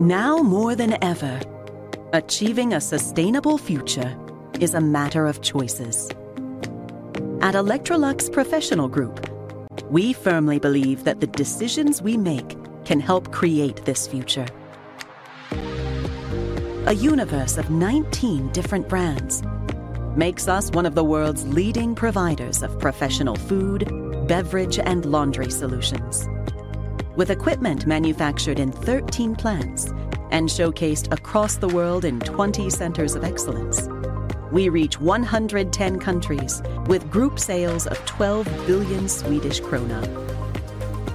Now more than ever, achieving a sustainable future is a matter of choices. At Electrolux Professional Group, we firmly believe that the decisions we make can help create this future. A universe of 19 different brands makes us one of the world's leading providers of professional food, beverage, and laundry solutions. With equipment manufactured in 13 plants and showcased across the world in 20 centers of excellence, we reach 110 countries with group sales of 12 billion Swedish krona.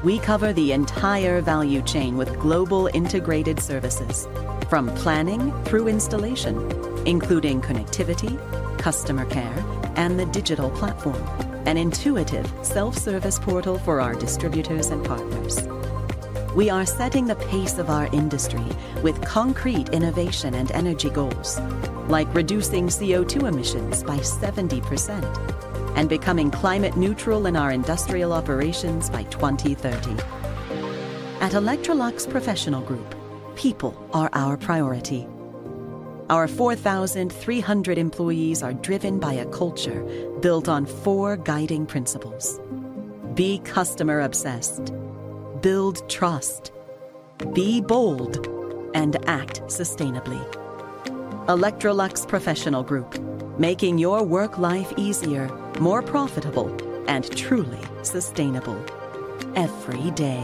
We cover the entire value chain with global integrated services, from planning through installation, including connectivity, customer care, and the digital platform, an intuitive self-service portal for our distributors and partners. We are setting the pace of our industry with concrete innovation and energy goals, like reducing CO2 emissions by 70% and becoming climate-neutral in our industrial operations by 2030. At Electrolux Professional Group, people are our priority. Our 4,300 employees are driven by a culture built on four guiding principles: be customer-obsessed, build trust, be bold, and act sustainably. Electrolux Professional Group, making your work life easier, more profitable, and truly sustainable every day.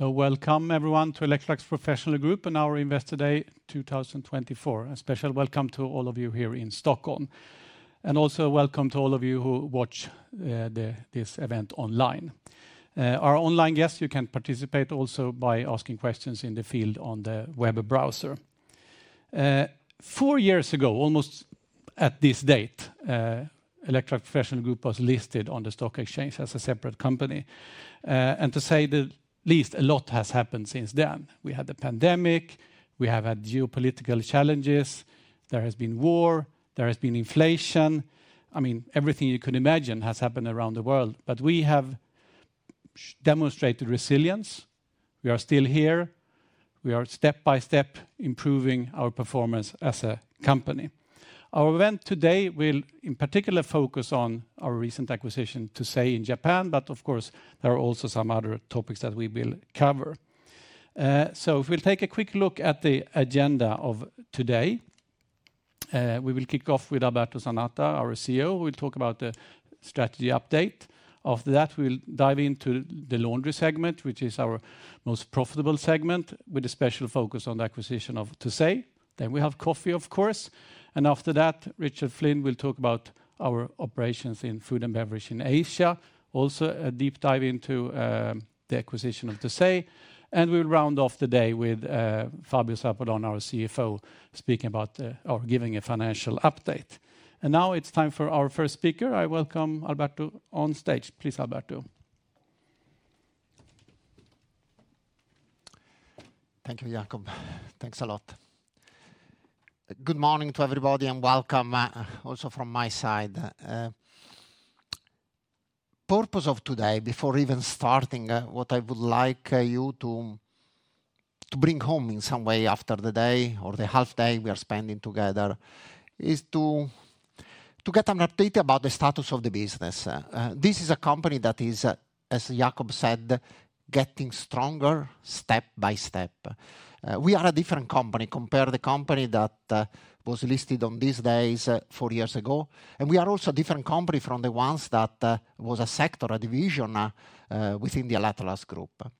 Welcome, everyone, to Electrolux Professional Group and our Investor Day 2024. A special welcome to all of you here in Stockholm, and also welcome to all of you who watch this event online. Our online guests, you can participate also by asking questions in the field on the web browser. Four years ago, almost at this date, Electrolux Professional Group was listed on the stock exchange as a separate company. To say the least, a lot has happened since then. We had the pandemic, we have had geopolitical challenges, there has been war, there has been inflation—I mean, everything you could imagine has happened around the world. We have demonstrated resilience. We are still here. We are step by step improving our performance as a company. Our event today will, in particular, focus on our recent acquisition, TOSEI, in Japan, but of course there are also some other topics that we will cover. So if we'll take a quick look at the agenda of today, we will kick off with Alberto Zanata, our CEO. We'll talk about the strategy update. After that, we'll dive into the laundry segment, which is our most profitable segment, with a special focus on the acquisition of TOSEI. Then we have coffee, of course. And after that, Richard Flynn will talk about our operations in food and beverage in Asia, also a deep dive into the acquisition of TOSEI. And we will round off the day with Fabio Zarpellon, our CFO, speaking about giving a financial update. And now it's time for our first speaker. I welcome Alberto on stage. Please, Alberto. Thank you, Jacob. Thanks a lot. Good morning to everybody, and welcome also from my side. The purpose of today, before even starting, what I would like you to bring home in some way after the day or the half day we are spending together, is to get an update about the status of the business. This is a company that is, as Jacob said, getting stronger step by step. We are a different company compared to the company that was listed on these days four years ago, and we are also a different company from the ones that were a sector, a division, within the Electrolux Group.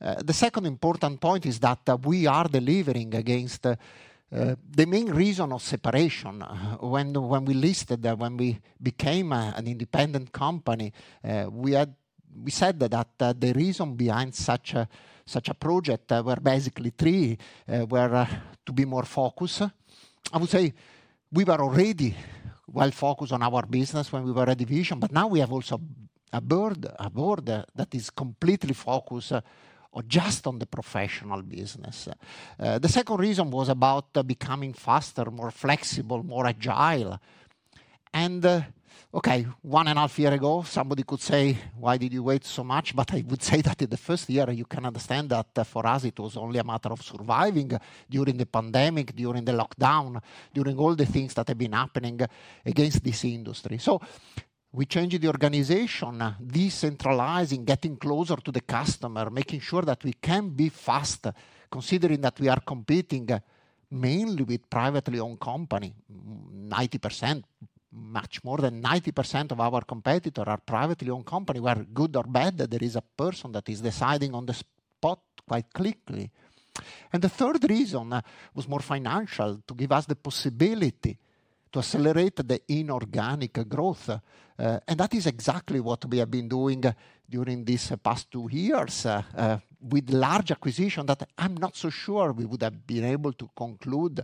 The second important point is that we are delivering against the main reason of separation. When we listed, when we became an independent company, we said that the reason behind such a project were basically three: were to be more focused. I would say we were already well focused on our business when we were a division, but now we have also a board that is completely focused just on the professional business. The second reason was about becoming faster, more flexible, more agile. And okay, one and a half years ago, somebody could say, "Why did you wait so much?" But I would say that in the first year, you can understand that for us it was only a matter of surviving during the pandemic, during the lockdown, during all the things that have been happening against this industry. So we changed the organization, decentralizing, getting closer to the customer, making sure that we can be fast, considering that we are competing mainly with privately owned companies. 90%, much more than 90% of our competitors are privately owned companies, whether good or bad. There is a person that is deciding on the spot quite quickly. The third reason was more financial, to give us the possibility to accelerate the inorganic growth. That is exactly what we have been doing during these past two years with large acquisitions that I'm not so sure we would have been able to conclude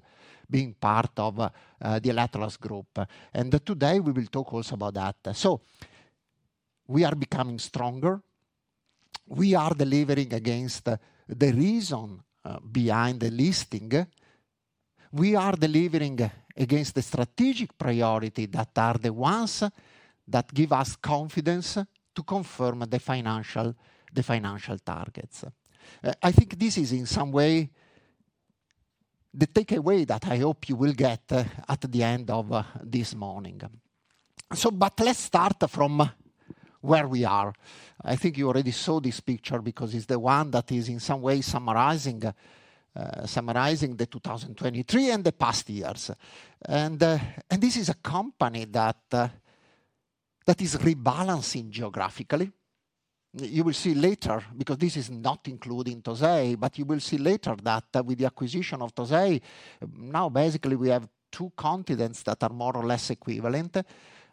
being part of the Electrolux Group. Today we will talk also about that. We are becoming stronger. We are delivering against the reason behind the listing. We are delivering against the strategic priorities that are the ones that give us confidence to confirm the financial targets. I think this is, in some way, the takeaway that I hope you will get at the end of this morning. But let's start from where we are. I think you already saw this picture because it's the one that is, in some way, summarizing the 2023 and the past years. This is a company that is rebalancing geographically. You will see later because this is not included in TOSEI, but you will see later that with the acquisition of TOSEI, now basically we have two continents that are more or less equivalent: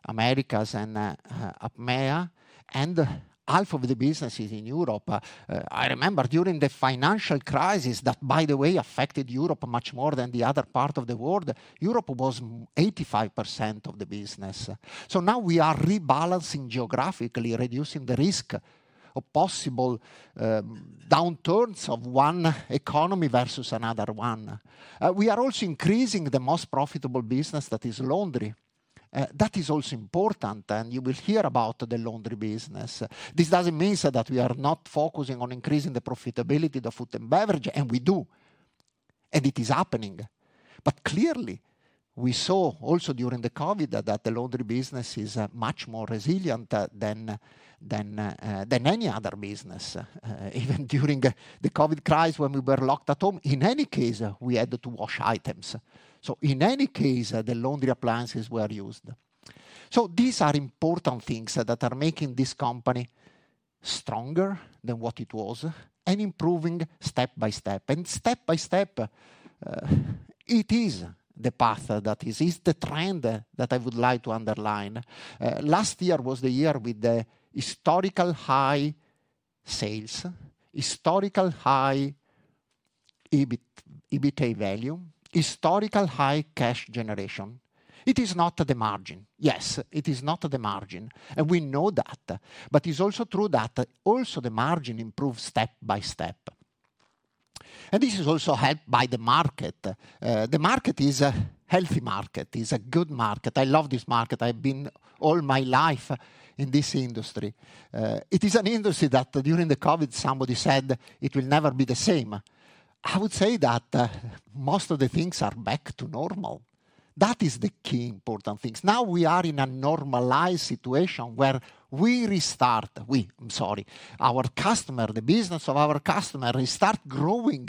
Americas and APMEA. And half of the businesses in Europe, I remember during the financial crisis that, by the way, affected Europe much more than the other part of the world, Europe was 85% of the business. Now we are rebalancing geographically, reducing the risk of possible downturns of one economy versus another one. We are also increasing the most profitable business that is laundry. That is also important, and you will hear about the laundry business. This doesn't mean that we are not focusing on increasing the profitability of food and beverage, and we do. It is happening. But clearly, we saw also during the COVID that the laundry business is much more resilient than any other business, even during the COVID crisis when we were locked at home. In any case, we had to wash items. So in any case, the laundry appliances were used. So these are important things that are making this company stronger than what it was and improving step by step. Step by step, it is the path that is, it's the trend that I would like to underline. Last year was the year with the historical high sales, historical high EBITDA volume, historical high cash generation. It is not at the margin. Yes, it is not at the margin. We know that. But it's also true that also the margin improves step by step. This is also helped by the market. The market is a healthy market. It's a good market. I love this market. I have been all my life in this industry. It is an industry that during the COVID, somebody said it will never be the same. I would say that most of the things are back to normal. That is the key important thing. Now we are in a normalized situation where we restart—we, I'm sorry—our customer, the business of our customer, restarts growing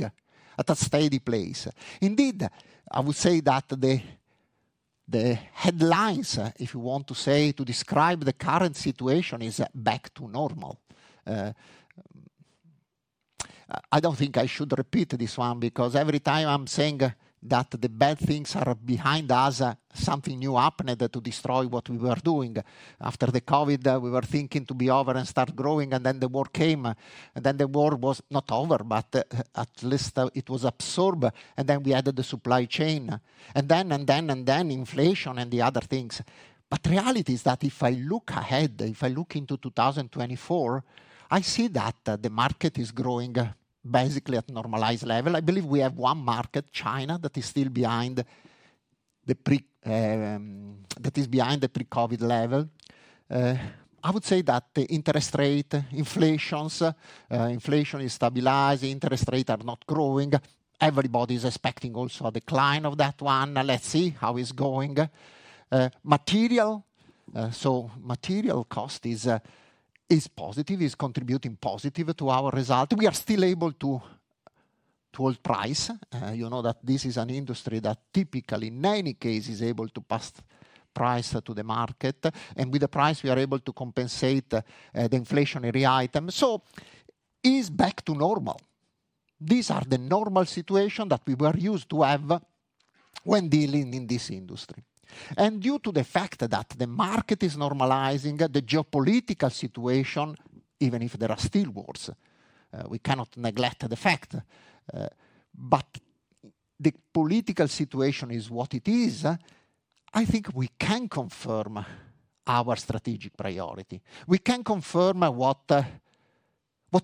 at a steady place. Indeed, I would say that the headlines, if you want to say, to describe the current situation is back to normal. I don't think I should repeat this one because every time I'm saying that the bad things are behind us, something new happened to destroy what we were doing. After the COVID, we were thinking to be over and start growing, and then the war came. And then the war was not over, but at least it was absorbed. And then we added the supply chain. And then, and then, and then inflation and the other things. But the reality is that if I look ahead, if I look into 2024, I see that the market is growing basically at normalized level. I believe we have one market, China, that is still behind the pre-COVID level. I would say that the interest rate, inflation is stabilizing, interest rates are not growing. Everybody is expecting also a decline of that one. Let's see how it's going. Material cost is positive. It's contributing positively to our result. We are still able to hold price. You know that this is an industry that typically, in many cases, is able to pass price to the market. And with the price, we are able to compensate the inflationary items. So it's back to normal. These are the normal situations that we were used to have when dealing in this industry. And due to the fact that the market is normalizing, the geopolitical situation, even if there are still wars, we cannot neglect the fact. But the political situation is what it is. I think we can confirm our strategic priority. We can confirm what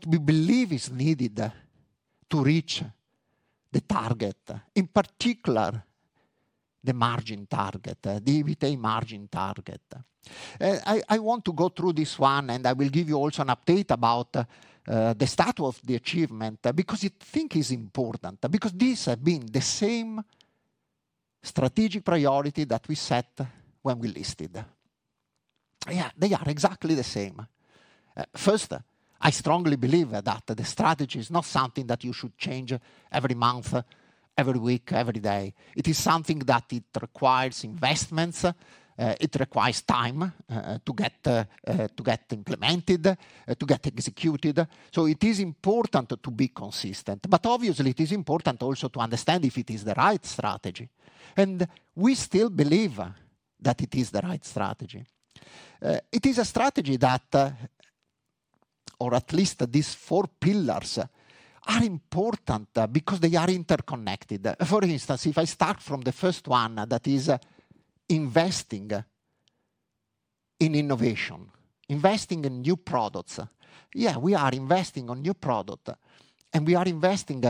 we believe is needed to reach the target, in particular the margin target, the EBITDA margin target. I want to go through this one, and I will give you also an update about the status of the achievement because I think it's important, because these have been the same strategic priorities that we set when we listed. Yeah, they are exactly the same. First, I strongly believe that the strategy is not something that you should change every month, every week, every day. It is something that requires investments. It requires time to get implemented, to get executed. So it is important to be consistent. But obviously, it is important also to understand if it is the right strategy. And we still believe that it is the right strategy. It is a strategy that, or at least these four pillars, are important because they are interconnected. For instance, if I start from the first one, that is investing in innovation, investing in new products. Yeah, we are investing in new products. We are investing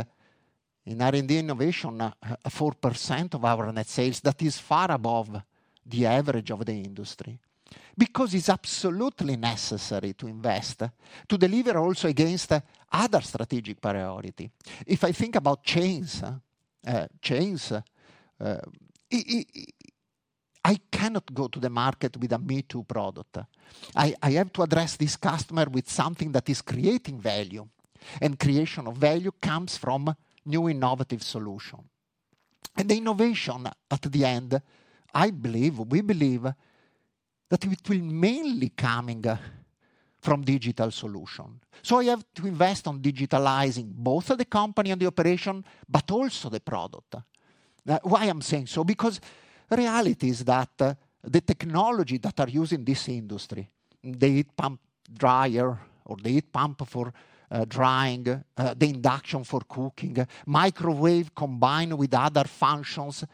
in R&D innovation at 4% of our net sales. That is far above the average of the industry because it's absolutely necessary to invest, to deliver also against other strategic priorities. If I think about chains, I cannot go to the market with a me too product. I have to address this customer with something that is creating value. Creation of value comes from new innovative solutions. The innovation, at the end, I believe, we believe that it will mainly come from digital solutions. I have to invest in digitalizing both the company and the operation, but also the product. Why I'm saying so? Because the reality is that the technology that is used in this industry, the heat pump dryer or the heat pump for drying, the induction for cooking, microwave combined with other functions,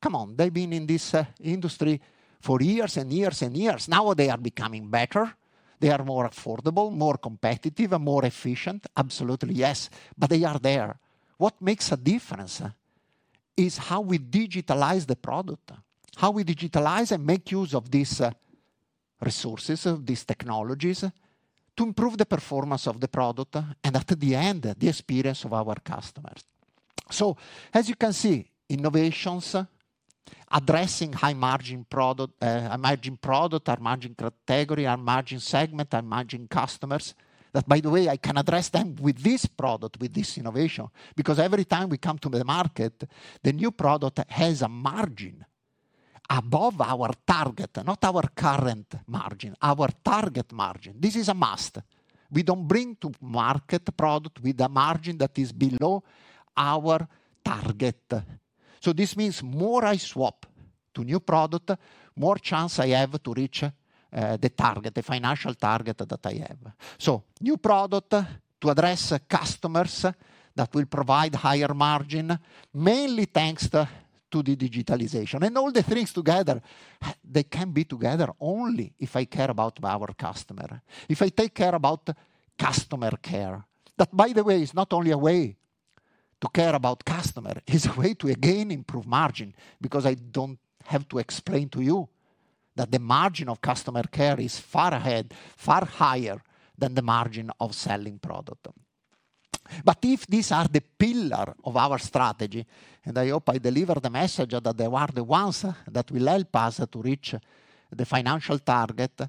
come on, they've been in this industry for years and years and years. Now they are becoming better. They are more affordable, more competitive, and more efficient. Absolutely, yes. But they are there. What makes a difference is how we digitalize the product, how we digitalize and make use of these resources, these technologies, to improve the performance of the product and, at the end, the experience of our customers. So as you can see, innovations addressing high margin product, high margin product, high margin category, high margin segment, high margin customers, that, by the way, I can address them with this product, with this innovation, because every time we come to the market, the new product has a margin above our target, not our current margin, our target margin. This is a must. We don't bring to market a product with a margin that is below our target. So this means the more I swap to a new product, the more chance I have to reach the target, the financial target that I have. So a new product to address customers that will provide a higher margin, mainly thanks to the digitalization. And all the things together, they can be together only if I care about our customer, if I take care about customer care. That, by the way, is not only a way to care about customers. It's a way to, again, improve margin because I don't have to explain to you that the margin of customer care is far ahead, far higher than the margin of selling product. But if these are the pillars of our strategy, and I hope I deliver the message that they are the ones that will help us to reach the financial target,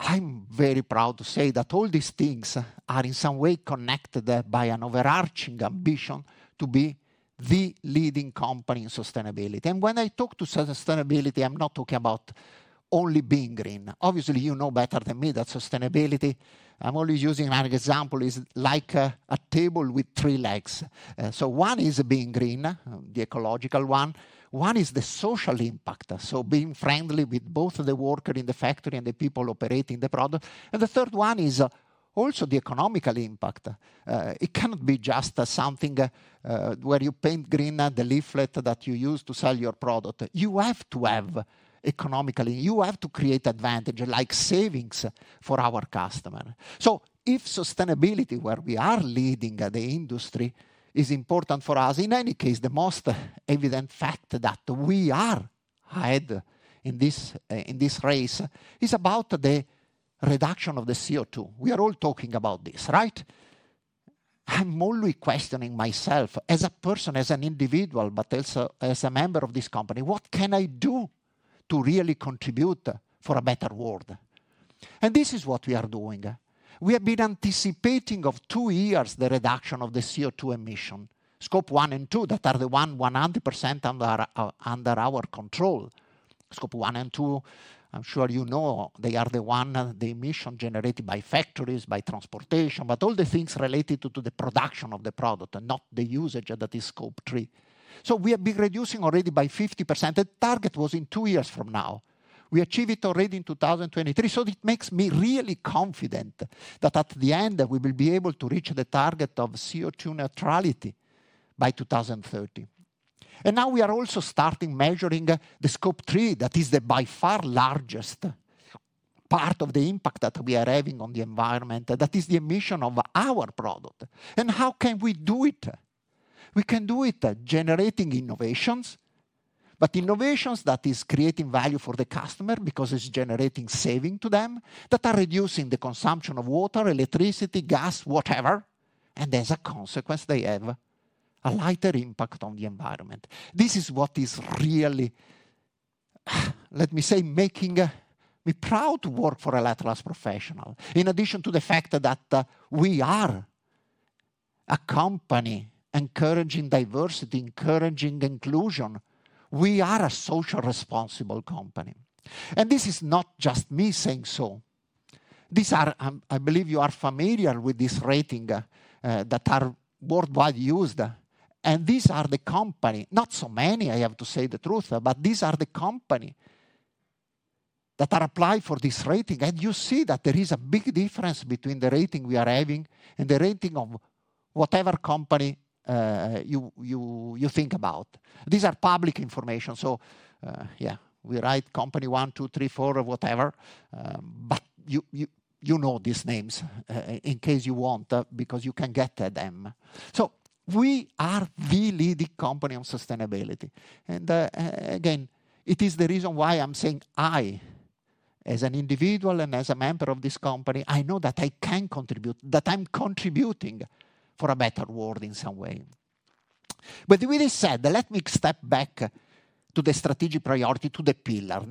I'm very proud to say that all these things are, in some way, connected by an overarching ambition to be the leading company in sustainability. And when I talk to sustainability, I'm not talking about only being green. Obviously, you know better than me that sustainability, I'm only using an example, is like a table with three legs. So one is being green, the ecological one. One is the social impact, so being friendly with both the workers in the factory and the people operating the product. And the third one is also the economical impact. It cannot be just something where you paint green the leaflet that you use to sell your product. You have to have economically. You have to create advantage, like savings for our customers. So if sustainability, where we are leading the industry, is important for us, in any case, the most evident fact that we are ahead in this race is about the reduction of the CO2. We are all talking about this, right? I'm only questioning myself as a person, as an individual, but also as a member of this company, what can I do to really contribute for a better world? And this is what we are doing. We have been anticipating, for two years, the reduction of the CO2 emissions, Scope 1 and 2, that are the ones 100% under our control. Scope 1 and 2, I'm sure you know, they are the ones, the emissions generated by factories, by transportation, but all the things related to the production of the product and not the usage that is Scope 3. So we have been reducing already by 50%. The target was in two years from now. We achieved it already in 2023. So it makes me really confident that, at the end, we will be able to reach the target of CO2 neutrality by 2030. And now we are also starting measuring the Scope 3, that is the by far largest part of the impact that we are having on the environment, that is the emission of our product. And how can we do it? We can do it generating innovations, but innovations that are creating value for the customer because it's generating savings to them, that are reducing the consumption of water, electricity, gas, whatever. And as a consequence, they have a lighter impact on the environment. This is what is really, let me say, making me proud to work for Electrolux Professional. In addition to the fact that we are a company encouraging diversity, encouraging inclusion, we are a socially responsible company. And this is not just me saying so. I believe you are familiar with this rating that is worldwide used. And these are the companies, not so many, I have to say the truth, but these are the companies that apply for this rating. And you see that there is a big difference between the rating we are having and the rating of whatever company you think about. These are public information. So yeah, we write Company 1, 2, 3, 4, whatever. But you know these names in case you want because you can get them. So we are the leading company in sustainability. And again, it is the reason why I'm saying I, as an individual and as a member of this company, I know that I can contribute, that I'm contributing for a better world in some way. But with this said, let me step back to the strategic priority, to the pillar.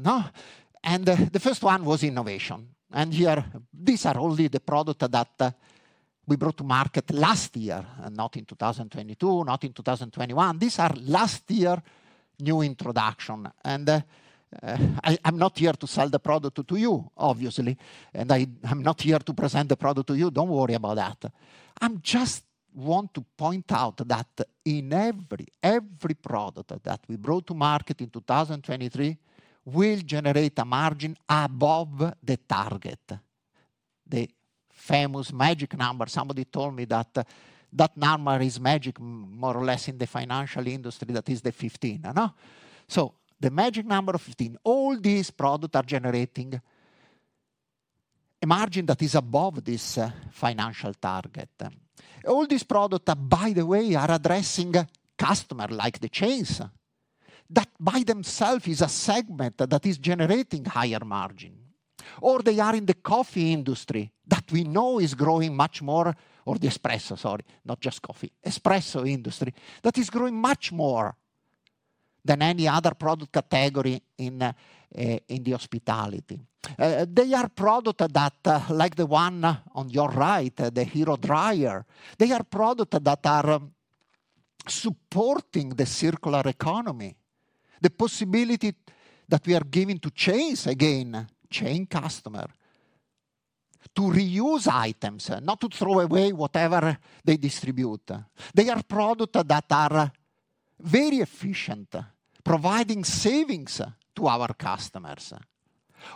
And the first one was innovation. And here, these are only the products that we brought to market last year, not in 2022, not in 2021. These are last year's new introductions. And I'm not here to sell the product to you, obviously. And I'm not here to present the product to you. Don't worry about that. I just want to point out that every product that we brought to market in 2023 will generate a margin above the target, the famous magic number. Somebody told me that that number is magic, more or less, in the financial industry. That is the 15. So the magic number of 15, all these products are generating a margin that is above this financial target. All these products, by the way, are addressing customers like the chains that, by themselves, are a segment that is generating higher margin. Or they are in the coffee industry that we know is growing much more, or the espresso, sorry, not just coffee, espresso industry that is growing much more than any other product category in the hospitality. They are products that, like the one on your right, the Hero dryer, are supporting the circular economy, the possibility that we are giving to chain customers to reuse items, not to throw away whatever they distribute. They are products that are very efficient, providing savings to our customers.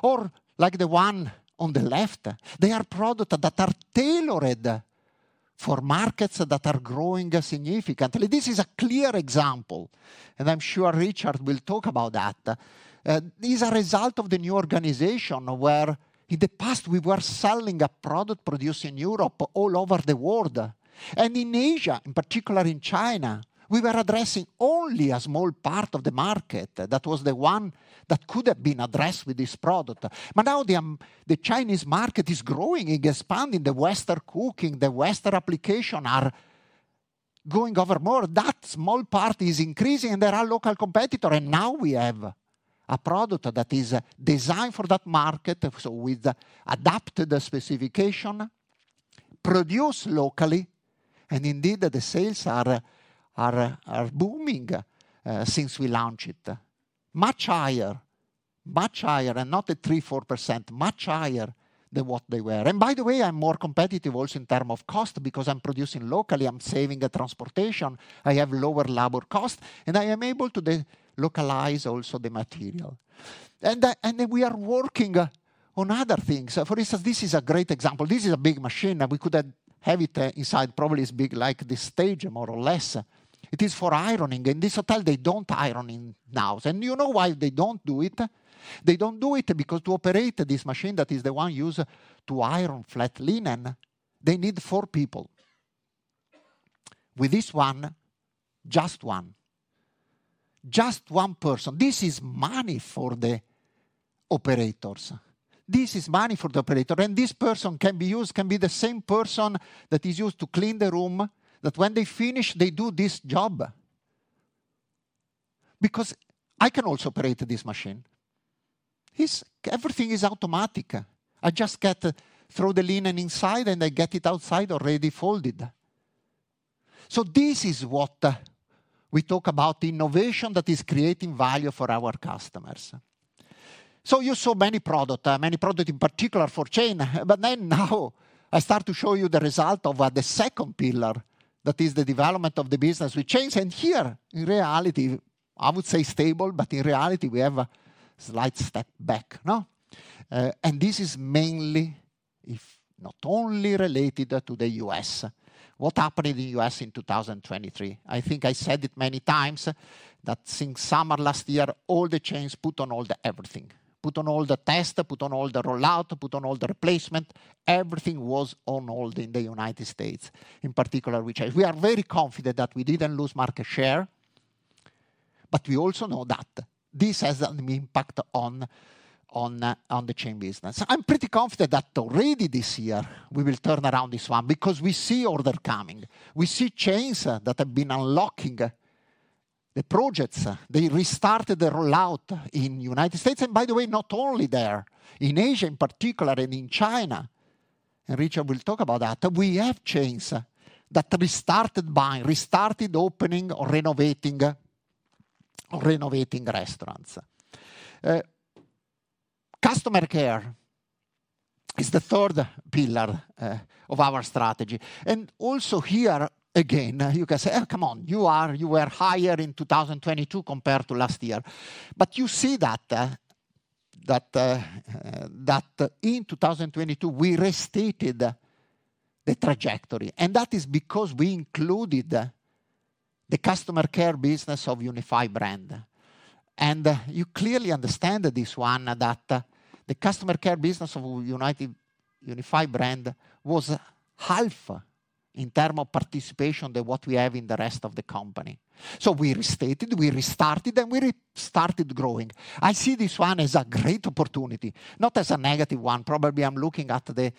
Or like the one on the left, they are products that are tailored for markets that are growing significantly. This is a clear example. And I'm sure Richard will talk about that. These are a result of the new organization where, in the past, we were selling a product produced in Europe all over the world. And in Asia, in particular in China, we were addressing only a small part of the market that was the one that could have been addressed with this product. But now the Chinese market is growing, expanding. The Western cooking, the Western applications are going over more. That small part is increasing, and there are local competitors. And now we have a product that is designed for that market, so with adapted specifications, produced locally. And indeed, the sales are booming since we launched it, much higher, much higher, and not 3%-4%, much higher than what they were. And by the way, I'm more competitive also in terms of cost because I'm producing locally. I'm saving transportation. I have lower labor costs, and I am able to localize also the material. And we are working on other things. For instance, this is a great example. This is a big machine. We could have it inside. Probably it's big like this stage, more or less. It is for ironing. In this hotel, they don't iron in-house. And you know why they don't do it? They don't do it because to operate this machine that is the one used to iron flat linen, they need four people. With this one, just one, just one person. This is money for the operators. This is money for the operators. And this person can be used, can be the same person that is used to clean the room, that when they finish, they do this job. Because I can also operate this machine. Everything is automatic. I just throw the linen inside, and I get it outside already folded. So this is what we talk about: innovation that is creating value for our customers. So you saw many products, many products in particular for chain. But then now I start to show you the result of the second pillar, that is the development of the business with chains. Here, in reality, I would say stable, but in reality, we have a slight step back. This is mainly, if not only, related to the U.S. What happened in the U.S. in 2023? I think I said it many times that since summer last year, all the chains put on hold everything, put on hold the test, put on hold the rollout, put on hold the replacement. Everything was on hold in the United States, in particular, which we are very confident that we didn't lose market share. But we also know that this has an impact on the chain business. I'm pretty confident that already this year, we will turn around this one because we see orders coming. We see chains that have been unlocking the projects. They restarted the rollout in the United States. And by the way, not only there, in Asia in particular and in China. And Richard will talk about that. We have chains that restarted buying, restarted opening or renovating restaurants. Customer care is the third pillar of our strategy. And also here, again, you can say, "Come on. You were higher in 2022 compared to last year." But you see that in 2022, we restated the trajectory. And that is because we included the customer care business of Unified Brands. And you clearly understand this one, that the customer care business of Unified Brands was half in terms of participation than what we have in the rest of the company. So we restated, we restarted, and we restarted growing. I see this one as a great opportunity, not as a negative one. Probably I'm looking at the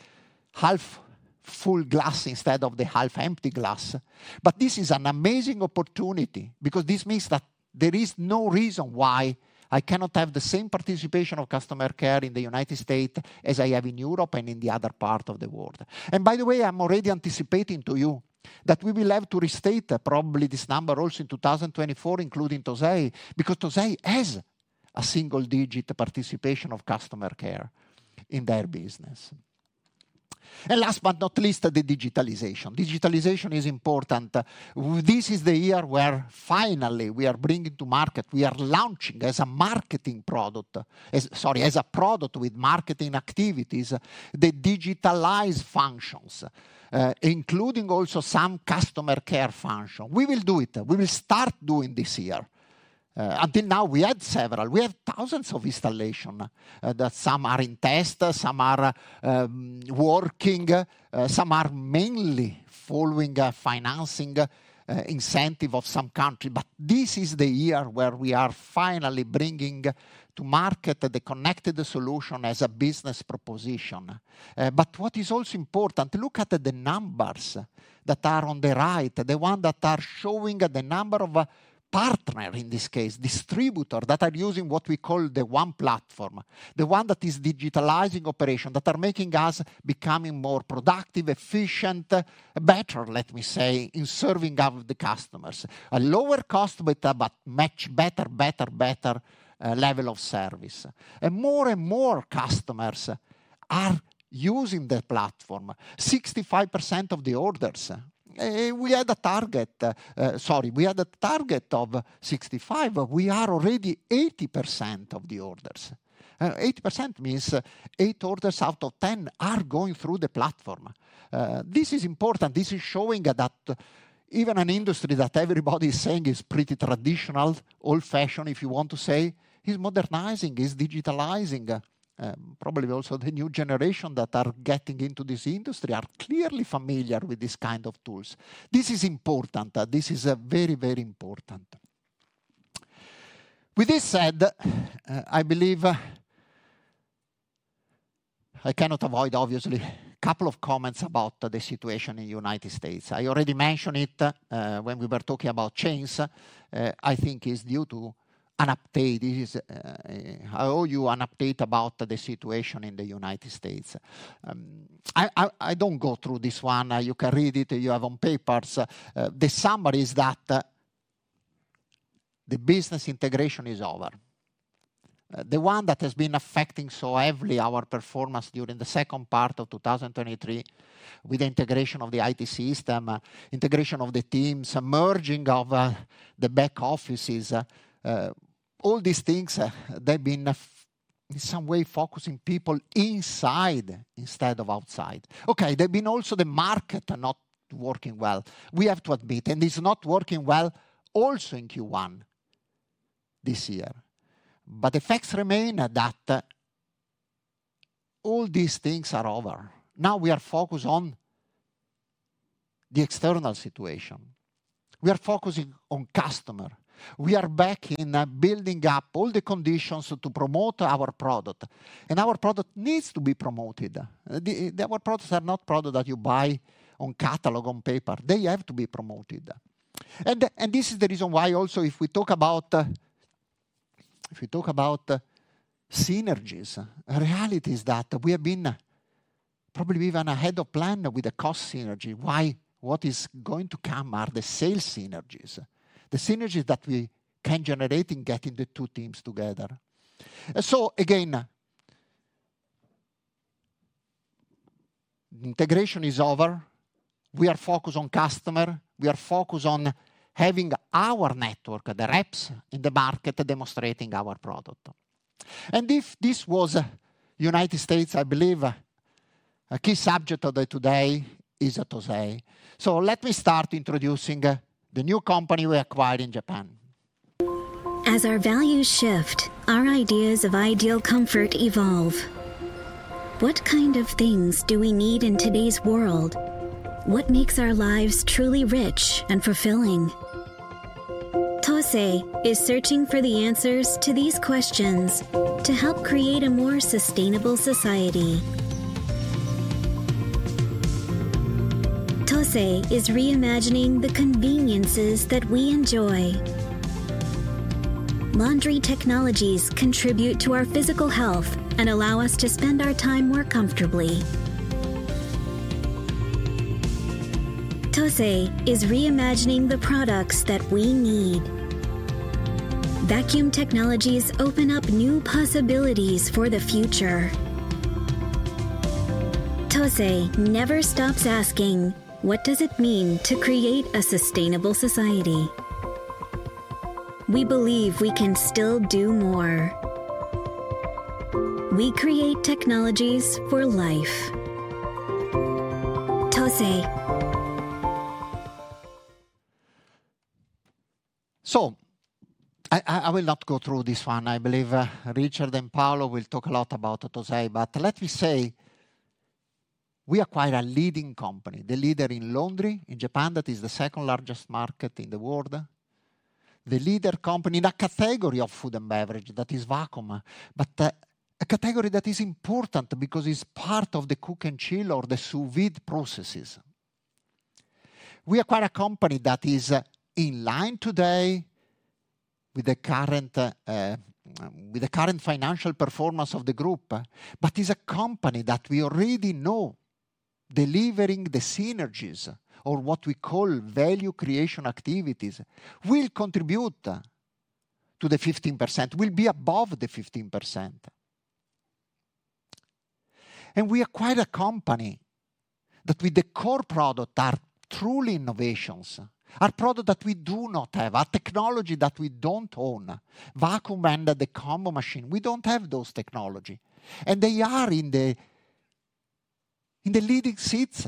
half full glass instead of the half empty glass. But this is an amazing opportunity because this means that there is no reason why I cannot have the same participation of customer care in the United States as I have in Europe and in the other part of the world. And by the way, I'm already anticipating to you that we will have to restate probably this number also in 2024, including TOSEI, because TOSEI has a single-digit participation of customer care in their business. And last but not least, the digitalization. Digitalization is important. This is the year where, finally, we are bringing to market, we are launching as a marketing product, sorry, as a product with marketing activities, the digitalized functions, including also some customer care functions. We will do it. We will start doing this year. Until now, we had several. We had thousands of installations that some are in test, some are working, some are mainly following financing incentives of some country. But this is the year where we are finally bringing to market the connected solution as a business proposition. But what is also important, look at the numbers that are on the right, the ones that are showing the number of partners, in this case, distributors that are using what we call the one platform, the one that is digitalizing operations, that are making us become more productive, efficient, better, let me say, in serving the customers, a lower cost but much better, better, better level of service. And more and more customers are using the platform. 65% of the orders. We had a target. Sorry, we had a target of 65%. We are already 80% of the orders. 80% means 8 orders out of 10 are going through the platform. This is important. This is showing that even an industry that everybody is saying is pretty traditional, old-fashioned, if you want to say, is modernizing, is digitalizing. Probably also the new generation that is getting into this industry is clearly familiar with this kind of tools. This is important. This is very, very important. With this said, I believe I cannot avoid, obviously, a couple of comments about the situation in the United States. I already mentioned it when we were talking about chains. I think it's due to an update. I owe you an update about the situation in the United States. I don't go through this one. You can read it. You have on papers. The summary is that the business integration is over. The one that has been affecting so heavily our performance during the second part of 2023 with the integration of the IT system, integration of the teams, merging of the back offices, all these things, they've been, in some way, focusing people inside instead of outside. Okay. There have been also the markets not working well. We have to admit. And it's not working well also in Q1 this year. But the facts remain that all these things are over. Now we are focused on the external situation. We are focusing on customers. We are back in building up all the conditions to promote our product. And our product needs to be promoted. Our products are not products that you buy on catalog, on paper. They have to be promoted. And this is the reason why also, if we talk about synergies, the reality is that we have been probably even ahead of plan with the cost synergy. What is going to come are the sales synergies, the synergies that we can generate in getting the two teams together. So again, the integration is over. We are focused on customers. We are focused on having our network, the reps in the market, demonstrating our product. And if this was the United States, I believe a key subject today is TOSEI. So let me start introducing the new company we acquired in Japan. As our values shift, our ideas of ideal comfort evolve. What kind of things do we need in today's world? What makes our lives truly rich and fulfilling? TOSEI is searching for the answers to these questions to help create a more sustainable society. TOSEI is reimagining the conveniences that we enjoy. Laundry technologies contribute to our physical health and allow us to spend our time more comfortably. TOSEI is reimagining the products that we need. Vacuum technologies open up new possibilities for the future. TOSEI never stops asking, "What does it mean to create a sustainable society?" We believe we can still do more. We create technologies for life. TOSEI. I will not go through this one. I believe Richard and Paolo will talk a lot about TOSEI. But let me say we acquired a leading company, the leader in laundry in Japan, that is the second-largest market in the world, the leader company in a category of food and beverage that is vacuum, but a category that is important because it's part of the cook-and-chill or the sous vide processes. We acquired a company that is in line today with the current financial performance of the group, but it's a company that we already know delivering the synergies or what we call value creation activities will contribute to the 15%, will be above the 15%. We acquired a company that, with the core product, are truly innovations, are products that we do not have, are technology that we don't own, vacuum and the combo machine. We don't have those technologies. They are in the leading seats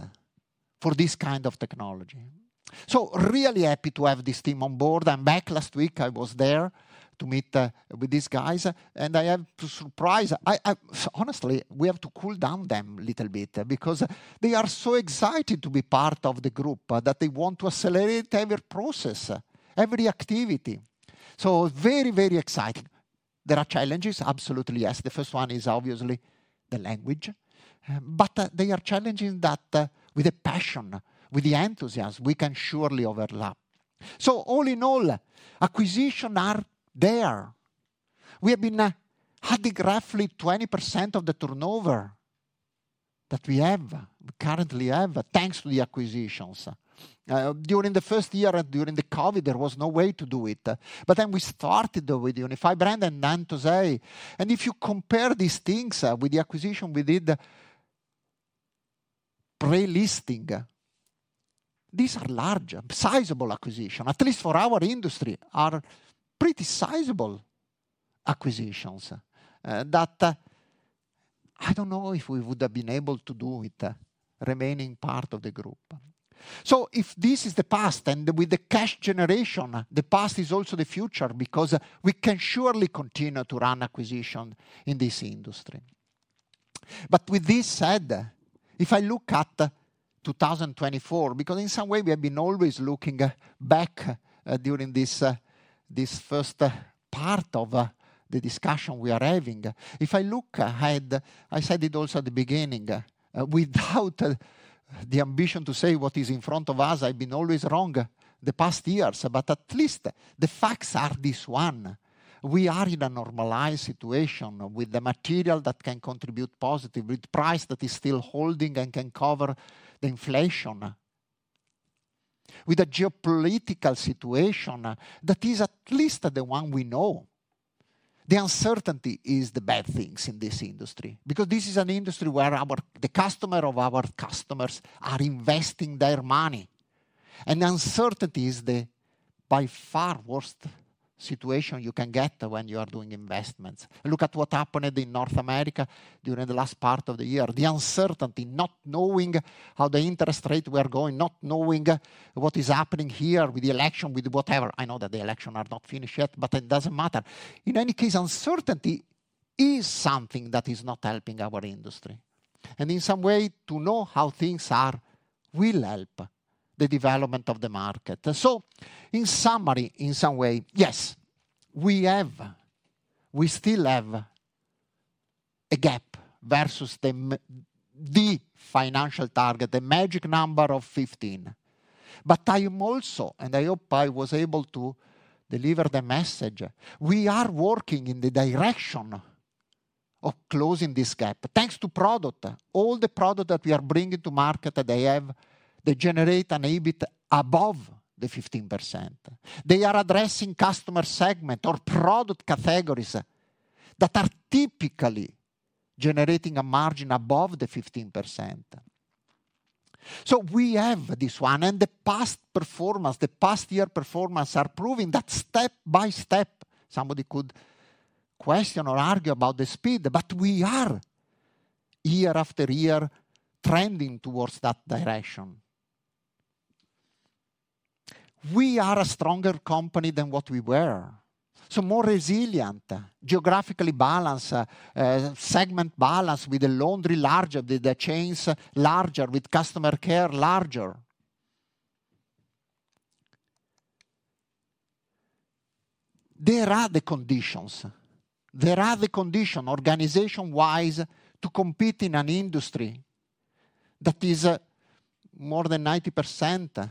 for this kind of technology. Really happy to have this team on board. Back last week, I was there to meet with these guys. I am surprised. Honestly, we have to cool down them a little bit because they are so excited to be part of the group that they want to accelerate every process, every activity. Very, very exciting. There are challenges. Absolutely, yes. The first one is obviously the language. There are challenges that, with the passion, with the enthusiasm, we can surely overlap. All in all, acquisitions are there. We have had roughly 20% of the turnover that we currently have thanks to the acquisitions. During the first year and during the COVID, there was no way to do it. But then we started with Unified Brands and then TOSEI. And if you compare these things with the acquisition we did, pre-listing, these are large, sizable acquisitions, at least for our industry, are pretty sizable acquisitions that I don't know if we would have been able to do with remaining part of the group. So if this is the past, and with the cash generation, the past is also the future because we can surely continue to run acquisitions in this industry. But with this said, if I look at 2024 because, in some way, we have been always looking back during this first part of the discussion we are having, if I look ahead, I said it also at the beginning, without the ambition to say what is in front of us, I've been always wrong the past years. But at least the facts are this one. We are in a normalized situation with the material that can contribute positively with price that is still holding and can cover the inflation, with a geopolitical situation that is at least the one we know. The uncertainty is the bad thing in this industry because this is an industry where the customers of our customers are investing their money. The uncertainty is the by far worst situation you can get when you are doing investments. Look at what happened in North America during the last part of the year, the uncertainty, not knowing how the interest rates were going, not knowing what is happening here with the election, with whatever. I know that the elections are not finished yet, but it doesn't matter. In any case, uncertainty is something that is not helping our industry. In some way, to know how things are will help the development of the market. In summary, in some way, yes, we still have a gap versus the financial target, the magic number of 15. I am also, and I hope I was able to deliver the message, we are working in the direction of closing this gap thanks to product, all the products that we are bringing to market that they generate and exhibit above the 15%. They are addressing customer segments or product categories that are typically generating a margin above the 15%. We have this one. The past performance, the past year performance are proving that step by step, somebody could question or argue about the speed, but we are, year after year, trending towards that direction. We are a stronger company than what we were, so more resilient, geographically balanced, segment balanced with the laundry larger, the chains larger, with customer care larger. There are the conditions. There are the conditions, organization-wise, to compete in an industry that is more than 90%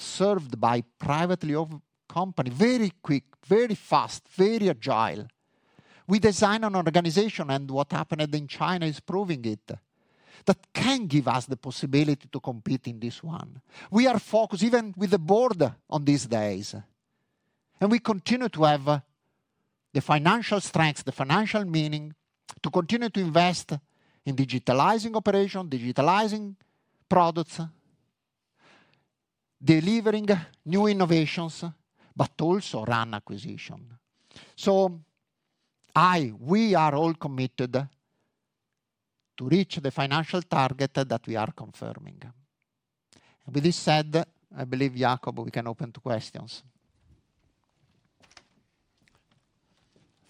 served by privately owned companies, very quick, very fast, very agile. We design an organization, and what happened in China is proving it, that can give us the possibility to compete in this one. We are focused, even with the board on these days. And we continue to have the financial strengths, the financial meaning to continue to invest in digitalizing operations, digitalizing products, delivering new innovations, but also run acquisitions. So we are all committed to reach the financial target that we are confirming. And with this said, I believe, Jacob, we can open to questions.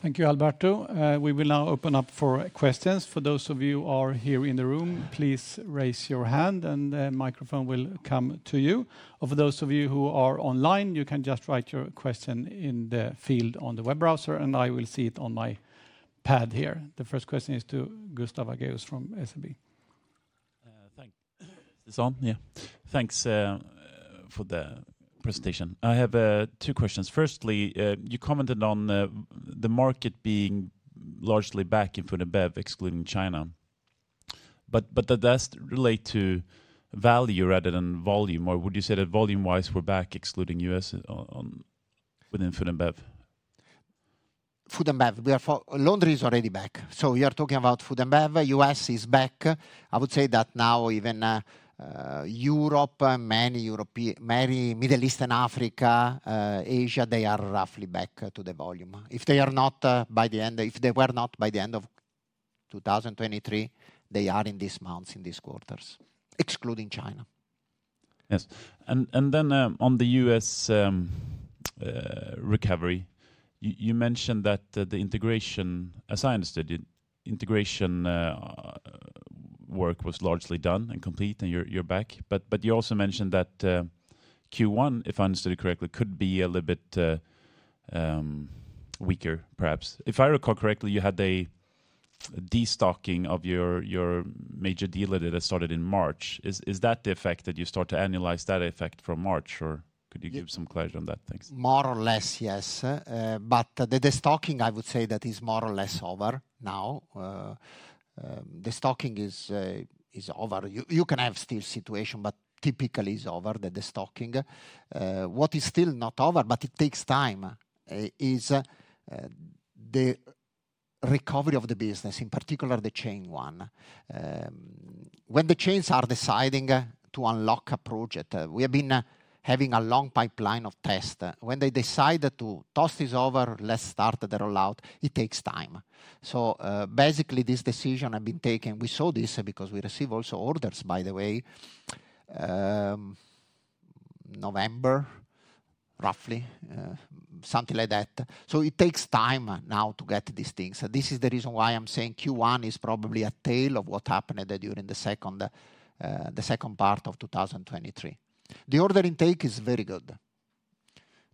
Thank you, Alberto. We will now open up for questions. For those of you who are here in the room, please raise your hand, and the microphone will come to you. For those of you who are online, you can just write your question in the field on the web browser, and I will see it on my pad here. The first question is to Gustav Hagéus from SEB. Thanks. Thanks for the presentation. I have two questions. Firstly, you commented on the market being largely back in Food and Beverage, excluding China. But does that relate to value rather than volume? Or would you say that volume-wise, we're back excluding the US within Food and Bev? Food and Bev, therefore, laundry is already back. So you are talking about Food & Bev. The US is back. I would say that now even Europe, many Middle East and Africa, Asia, they are roughly back to the volume. If they were not by the end of 2023, they are in these months, in these quarters, excluding China. Yes. And then on the US recovery, you mentioned that the integration as I understood it, integration work was largely done and complete, and you're back. But you also mentioned that Q1, if I understood it correctly, could be a little bit weaker, perhaps. If I recall correctly, you had a destocking of your major dealer that started in March. Is that the effect that you start to analyze that effect from March? Or could you give some clarity on that? Thanks. More or less, yes. But the destocking, I would say, that is more or less over now. Destocking is over. You can have still a situation, but typically, it's over, the destocking. What is still not over, but it takes time, is the recovery of the business, in particular, the chain one. When the chains are deciding to unlock a project, we have been having a long pipeline of tests. When they decide to toss this over, let's start the rollout, it takes time. So basically, this decision has been taken. We saw this because we receive also orders, by the way, November, roughly, something like that. So it takes time now to get these things. This is the reason why I'm saying Q1 is probably a tale of what happened during the second part of 2023. The order intake is very good,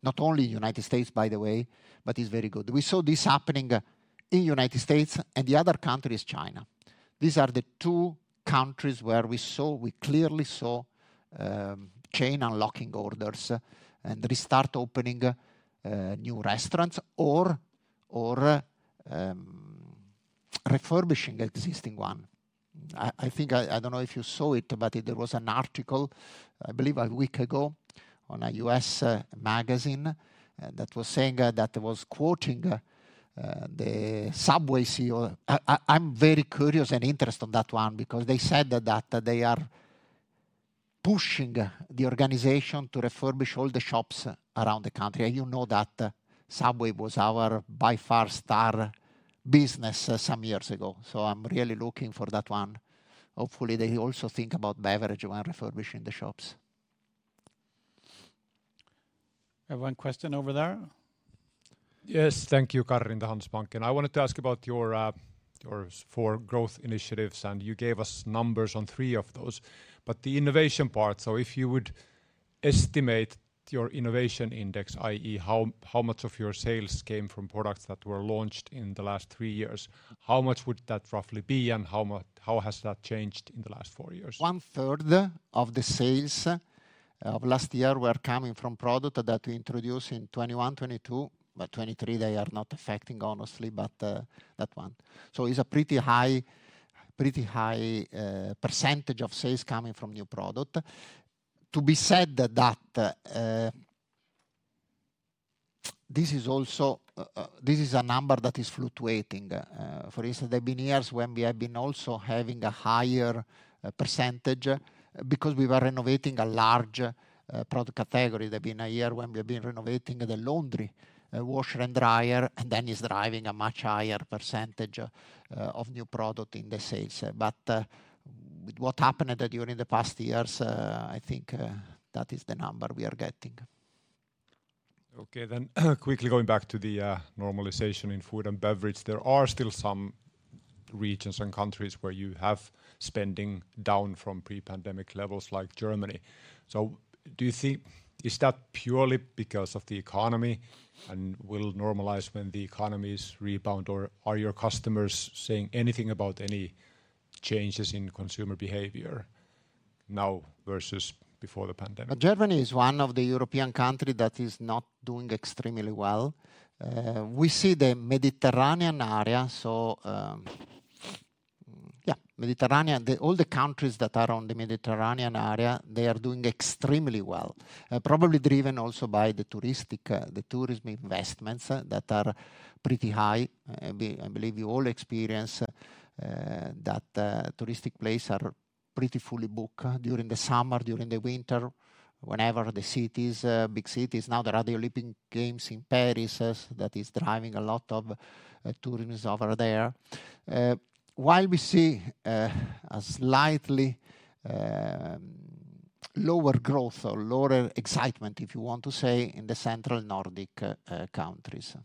not only in the United States, by the way, but it's very good. We saw this happening in the United States, and the other country is China. These are the two countries where we clearly saw chain unlocking orders and restart opening new restaurants or refurbishing existing ones. I don't know if you saw it, but there was an article, I believe, a week ago on a U.S. magazine that was saying that it was quoting the Subway CEO. I'm very curious and interested in that one because they said that they are pushing the organization to refurbish all the shops around the country. And you know that Subway was our by far star business some years ago. So I'm really looking for that one. Hopefully, they also think about beverage when refurbishing the shops. I have one question over there. Yes. Thank you, Karri, the Handelsbanken. I wanted to ask about your four growth initiatives, and you gave us numbers on three of those. But the innovation part, so if you would estimate your innovation index, i.e., how much of your sales came from products that were launched in the last three years, how much would that roughly be, and how has that changed in the last four years? One-third of the sales of last year were coming from products that we introduced in 2021, 2022. But 2023, they are not affecting, honestly, but that one. So it's a pretty high percentage of sales coming from new products. To be said that this is also a number that is fluctuating. For instance, there have been years when we have been also having a higher percentage because we were renovating a large product category. There have been a year when we have been renovating the laundry, washer and dryer, and then it's driving a much higher percentage of new product in the sales. But with what happened during the past years, I think that is the number we are getting. Okay. Then quickly going back to the normalization in food and beverage, there are still some regions and countries where you have spending down from pre-pandemic levels, like Germany. So do you think is that purely because of the economy, and will it normalize when the economy is rebound, or are your customers saying anything about any changes in consumer behavior now versus before the pandemic? Germany is one of the European countries that is not doing extremely well. We see the Mediterranean area, so yeah, Mediterranean, all the countries that are on the Mediterranean area, they are doing extremely well, probably driven also by the tourism investments that are pretty high. I believe you all experience that touristic places are pretty fully booked during the summer, during the winter, whenever the cities, big cities. Now, there are the Olympic Games in Paris. That is driving a lot of tourism over there, while we see a slightly lower growth or lower excitement, if you want to say, in the central Nordic countries.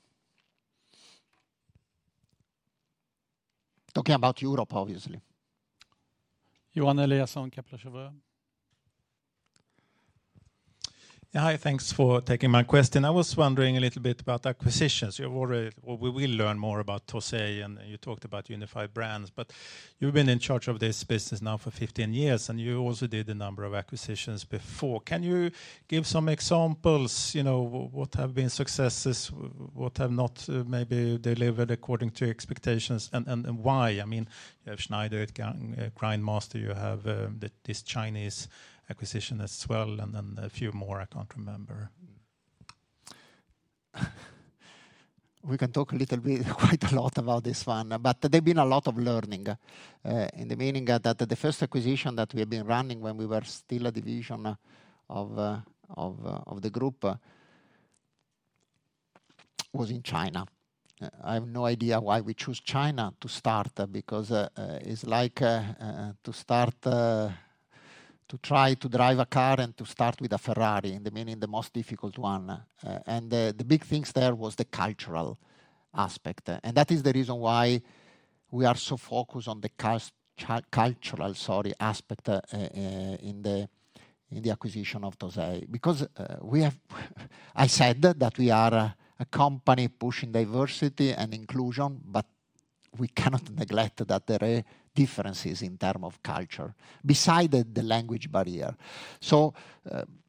Talking about Europe, obviously. Johan Eliasson, Kepler Cheuvreux. Hi. Thanks for taking my question. I was wondering a little bit about acquisitions. We will learn more about TOSEI, and you talked about Unified Brands. But you've been in charge of this business now for 15 years, and you also did a number of acquisitions before. Can you give some examples? What have been successes? What have not maybe delivered according to expectations, and why? I mean, you have Schneidereit, Grindmaster. You have this Chinese acquisition as well, and then a few more. I can't remember. We can talk a little bit, quite a lot about this one. But there's been a lot of learning, in the meaning that the first acquisition that we have been running when we were still a division of the group was in China. I have no idea why we chose China to start because it's like to try to drive a car and to start with a Ferrari, in the meaning, the most difficult one. And the big things there were the cultural aspect. And that is the reason why we are so focused on the cultural aspect in the acquisition of TOSEI, because I said that we are a company pushing diversity and inclusion, but we cannot neglect that there are differences in terms of culture, besides the language barrier. So,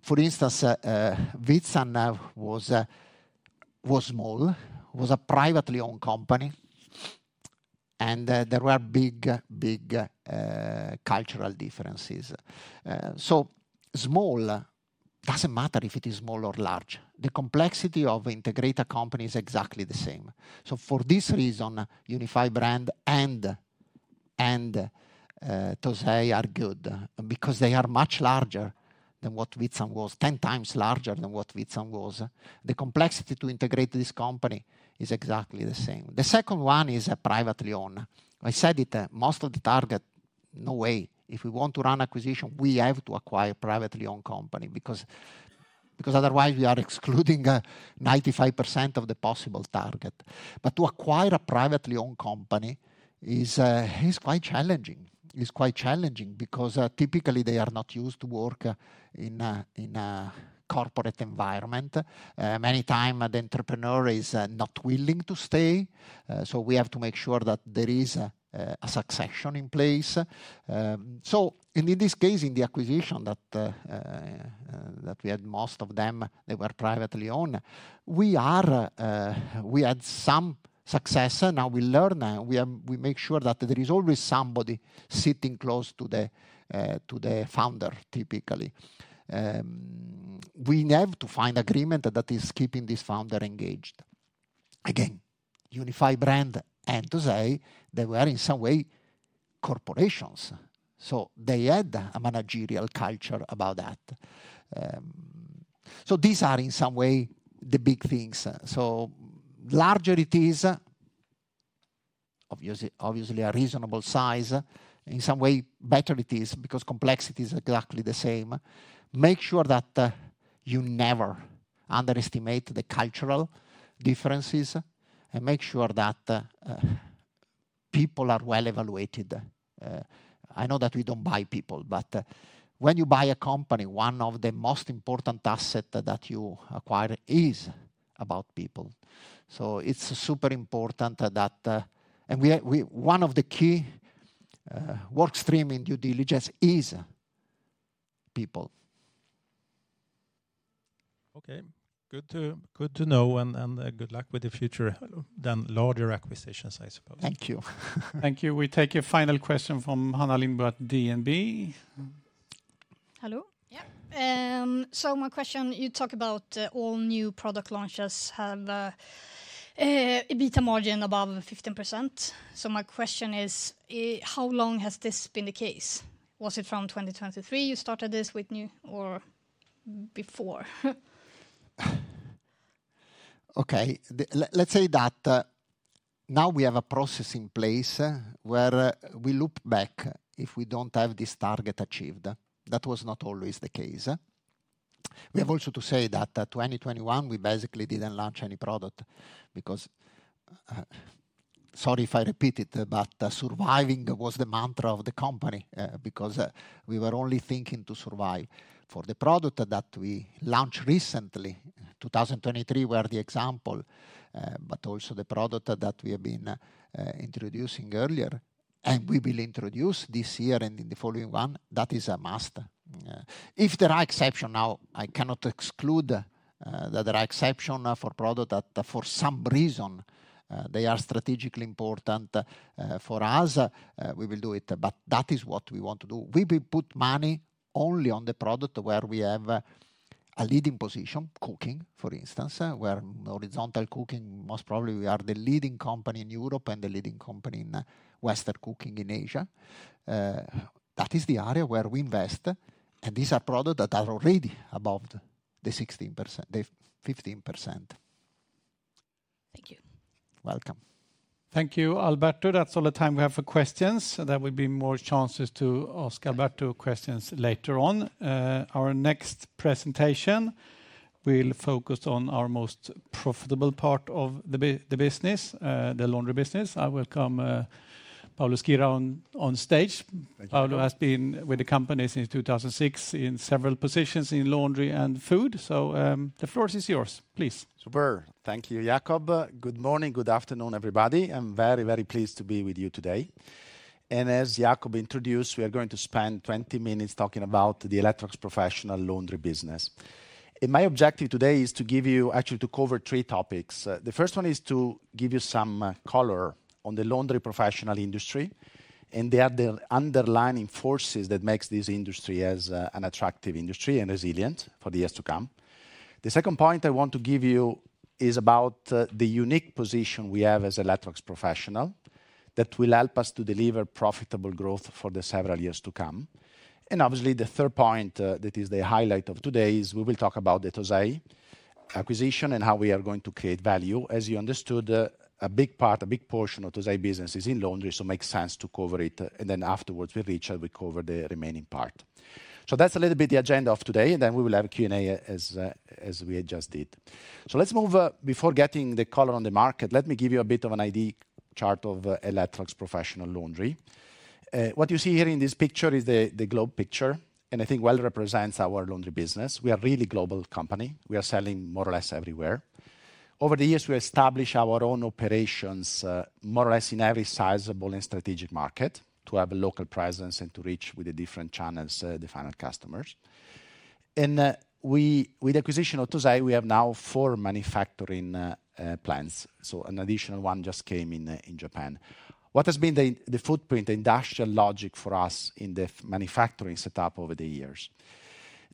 for instance, Veetsan was small, was a privately owned company, and there were big, big cultural differences. So small, it doesn't matter if it is small or large. The complexity of integrating a company is exactly the same. So for this reason, Unified Brands and TOSEI are good because they are much larger than what Veetsan was, 10 times larger than what Veetsan was. The complexity to integrate this company is exactly the same. The second one is privately owned. I said it. Most of the target, no way. If we want to run acquisition, we have to acquire a privately owned company because otherwise, we are excluding 95% of the possible target. But to acquire a privately owned company is quite challenging. It's quite challenging because typically, they are not used to working in a corporate environment. Many times, the entrepreneur is not willing to stay. So we have to make sure that there is a succession in place. So in this case, in the acquisition that we had, most of them, they were privately owned. We had some success. Now, we learn. We make sure that there is always somebody sitting close to the founder, typically. We have to find agreement that is keeping this founder engaged. Again, Unified Brands and TOSEI, they were, in some way, corporations. So they had a managerial culture about that. So these are, in some way, the big things. So larger it is, obviously, a reasonable size. In some way, better it is because complexity is exactly the same. Make sure that you never underestimate the cultural differences and make sure that people are well evaluated. I know that we don't buy people, but when you buy a company, one of the most important assets that you acquire is about people. It's super important that, and one of the key workstreams in due diligence is people. Okay. Good to know, and good luck with the future, then larger acquisitions, I suppose. Thank you. Thank you. We take a final question from Hannah Lindberg, DNB. Hello? Yeah. So my question, you talk about all new product launches have an EBITDA margin above 15%. So my question is, how long has this been the case? Was it from 2023 you started this with new, or before? Okay. Let's say that now we have a process in place where we look back if we don't have this target achieved. That was not always the case. We also have to say that in 2021, we basically didn't launch any product because, sorry if I repeat it, but, surviving was the mantra of the company because we were only thinking to survive. For the product that we launched recently, 2023 was the example, but also the product that we have been introducing earlier, and we will introduce this year and in the following one, that is a must. If there are exceptions now, I cannot exclude that there are exceptions for products that, for some reason, they are strategically important for us. We will do it, but that is what we want to do. We will put money only on the product where we have a leading position, cooking, for instance, where horizontal cooking, most probably, we are the leading company in Europe and the leading company in Western cooking in Asia. That is the area where we invest. And these are products that are already above the 15%. Thank you. Welcome. Thank you, Alberto. That's all the time we have for questions. There will be more chances to ask Alberto questions later on. Our next presentation will focus on our most profitable part of the business, the laundry business. I welcome Paolo Schira on stage. Paolo has been with the company since 2006 in several positions in laundry and food. So the floor is yours. Please. Super. Thank you, Jacob. Good morning. Good afternoon, everybody. I'm very, very pleased to be with you today. As Jacob introduced, we are going to spend 20 minutes talking about the Electrolux Professional laundry business. My objective today is to give you, actually, to cover three topics. The first one is to give you some color on the laundry professional industry and the underlying forces that make this industry an attractive industry and resilient for the years to come. The second point I want to give you is about the unique position we have as Electrolux Professional that will help us to deliver profitable growth for the several years to come. Obviously, the third point that is the highlight of today is we will talk about the TOSEI acquisition and how we are going to create value. As you understood, a big part, a big portion of TOSEI business is in laundry, so it makes sense to cover it. Then afterwards, with Richard, we cover the remaining part. That's a little bit the agenda of today. Then we will have a Q&A, as we just did. Let's move. Before getting the color on the market, let me give you a bit of an idea chart of Electrolux Professional laundry. What you see here in this picture is the globe picture, and I think it well represents our laundry business. We are a really global company. We are selling more or less everywhere. Over the years, we established our own operations, more or less in every sizable and strategic market, to have a local presence and to reach, with the different channels, the final customers. With the acquisition of TOSEI, we have now four manufacturing plants. So an additional one just came in Japan. What has been the footprint, the industrial logic for us in the manufacturing setup over the years?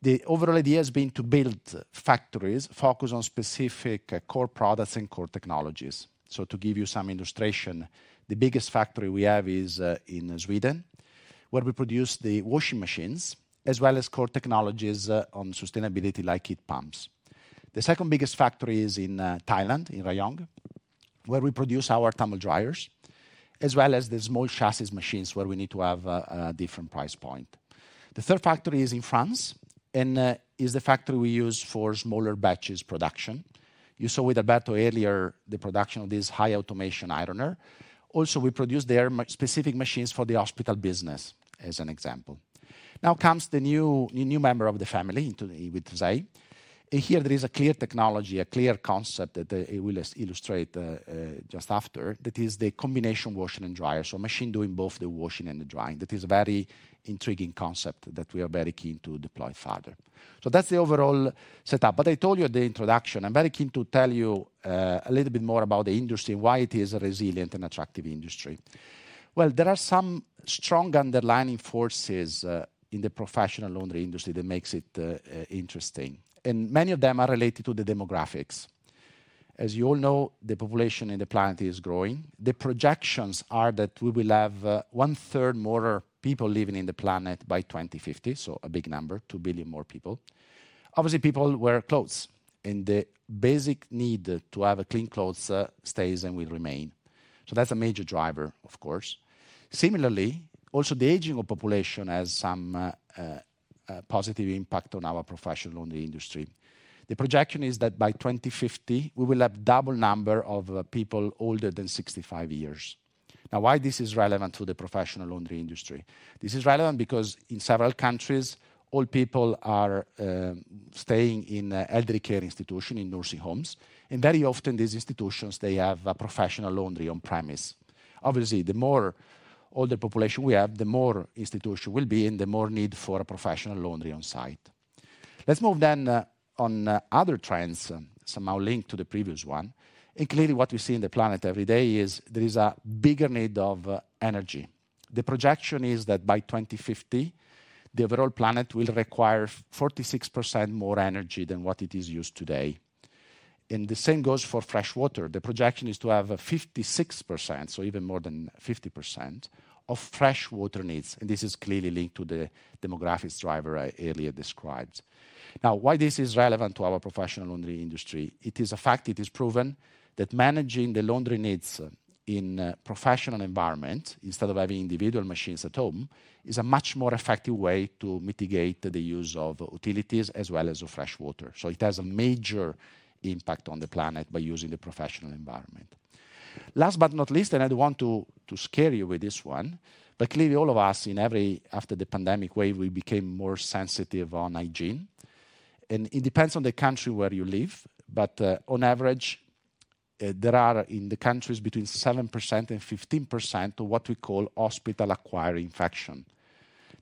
The overall idea has been to build factories focused on specific core products and core technologies. So to give you some illustration, the biggest factory we have is in Sweden, where we produce the washing machines as well as core technologies on sustainability, like heat pumps. The second biggest factory is in Thailand, in Rayong, where we produce our tumble dryers, as well as the small chassis machines where we need to have a different price point. The third factory is in France and is the factory we use for smaller batch production. You saw with Alberto earlier the production of this high-automation ironer. Also, we produce there specific machines for the hospital business, as an example. Now comes the new member of the family with TOSEI. And here, there is a clear technology, a clear concept that I will illustrate just after, that is the combination washing and dryer, so a machine doing both the washing and the drying. That is a very intriguing concept that we are very keen to deploy further. So that's the overall setup. But I told you at the introduction, I'm very keen to tell you a little bit more about the industry and why it is a resilient and attractive industry. Well, there are some strong underlying forces in the professional laundry industry that make it interesting. And many of them are related to the demographics. As you all know, the population on the planet is growing. The projections are that we will have one-third more people living on the planet by 2050, so a big number, two billion more people. Obviously, people wear clothes, and the basic need to have clean clothes stays and will remain. So that's a major driver, of course. Similarly, also, the aging of the population has some positive impact on our professional laundry industry. The projection is that by 2050, we will have a double number of people older than 65 years. Now, why is this relevant to the professional laundry industry? This is relevant because, in several countries, old people are staying in elderly care institutions, in nursing homes. And very often, these institutions, they have professional laundry on-premise. Obviously, the more older population we have, the more institutions we will be in, the more need for professional laundry on-site. Let's move then on other trends, somehow linked to the previous one. Clearly, what we see on the planet every day is there is a bigger need of energy. The projection is that by 2050, the overall planet will require 46% more energy than what it is used today. The same goes for freshwater. The projection is to have 56%, so even more than 50%, of freshwater needs. This is clearly linked to the demographics driver I earlier described. Now, why is this relevant to our professional laundry industry? It is a fact. It is proven that managing the laundry needs in a professional environment, instead of having individual machines at home, is a much more effective way to mitigate the use of utilities as well as freshwater. It has a major impact on the planet by using the professional environment. Last but not least, and I don't want to scare you with this one, but clearly, all of us, after the pandemic wave, we became more sensitive on hygiene. It depends on the country where you live. On average, there are, in the countries, between 7%-15% of what we call hospital-acquired infection.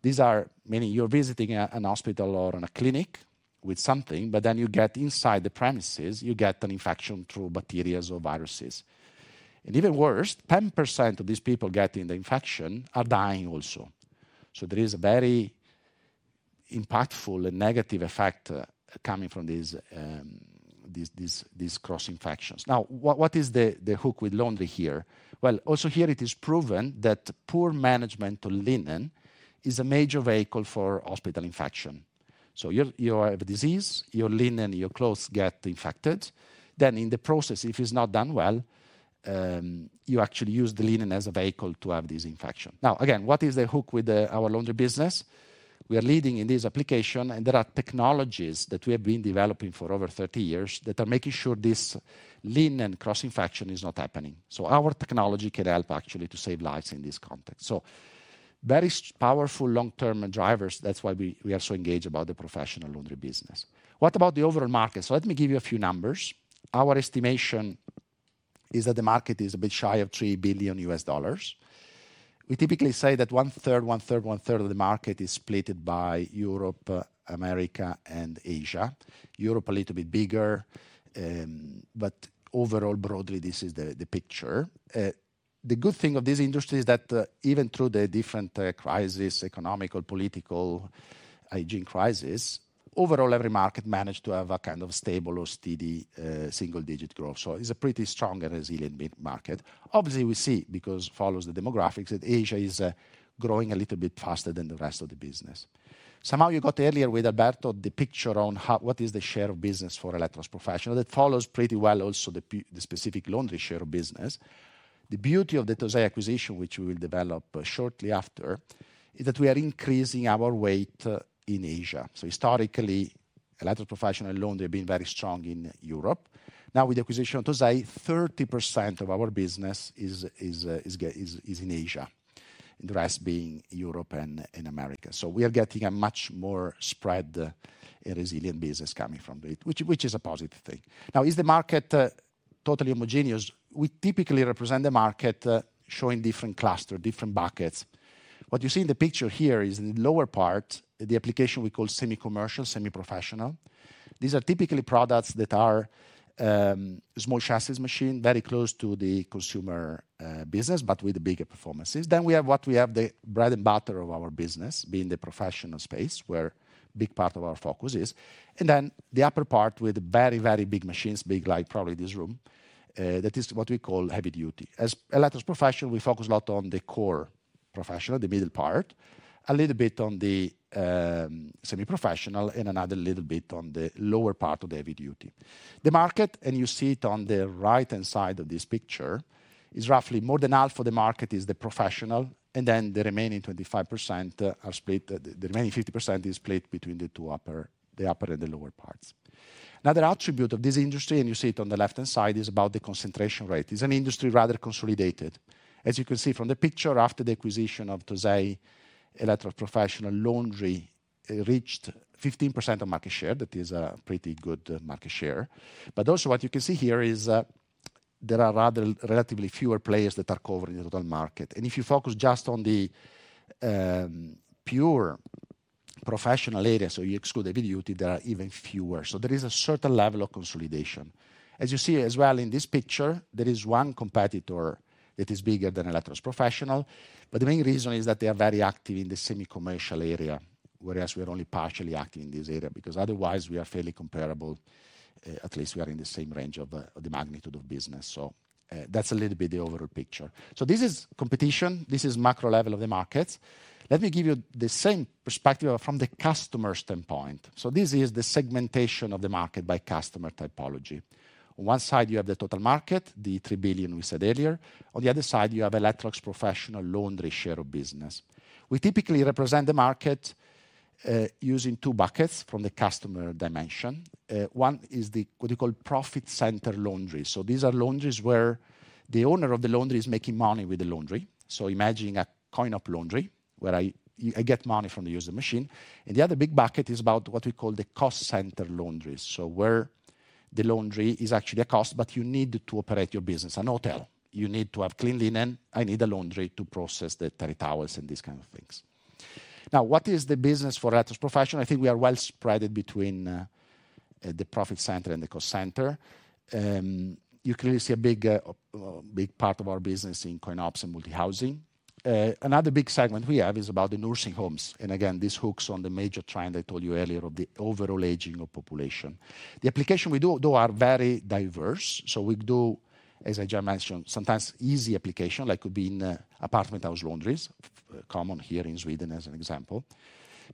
These are, meaning you're visiting a hospital or a clinic with something, but then you get inside the premises, you get an infection through bacteria or viruses. Even worse, 10% of these people getting the infection are dying also. There is a very impactful and negative effect coming from these cross-infections. Now, what is the hook with laundry here? Well, also here, it is proven that poor management of linen is a major vehicle for hospital infection. You have a disease, your linen, your clothes get infected. Then, in the process, if it's not done well, you actually use the linen as a vehicle to have this infection. Now, again, what is the hook with our laundry business? We are leading in this application, and there are technologies that we have been developing for over 30 years that are making sure this linen cross-infection is not happening. So our technology can help, actually, to save lives in this context. So very powerful long-term drivers. That's why we are so engaged about the professional laundry business. What about the overall market? So let me give you a few numbers. Our estimation is that the market is a bit shy of $3 billion. We typically say that one-third, one-third, one-third of the market is split by Europe, America, and Asia. Europe, a little bit bigger. But overall, broadly, this is the picture. The good thing of this industry is that even through the different crises, economic, political, hygiene crises, overall, every market managed to have a kind of stable or steady single-digit growth. So it's a pretty strong and resilient market. Obviously, we see, because it follows the demographics, that Asia is growing a little bit faster than the rest of the business. Somehow, you got earlier with Alberto, the picture on what is the share of business for Electrolux Professional that follows pretty well also the specific laundry share of business. The beauty of the TOSEI acquisition, which we will develop shortly after, is that we are increasing our weight in Asia. So historically, Electrolux Professional laundry has been very strong in Europe. Now, with the acquisition of TOSEI, 30% of our business is in Asia, and the rest being Europe and America. So we are getting a much more spread and resilient business coming from it, which is a positive thing. Now, is the market totally homogeneous? We typically represent the market showing different clusters, different buckets. What you see in the picture here is, in the lower part, the application we call semi-commercial, semi-professional. These are typically products that are small chassis machines, very close to the consumer business, but with bigger performances. Then we have what we have the bread and butter of our business, being the professional space, where a big part of our focus is. And then the upper part with very, very big machines, big, like probably this room, that is what we call heavy duty. As Electrolux Professional, we focus a lot on the core professional, the middle part, a little bit on the semi-professional, and another little bit on the lower part of the heavy duty. The market, and you see it on the right-hand side of this picture, is roughly more than half of the market is the professional, and then the remaining 25% are split. The remaining 50% is split between the upper and the lower parts. Another attribute of this industry, and you see it on the left-hand side, is about the concentration rate. It's an industry rather consolidated. As you can see from the picture, after the acquisition of TOSEI, Electrolux Professional laundry reached 15% of market share. That is a pretty good market share. But also, what you can see here is there are rather relatively fewer players that are covered in the total market. If you focus just on the pure professional area, so you exclude heavy duty, there are even fewer. There is a certain level of consolidation. As you see as well in this picture, there is one competitor that is bigger than Electrolux Professional, but the main reason is that they are very active in the semi-commercial area, whereas we are only partially active in this area because otherwise we are fairly comparable, at least we are in the same range of the magnitude of business. That's a little bit the overall picture. This is competition. This is macro level of the markets. Let me give you the same perspective from the customer standpoint. This is the segmentation of the market by customer typology. On one side, you have the total market, the $3 billion we said earlier. On the other side, you have Electrolux Professional laundry share of business. We typically represent the market using two buckets from the customer dimension. One is what we call profit-center laundry. So these are laundries where the owner of the laundry is making money with the laundry. So imagine a coin-op laundry where I get money from the user machine. And the other big bucket is about what we call the cost-center laundries, so where the laundry is actually a cost, but you need to operate your business. An hotel. You need to have clean linen. I need a laundry to process the terry towels and these kinds of things. Now, what is the business for Electrolux Professional? I think we are well spread between the profit center and the cost center. You clearly see a big part of our business in coin-ops and multi-housing. Another big segment we have is about the nursing homes. Again, this hooks on the major trend I told you earlier of the overall aging of population. The applications we do, though, are very diverse. We do, as I just mentioned, sometimes easy applications, like it could be in apartment house laundries, common here in Sweden as an example.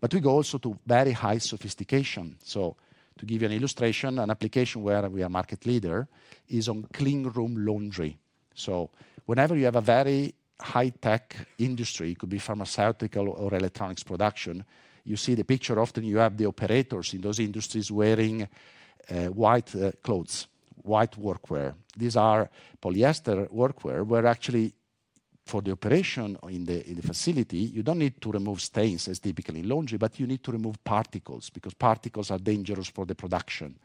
We go also to very high sophistication. To give you an illustration, an application where we are a market leader is on clean room laundry. Whenever you have a very high-tech industry, it could be pharmaceutical or electronics production, you see the picture, often, you have the operators in those industries wearing white clothes, white workwear. These are polyester workwear where, actually, for the operation in the facility, you don't need to remove stains, as typically in laundry, but you need to remove particles because particles are dangerous for the production.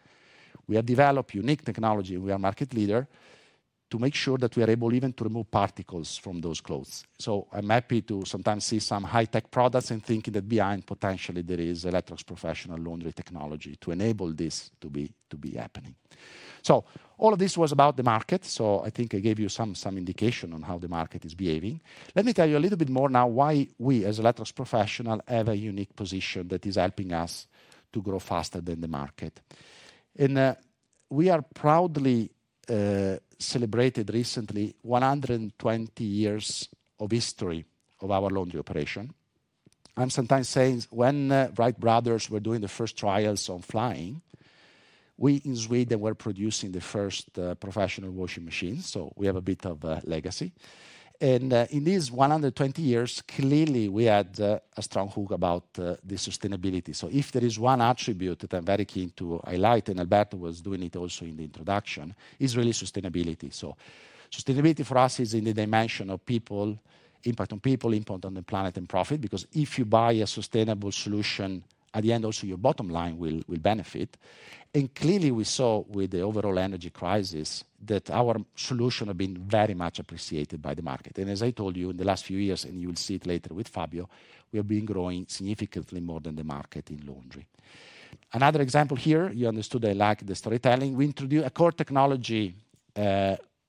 We have developed unique technology, and we are a market leader, to make sure that we are able even to remove particles from those clothes. So I'm happy to sometimes see some high-tech products and think that behind, potentially, there is Electrolux Professional laundry technology to enable this to be happening. So all of this was about the market. So I think I gave you some indication on how the market is behaving. Let me tell you a little bit more now why we, as Electrolux Professional, have a unique position that is helping us to grow faster than the market. And we proudly celebrated recently 120 years of history of our laundry operation. I'm sometimes saying, when Wright brothers were doing the first trials on flying, we in Sweden were producing the first professional washing machines. So we have a bit of legacy. And in these 120 years, clearly, we had a strong hook about the sustainability. So if there is one attribute that I'm very keen to highlight, and Alberto was doing it also in the introduction, it's really sustainability. So sustainability for us is in the dimension of impact on people, impact on the planet, and profit because if you buy a sustainable solution, at the end, also, your bottom line will benefit. And clearly, we saw with the overall energy crisis that our solution has been very much appreciated by the market. As I told you in the last few years, and you will see it later with Fabio, we have been growing significantly more than the market in laundry. Another example here, you understood I like the storytelling. We introduced a core technology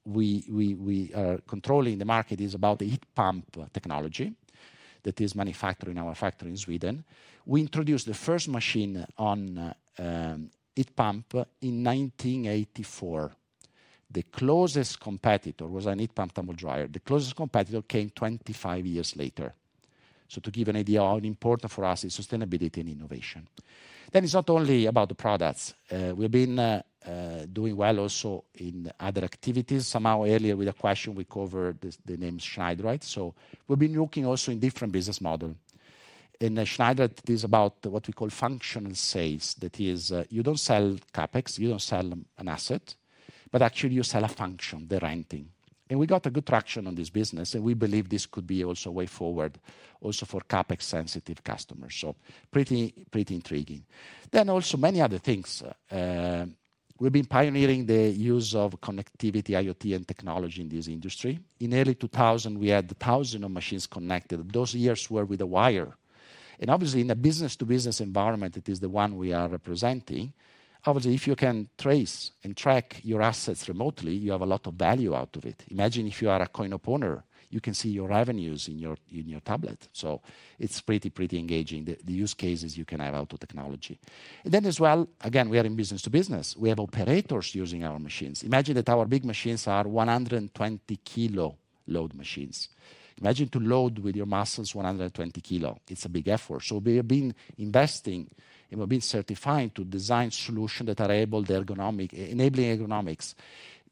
we are controlling in the market, it is about the heat pump technology that is manufactured in our factory in Sweden. We introduced the first machine on heat pump in 1984. The closest competitor was a heat pump tumble dryer. The closest competitor came 25 years later. So to give an idea of how important for us is sustainability and innovation. Then it's not only about the products. We have been doing well also in other activities. Somehow, earlier, with a question, we covered the name Schneidereit. So we've been looking also in different business models. And Schneidereit is about what we call functional sales. That is, you don't sell CapEx, you don't sell an asset, but actually, you sell a function, the renting. We got a good traction on this business, and we believe this could be also a way forward also for CapEx-sensitive customers. Pretty intriguing. Then also, many other things. We've been pioneering the use of connectivity, IoT, and technology in this industry. In early 2000, we had 1,000 machines connected. Those years were with a wire. Obviously, in a business-to-business environment, that is the one we are representing, obviously, if you can trace and track your assets remotely, you have a lot of value out of it. Imagine if you are a coin-op owner. You can see your revenues in your tablet. It's pretty, pretty engaging, the use cases you can have out of technology. Then as well, again, we are in business-to-business. We have operators using our machines. Imagine that our big machines are 120-kilo load machines. Imagine to load with your muscles 120 kilo. It's a big effort. So we have been investing, and we've been certifying to design solutions that are, the ergonomic, enabling ergonomics,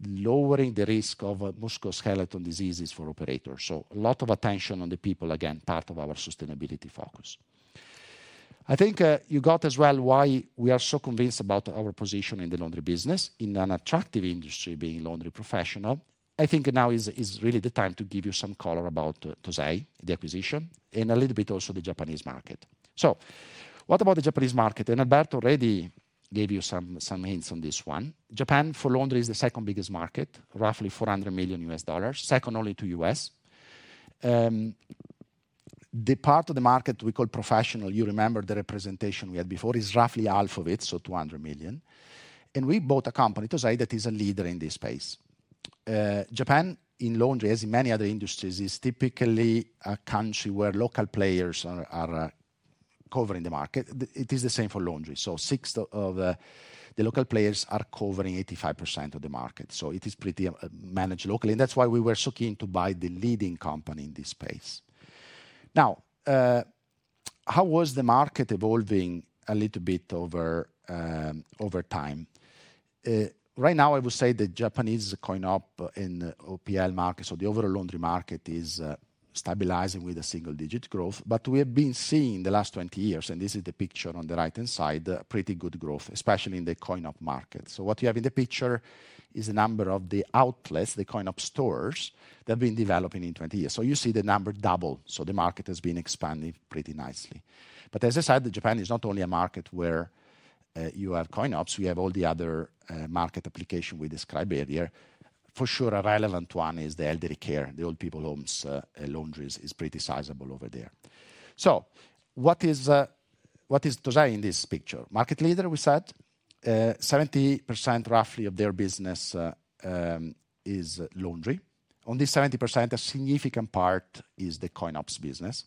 lowering the risk of musculoskeletal diseases for operators. So a lot of attention on the people, again, part of our sustainability focus. I think you got as well why we are so convinced about our position in the laundry business, in an attractive industry being professional laundry. I think now is really the time to give you some color about TOSEI, the acquisition, and a little bit also the Japanese market. So what about the Japanese market? And Alberto already gave you some hints on this one. Japan, for laundry, is the second biggest market, roughly $400 million, second only to the US. The part of the market we call professional, you remember the representation we had before, is roughly half of it, so $200 million. And we bought a company, TOSEI, that is a leader in this space. Japan, in laundry, as in many other industries, is typically a country where local players are covering the market. It is the same for laundry. So six of the local players are covering 85% of the market. So it is pretty managed locally, and that's why we were so keen to buy the leading company in this space. Now, how was the market evolving a little bit over time? Right now, I would say the Japanese coin-op and OPL market, so the overall laundry market, is stabilizing with a single-digit growth. We have been seeing the last 20 years, and this is the picture on the right-hand side, pretty good growth, especially in the coin-op market. What you have in the picture is the number of the outlets, the coin-op stores, that have been developing in 20 years. You see the number double. The market has been expanding pretty nicely. As I said, Japan is not only a market where you have coin-ops. We have all the other market applications we described earlier. For sure, a relevant one is the elderly care. The old people homes laundries is pretty sizable over there. What is TOSEI in this picture? Market leader, we said. Roughly 70% of their business is laundry. On this 70%, a significant part is the coin-ops business.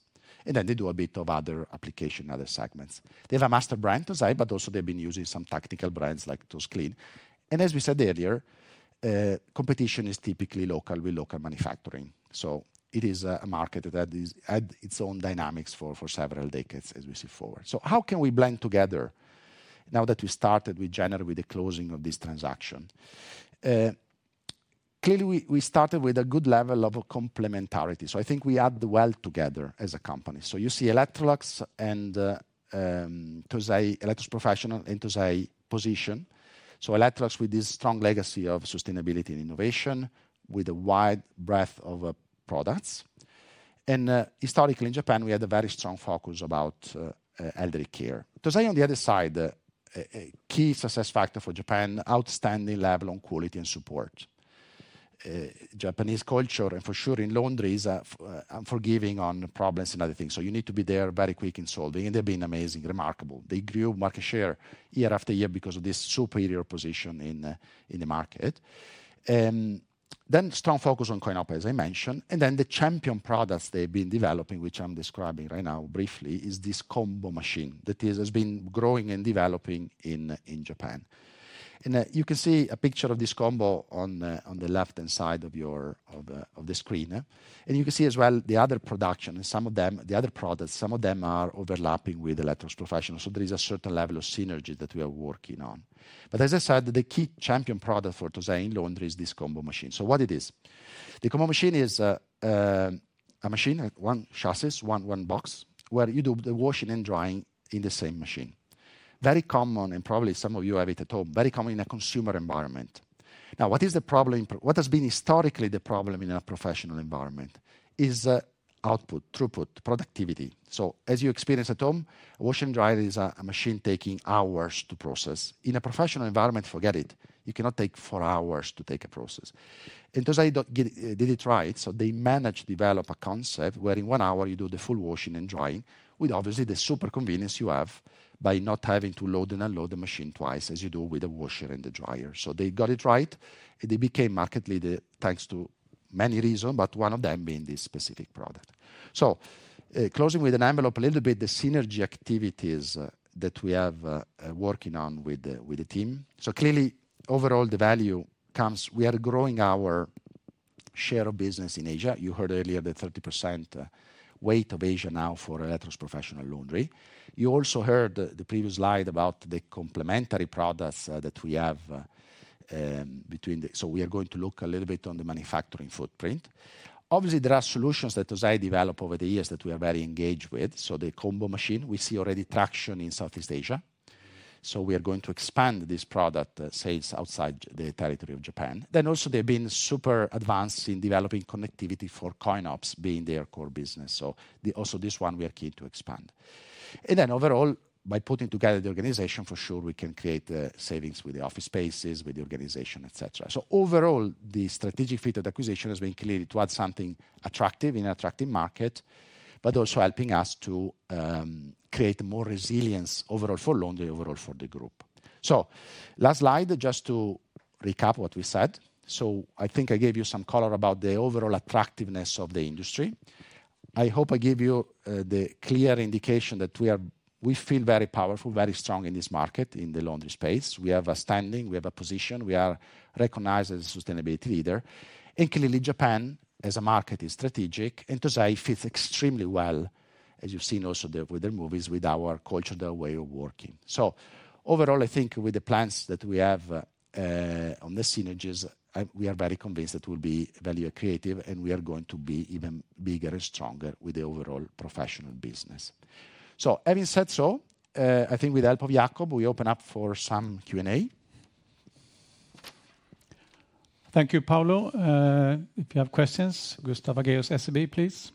Then they do a bit of other application, other segments. They have a master brand, TOSEI, but also they've been using some tactical brands like Tosclean. And as we said earlier, competition is typically local with local manufacturing. So it is a market that had its own dynamics for several decades, as we see forward. So how can we blend together now that we started with January, with the closing of this transaction? Clearly, we started with a good level of complementarity. So I think we add well together as a company. So you see Electrolux and TOSEI, Electrolux Professional and TOSEI position. So Electrolux with this strong legacy of sustainability and innovation, with a wide breadth of products. And historically, in Japan, we had a very strong focus about elderly care. TOSEI, on the other side, a key success factor for Japan, outstanding level on quality and support. Japanese culture, and for sure in laundry, is forgiving on problems and other things. So you need to be there very quick in solving, and they've been amazing, remarkable. They grew market share year after year because of this superior position in the market. Then strong focus on coin-op, as I mentioned. And then the champion products they've been developing, which I'm describing right now briefly, is this combo machine that has been growing and developing in Japan. And you can see a picture of this combo on the left-hand side of the screen. And you can see as well the other production, and some of them, the other products, some of them are overlapping with Electrolux Professional. So there is a certain level of synergy that we are working on. But as I said, the key champion product for TOSEI in laundry is this combo machine. So, what is it? The combo machine is a machine, one chassis, one box, where you do the washing and drying in the same machine. Very common, and probably some of you have it at home, very common in a consumer environment. Now, what is the problem? What has been historically the problem in a professional environment? It's output, throughput, productivity. So as you experience at home, wash and dry is a machine taking hours to process. In a professional environment, forget it. You cannot take four hours to take a process. And TOSEI did it right. So they managed to develop a concept where, in one hour, you do the full washing and drying with, obviously, the super convenience you have by not having to load and unload the machine twice as you do with the washer and the dryer. So they got it right, and they became market leader thanks to many reasons, but one of them being this specific product. So closing with an envelope a little bit, the synergy activities that we are working on with the team. So clearly, overall, the value comes. We are growing our share of business in Asia. You heard earlier the 30% weight of Asia now for Electrolux Professional laundry. You also heard the previous slide about the complementary products that we have between the, so we are going to look a little bit on the manufacturing footprint. Obviously, there are solutions that TOSEI developed over the years that we are very engaged with. So the combo machine, we see already traction in Southeast Asia. So we are going to expand this product sales outside the territory of Japan. Then also, they have been super advanced in developing connectivity for coin-ops, being their core business. So also this one we are keen to expand. And then overall, by putting together the organization, for sure we can create savings with the office spaces, with the organization, etc. So overall, the strategic fit of the acquisition has been clearly to add something attractive in an attractive market, but also helping us to create more resilience overall for laundry, overall for the group. So last slide, just to recap what we said. So I think I gave you some color about the overall attractiveness of the industry. I hope I gave you the clear indication that we feel very powerful, very strong in this market, in the laundry space. We have a standing, we have a position, we are recognized as a sustainability leader. And clearly, Japan, as a market, is strategic, and TOSEI fits extremely well, as you've seen also with their values, with our culture, their way of working. So overall, I think with the plans that we have on the synergies, we are very convinced that we'll be very creative, and we are going to be even bigger and stronger with the overall professional business. So having said so, I think with the help of Jacob, we open up for some Q&A. Thank you, Paolo. If you have questions, Gustav Hagéus, SEB, please.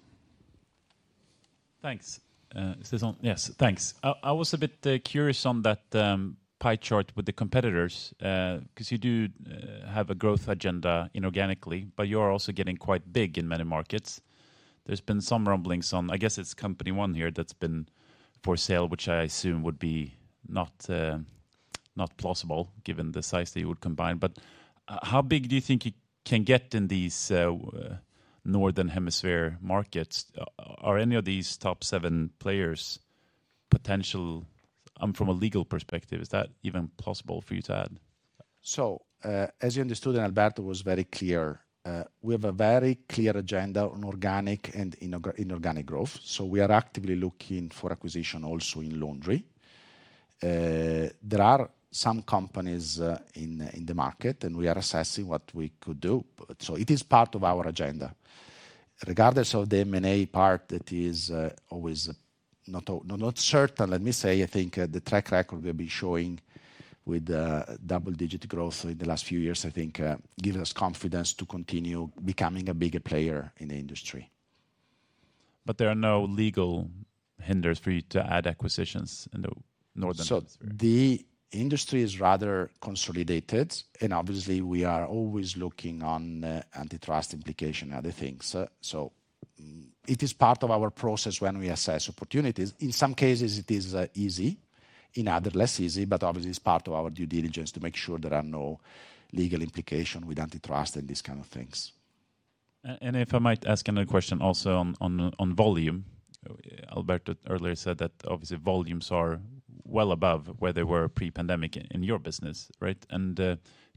Thanks. Yes, thanks. I was a bit curious on that pie chart with the competitors because you do have a growth agenda inorganically, but you are also getting quite big in many markets. There's been some rumblings on, I guess it's Company One here that's been for sale, which I assume would be not plausible given the size that you would combine. But how big do you think you can get in these northern hemisphere markets? Are any of these top seven players potential? From a legal perspective, is that even possible for you to add? So as you understood, and Alberto was very clear, we have a very clear agenda on organic and inorganic growth. So we are actively looking for acquisition also in laundry. There are some companies in the market, and we are assessing what we could do. So it is part of our agenda. Regardless of the M&A part that is always not certain, let me say, I think the track record we have been showing with double-digit growth in the last few years, I think, gives us confidence to continue becoming a bigger player in the industry. But there are no legal hindrances for you to add acquisitions in the northern hemisphere? So the industry is rather consolidated, and obviously, we are always looking at antitrust implications and other things. So it is part of our process when we assess opportunities. In some cases, it is easy. In others, less easy, but obviously, it's part of our due diligence to make sure there are no legal implications with antitrust and these kinds of things. And if I might ask another question also on volume. Alberto earlier said that obviously volumes are well above where they were pre-pandemic in your business, right? And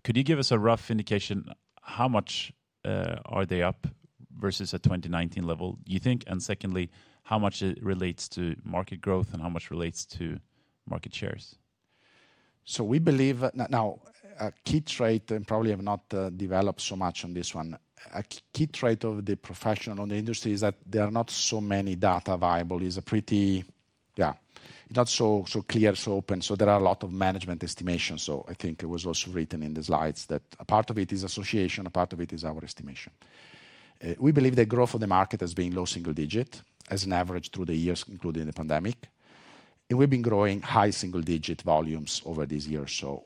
could you give us a rough indication how much are they up versus a 2019 level, you think? And secondly, how much it relates to market growth and how much relates to market shares? So we believe now a key trait, and probably I've not developed so much on this one, a key trait of the professional in the industry is that there are not so many data available. It's a pretty, yeah, it's not so clear, so opaque. So there are a lot of management estimations. So I think it was also written in the slides that a part of it is assumption, a part of it is our estimation. We believe that growth of the market has been low single-digit as an average through the years, including the pandemic. And we've been growing high single-digit volumes over these years. So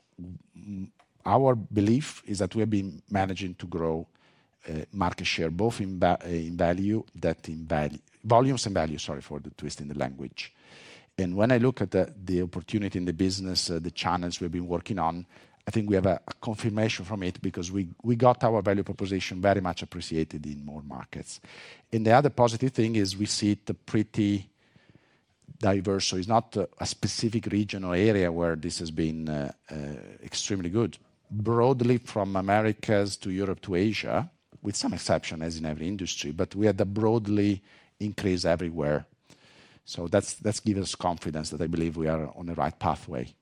our belief is that we have been managing to grow market share both in value that in volumes and value, sorry for the twist in the language. And when I look at the opportunity in the business, the channels we've been working on, I think we have a confirmation from it because we got our value proposition very much appreciated in more markets. And the other positive thing is we see it pretty diverse. So it's not a specific region or area where this has been extremely good. Broadly from Americas to Europe to Asia, with some exception as in every industry, but we had a broadly increase everywhere. So that gives us confidence that I believe we are on the right pathway.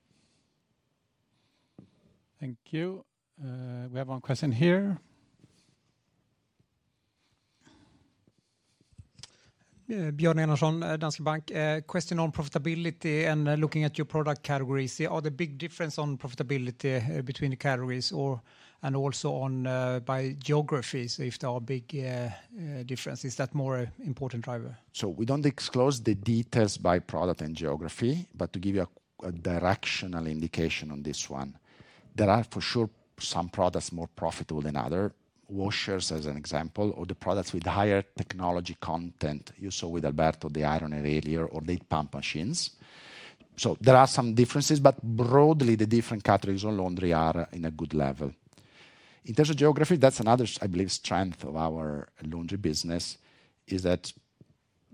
Thank you. We have one question here. Björn Enarsson, Danske Bank. Question on profitability and looking at your product categories. Are there big differences on profitability between the categories and also by geography? So if there are big differences, is that more an important driver? So we don't disclose the details by product and geography, but to give you a directional indication on this one, there are for sure some products more profitable than others. Washers, as an example, or the products with higher technology content. You saw with Alberto the iron earlier or the pump machines. So there are some differences, but broadly the different categories on laundry are in a good level. In terms of geography, that's another, I believe, strength of our laundry business is that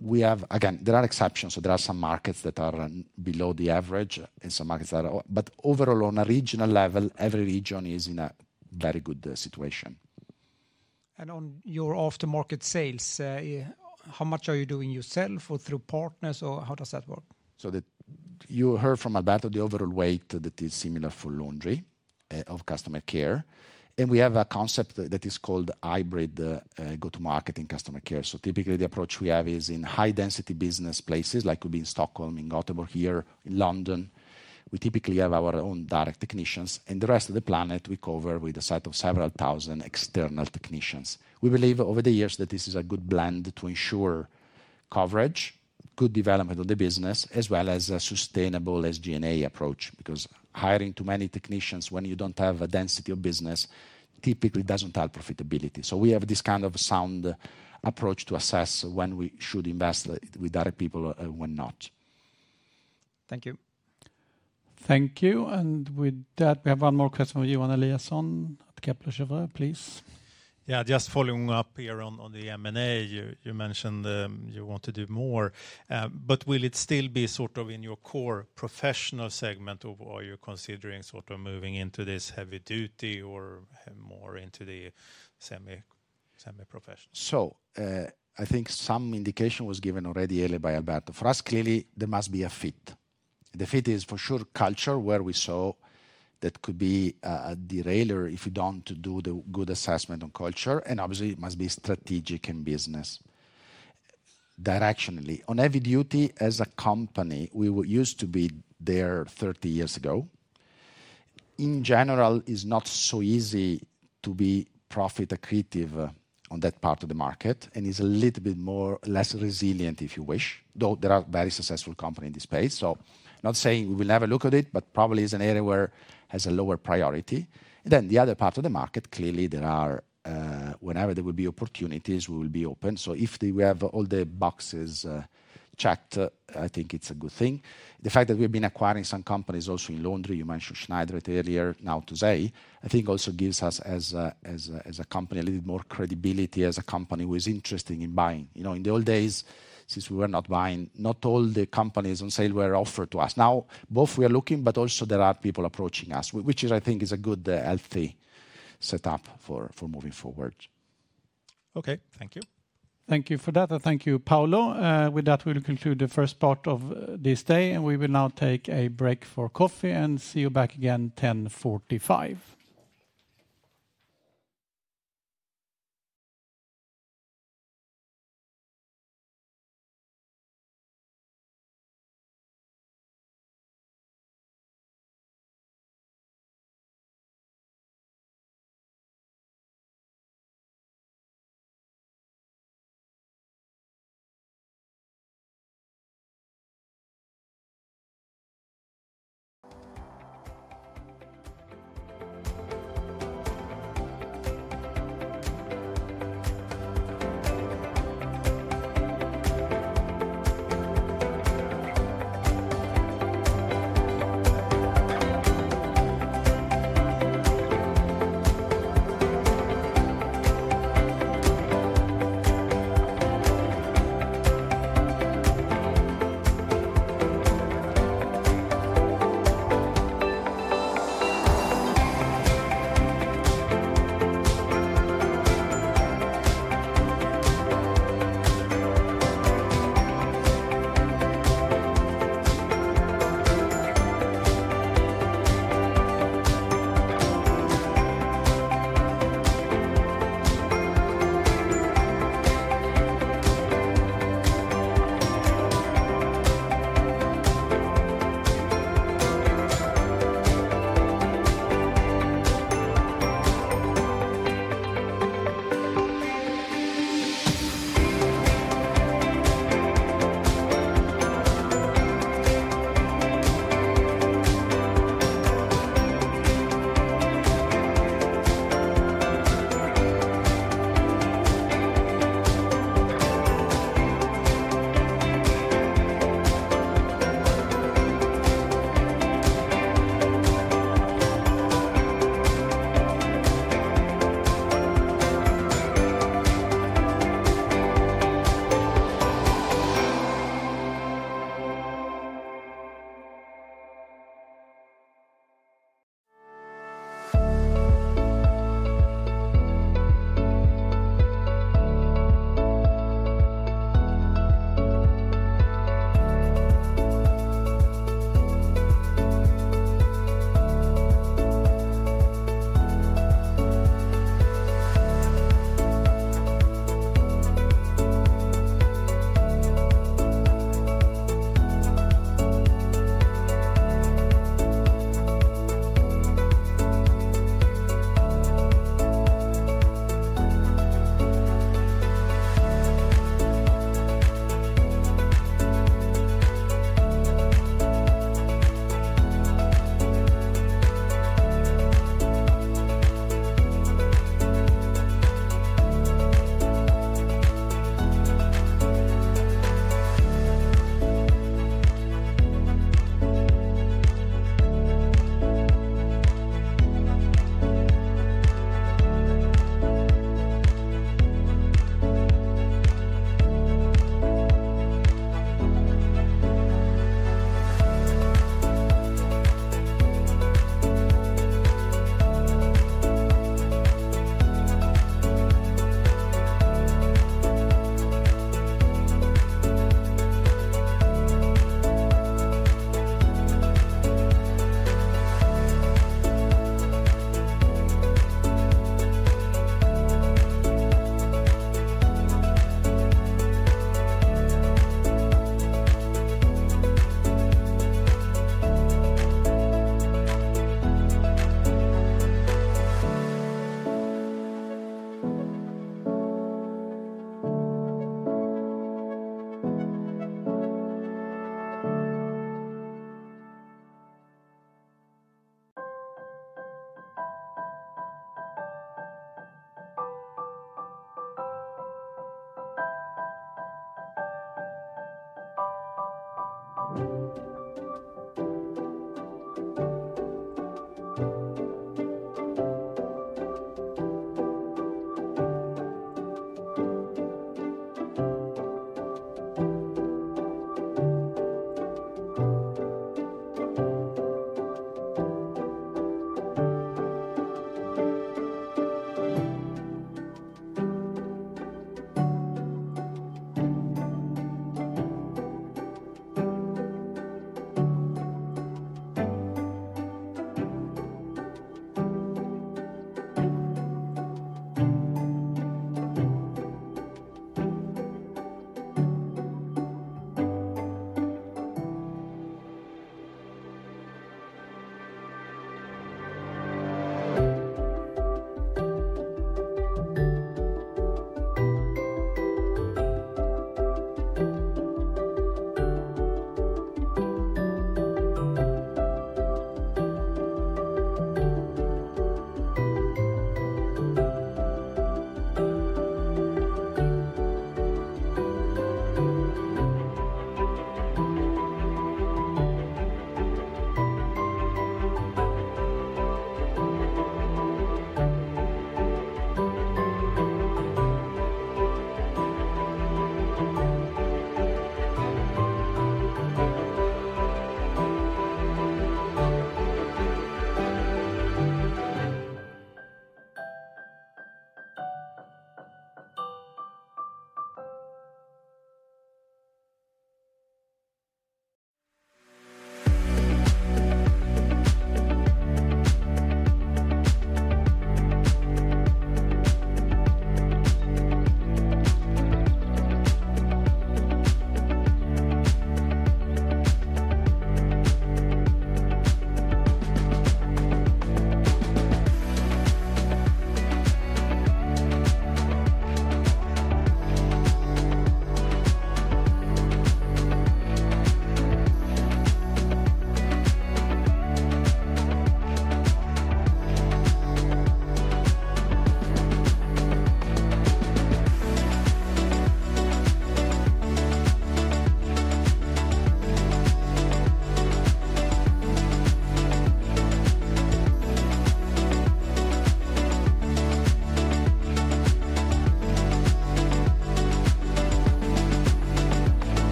we have, again, there are exceptions. So there are some markets that are below the average and some markets that are, but overall on a regional level, every region is in a very good situation. On your aftermarket sales, how much are you doing yourself or through partners, or how does that work? You heard from Alberto the overall weight that is similar for laundry of customer care. We have a concept that is called hybrid go-to-market in customer care. Typically the approach we have is in high-density business places like we'll be in Stockholm, in Gothenburg, here in London. We typically have our own direct technicians, and the rest of the planet we cover with a set of several thousand external technicians. We believe over the years that this is a good blend to ensure coverage, good development of the business, as well as a sustainable SG&A approach because hiring too many technicians when you don't have a density of business typically doesn't tell profitability. So we have this kind of sound approach to assess when we should invest with direct people and when not. Thank you. Thank you. And with that, we have one more question from Johan Eliasson at Kepler Cheuvreux, please. Yeah, just following up here on the M&A, you mentioned you want to do more. But will it still be sort of in your core professional segment, or are you considering sort of moving into this heavy-duty or more into the semi-professional? So I think some indication was given already earlier by Alberto. For us, clearly, there must be a fit. The fit is for sure culture where we saw that could be a derailer if you don't do the good assessment on culture. And obviously, it must be strategic in business. Directionally, on heavy-duty as a company, we used to be there 30 years ago. In general, it's not so easy to be profit-accretive on that part of the market, and it's a little bit more less resilient if you wish. Though there are very successful companies in this space. So not saying we will never look at it, but probably it's an area where it has a lower priority. And then the other part of the market, clearly there are whenever there will be opportunities, we will be open. So if we have all the boxes checked, I think it's a good thing. The fact that we have been acquiring some companies also in laundry, you mentioned Schneider earlier, now TOSEI, I think also gives us as a company a little bit more credibility as a company who is interested in buying. You know, in the old days, since we were not buying, not all the companies on sale were offered to us. Now both we are looking, but also there are people approaching us, which I think is a good healthy setup for moving forward. Okay, thank you. Thank you for that, and thank you, Paolo. With that, we will conclude the first part of this day, and we will now take a break for coffee and see you back again at 10:45 A.M.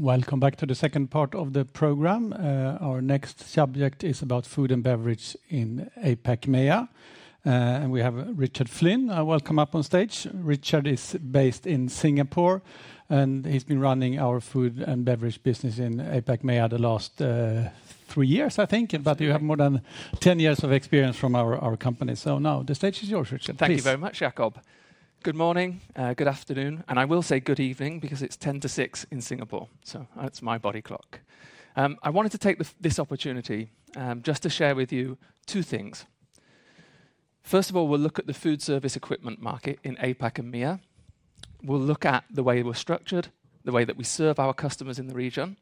Welcome back to the second part of the program. Our next subject is about food and beverage in APAC MEA. We have Richard Flynn. Welcome up on stage. Richard is based in Singapore, and he's been running our food and beverage business in APAC MEA the last three years, I think. You have more than 10 years of experience from our company. So now the stage is yours, Richard. Thank you very much, Jacob. Good morning, good afternoon. I will say good evening because it's 5:50 P.M. in Singapore. So that's my body clock. I wanted to take this opportunity just to share with you two things. First of all, we'll look at the food service equipment market in APAC and MEA. We'll look at the way we're structured, the way that we serve our customers in the region.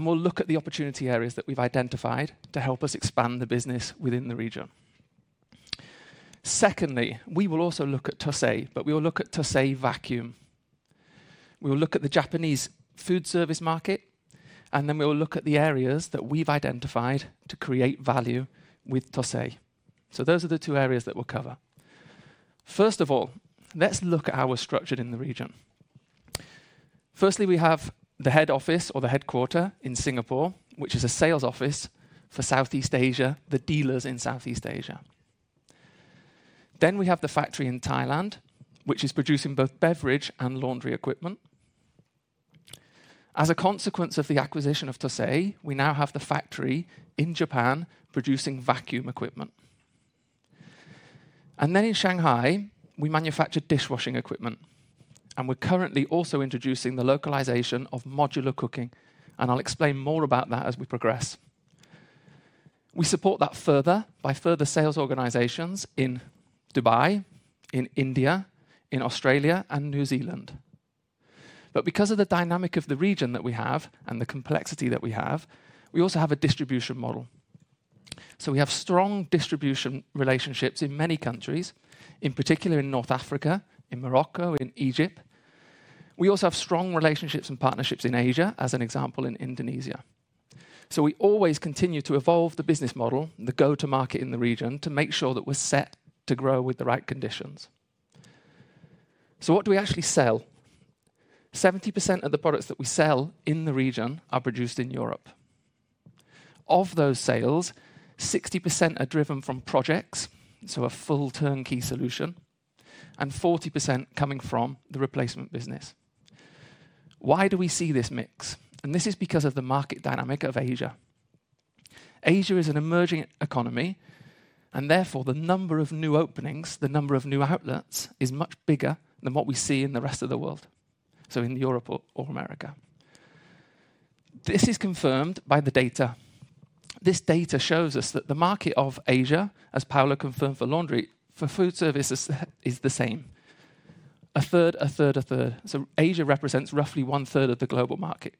We'll look at the opportunity areas that we've identified to help us expand the business within the region. Secondly, we will also look at TOSEI, but we will look at TOSEI vacuum. We will look at the Japanese food service market, and then we will look at the areas that we've identified to create value with TOSEI. So those are the two areas that we'll cover. First of all, let's look at how we're structured in the region. Firstly, we have the head office or the headquarters in Singapore, which is a sales office for Southeast Asia, the dealers in Southeast Asia. Then we have the factory in Thailand, which is producing both beverage and laundry equipment. As a consequence of the acquisition of TOSEI, we now have the factory in Japan producing vacuum equipment. And then in Shanghai, we manufacture dishwashing equipment. And we're currently also introducing the localization of modular cooking. And I'll explain more about that as we progress. We support that further by further sales organizations in Dubai, in India, in Australia, and New Zealand. But because of the dynamic of the region that we have and the complexity that we have, we also have a distribution model. So we have strong distribution relationships in many countries, in particular in North Africa, in Morocco, in Egypt. We also have strong relationships and partnerships in Asia, as an example, in Indonesia. So we always continue to evolve the business model, the go-to-market in the region, to make sure that we're set to grow with the right conditions. So what do we actually sell? 70% of the products that we sell in the region are produced in Europe. Of those sales, 60% are driven from projects, so a full turnkey solution, and 40% coming from the replacement business. Why do we see this mix? This is because of the market dynamic of Asia. Asia is an emerging economy, and therefore the number of new openings, the number of new outlets, is much bigger than what we see in the rest of the world, so in Europe or America. This is confirmed by the data. This data shows us that the market of Asia, as Paolo confirmed for laundry, for food services is the same: a third, a third, a third. So Asia represents roughly one third of the global market.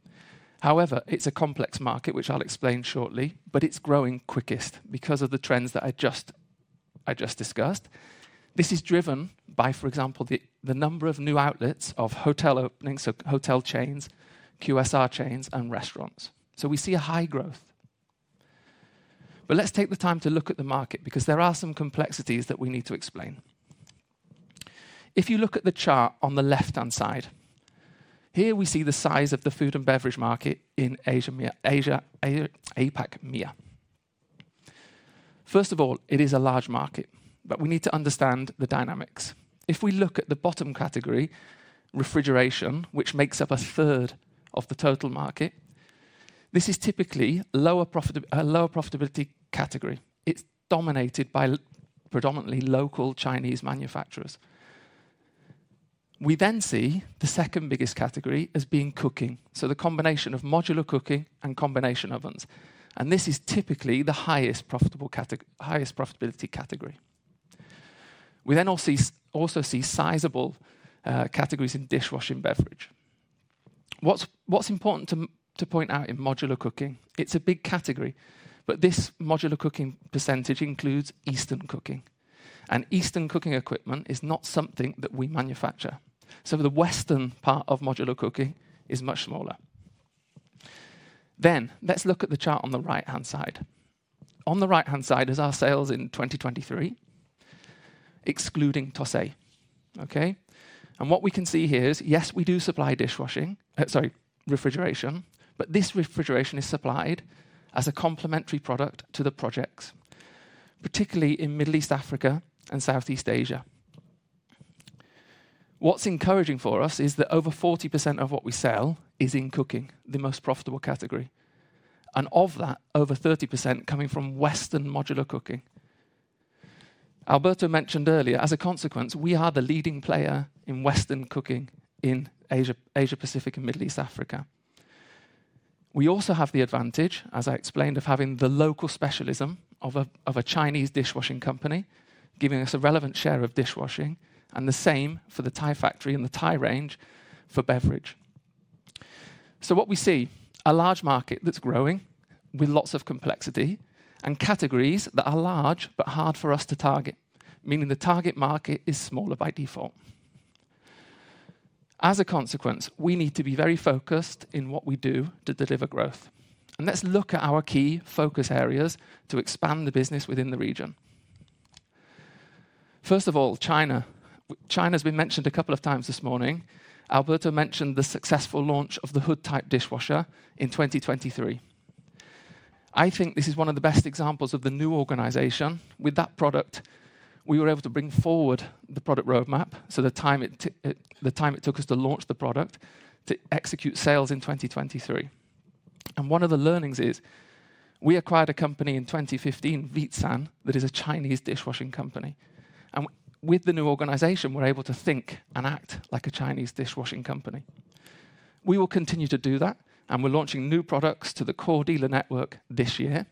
However, it's a complex market, which I'll explain shortly, but it's growing quickest because of the trends that I just discussed. This is driven by, for example, the number of new outlets of hotel openings, so hotel chains, QSR chains, and restaurants. So we see a high growth. But let's take the time to look at the market because there are some complexities that we need to explain. If you look at the chart on the left-hand side, here we see the size of the food and beverage market in Asia APAC MEA. First of all, it is a large market, but we need to understand the dynamics. If we look at the bottom category, refrigeration, which makes up a third of the total market, this is typically a lower profitability category. It's dominated by predominantly local Chinese manufacturers. We then see the second biggest category as being cooking, so the combination of modular cooking and combination ovens. And this is typically the highest profitability category. We then also see sizable categories in dishwashing beverage. What's important to point out in modular cooking? It's a big category, but this modular cooking percentage includes Eastern cooking. And Eastern cooking equipment is not something that we manufacture. So the Western part of modular cooking is much smaller. Then let's look at the chart on the right-hand side. On the right-hand side is our sales in 2023, excluding TOSEI. What we can see here is, yes, we do supply dishwashing, sorry, refrigeration, but this refrigeration is supplied as a complementary product to the projects, particularly in Middle East Africa and Southeast Asia. What's encouraging for us is that over 40% of what we sell is in cooking, the most profitable category. And of that, over 30% coming from Western modular cooking. Alberto mentioned earlier, as a consequence, we are the leading player in Western cooking in Asia-Pacific and Middle East Africa. We also have the advantage, as I explained, of having the local specialism of a Chinese dishwashing company giving us a relevant share of dishwashing, and the same for the Thai factory and the Thai range for beverage. So what we see is a large market that's growing with lots of complexity and categories that are large but hard for us to target, meaning the target market is smaller by default. As a consequence, we need to be very focused in what we do to deliver growth. And let's look at our key focus areas to expand the business within the region. First of all, China. China has been mentioned a couple of times this morning. Alberto mentioned the successful launch of the hood-type dishwasher in 2023. I think this is one of the best examples of the new organization. With that product, we were able to bring forward the product roadmap, so the time it took us to launch the product to execute sales in 2023. And one of the learnings is we acquired a company in 2015, Veetsan, that is a Chinese dishwashing company. With the new organization, we're able to think and act like a Chinese dishwashing company. We will continue to do that, and we're launching new products to the core dealer network this year.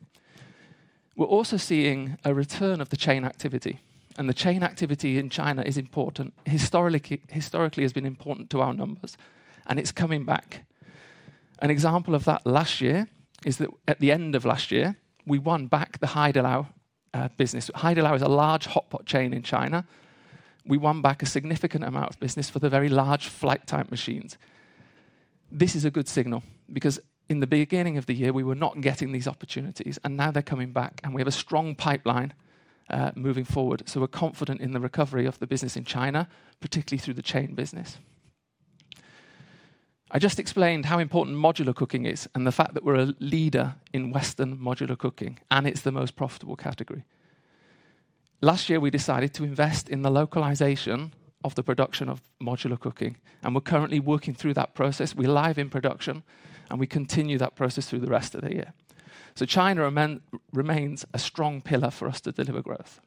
We're also seeing a return of the chain activity. And the chain activity in China is important. Historically, it has been important to our numbers, and it's coming back. An example of that last year is that at the end of last year, we won back the Haidilao business. Haidilao is a large hotpot chain in China. We won back a significant amount of business for the very large flight-type machines. This is a good signal because in the beginning of the year, we were not getting these opportunities, and now they're coming back, and we have a strong pipeline moving forward. We're confident in the recovery of the business in China, particularly through the chain business. I just explained how important modular cooking is and the fact that we're a leader in Western modular cooking, and it's the most profitable category. Last year, we decided to invest in the localization of the production of modular cooking, and we're currently working through that process. We're live in production, and we continue that process through the rest of the year. China remains a strong pillar for us to deliver growth.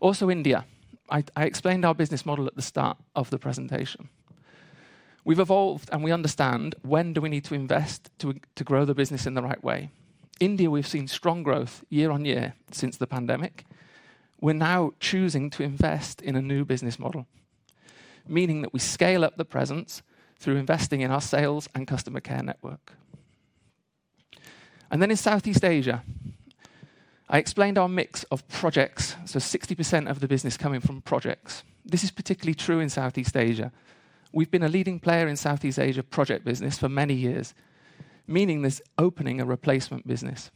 Also, India. I explained our business model at the start of the presentation. We've evolved, and we understand when do we need to invest to grow the business in the right way. India, we've seen strong growth year-over-year since the pandemic. We're now choosing to invest in a new business model, meaning that we scale up the presence through investing in our sales and customer care network. Then in Southeast Asia, I explained our mix of projects, so 60% of the business coming from projects. This is particularly true in Southeast Asia. We've been a leading player in Southeast Asia project business for many years, meaning this opens a replacement business.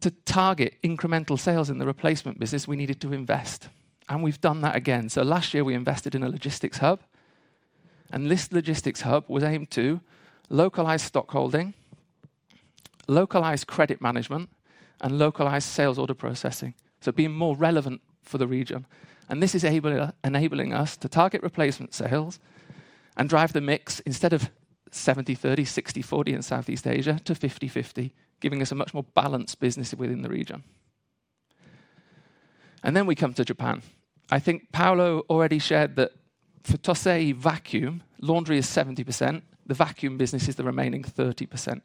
To target incremental sales in the replacement business, we needed to invest. We've done that again. Last year, we invested in a logistics hub. This logistics hub was aimed to localize stockholding, localize credit management, and localize sales order processing, so being more relevant for the region. And this is enabling us to target replacement sales and drive the mix instead of 70/30, 60/40 in Southeast Asia to 50/50, giving us a much more balanced business within the region. And then we come to Japan. I think Paolo already shared that for TOSEI vacuum, laundry is 70%. The vacuum business is the remaining 30%.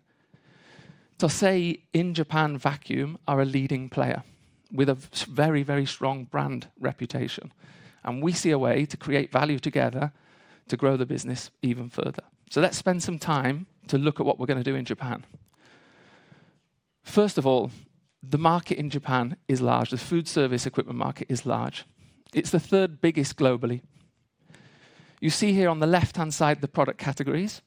TOSEI in Japan vacuum are a leading player with a very, very strong brand reputation. And we see a way to create value together to grow the business even further. So let's spend some time to look at what we're going to do in Japan. First of all, the market in Japan is large. The food service equipment market is large. It's the third biggest globally. You see here on the left-hand side the product categories.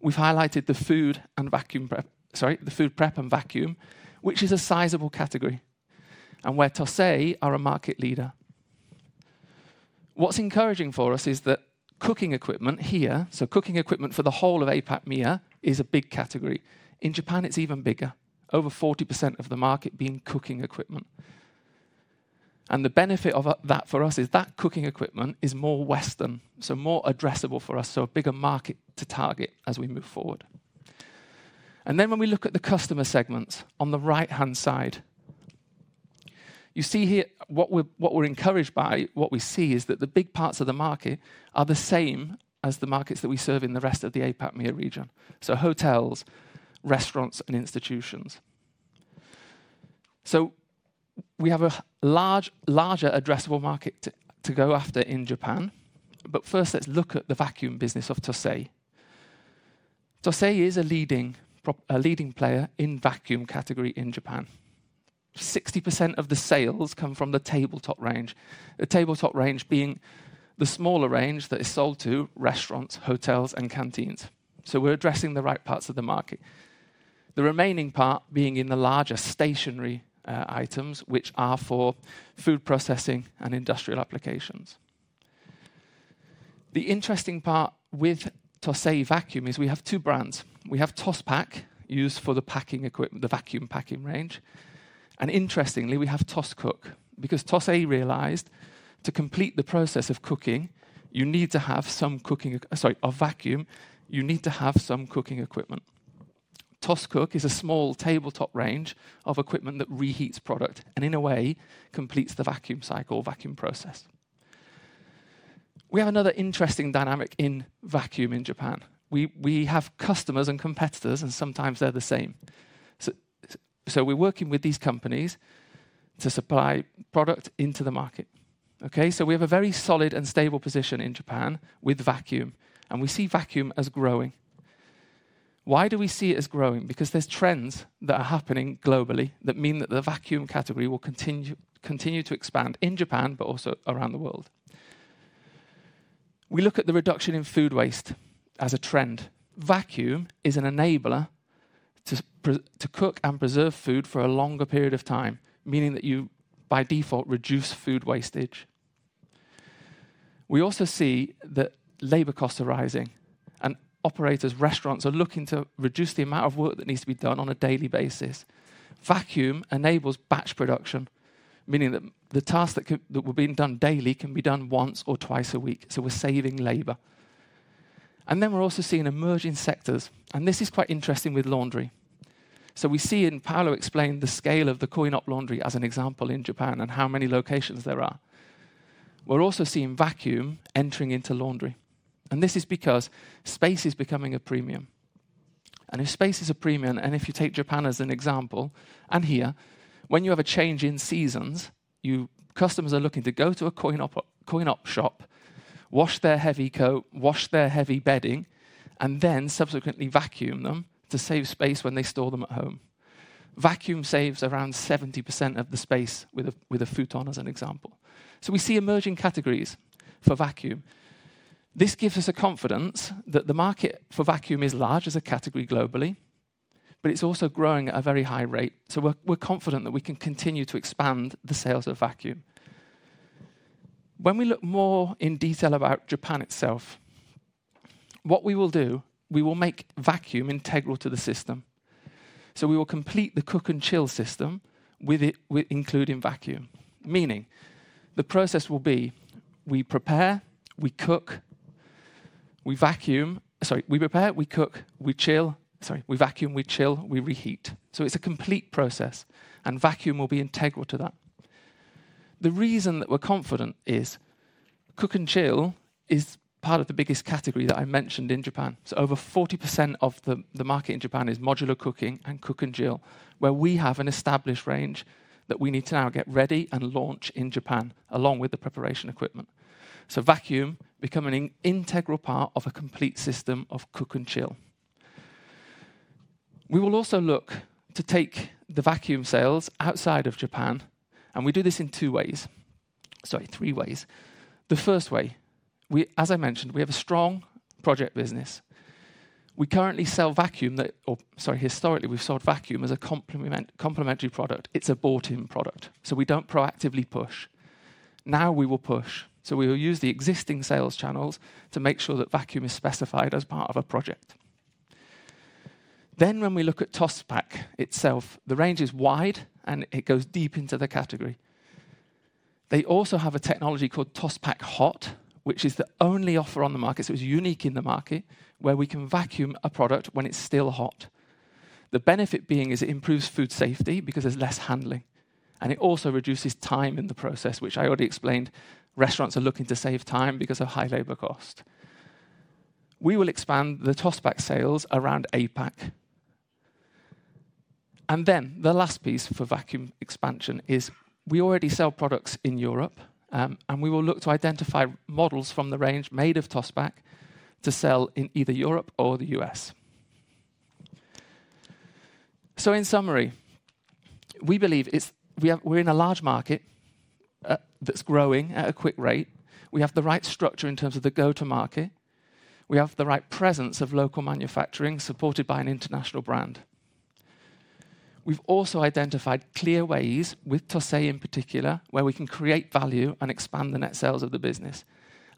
We've highlighted the food and vacuum prep, sorry, the food prep and vacuum, which is a sizable category and where TOSEI are a market leader. What's encouraging for us is that cooking equipment here, so cooking equipment for the whole of APAC MEA, is a big category. In Japan, it's even bigger, over 40% of the market being cooking equipment. And the benefit of that for us is that cooking equipment is more Western, so more addressable for us, so a bigger market to target as we move forward. And then when we look at the customer segments on the right-hand side, you see here what we're encouraged by, what we see is that the big parts of the market are the same as the markets that we serve in the rest of the APAC MEA region, so hotels, restaurants, and institutions. So we have a larger, addressable market to go after in Japan. But first, let's look at the vacuum business of TOSEI. TOSEI is a leading player in vacuum category in Japan. 60% of the sales come from the tabletop range, the tabletop range being the smaller range that is sold to restaurants, hotels, and canteens. So we're addressing the right parts of the market, the remaining part being in the larger stationary items, which are for food processing and industrial applications. The interesting part with TOSEI vacuum is we have two brands. We have TOSPACK, used for the vacuum packing range. And interestingly, we have TOSCOOK because TOSEI realized to complete the process of vacuum, you need to have some cooking equipment. TOSCOOK is a small tabletop range of equipment that reheats product and, in a way, completes the vacuum cycle or vacuum process. We have another interesting dynamic in vacuum in Japan. We have customers and competitors, and sometimes they're the same. So we're working with these companies to supply product into the market. So we have a very solid and stable position in Japan with vacuum, and we see vacuum as growing. Why do we see it as growing? Because there's trends that are happening globally that mean that the vacuum category will continue to expand in Japan but also around the world. We look at the reduction in food waste as a trend. Vacuum is an enabler to cook and preserve food for a longer period of time, meaning that you, by default, reduce food wastage. We also see that labor costs are rising, and operators, restaurants, are looking to reduce the amount of work that needs to be done on a daily basis. Vacuum enables batch production, meaning that the tasks that were being done daily can be done once or twice a week. So we're saving labor. And then we're also seeing emerging sectors, and this is quite interesting with laundry. So we see, and Paolo explained the scale of the coin-op laundry as an example in Japan and how many locations there are. We're also seeing vacuum entering into laundry, and this is because space is becoming a premium. If space is a premium, and if you take Japan as an example, and here, when you have a change in seasons, customers are looking to go to a coin-op shop, wash their heavy coat, wash their heavy bedding, and then subsequently vacuum them to save space when they store them at home. Vacuum saves around 70% of the space with a futon, as an example. We're confident that we can continue to expand the sales of vacuum. When we look more in detail about Japan itself, what we will do, we will make vacuum integral to the system. So we will complete the cook-and-chill system including vacuum, meaning the process will be we prepare, we cook, we vacuum, sorry, we prepare, we cook, we chill, sorry, we vacuum, we chill, we reheat. So it's a complete process, and vacuum will be integral to that. The reason that we're confident is cook-and-chill is part of the biggest category that I mentioned in Japan. So over 40% of the market in Japan is modular cooking and cook-and-chill, where we have an established range that we need to now get ready and launch in Japan along with the preparation equipment. So vacuum becomes an integral part of a complete system of cook-and-chill. We will also look to take the vacuum sales outside of Japan, and we do this in two ways, sorry, three ways. The first way, as I mentioned, we have a strong project business. We currently sell vacuum—or sorry, historically, we've sold vacuum as a complementary product. It's a bought-in product, so we don't proactively push. Now we will push, so we will use the existing sales channels to make sure that vacuum is specified as part of a project. Then when we look at TOSPACK itself, the range is wide, and it goes deep into the category. They also have a technology called TOSPACK Hot, which is the only offer on the market, so it's unique in the market, where we can vacuum a product when it's still hot. The benefit being is it improves food safety because there's less handling, and it also reduces time in the process, which I already explained. Restaurants are looking to save time because of high labor costs. We will expand the TOSPACK sales around APAC. Then the last piece for vacuum expansion is we already sell products in Europe, and we will look to identify models from the range made of TOSPACK to sell in either Europe or the US. In summary, we believe we're in a large market that's growing at a quick rate. We have the right structure in terms of the go-to-market. We have the right presence of local manufacturing supported by an international brand. We've also identified clear ways with TOSEI in particular where we can create value and expand the net sales of the business.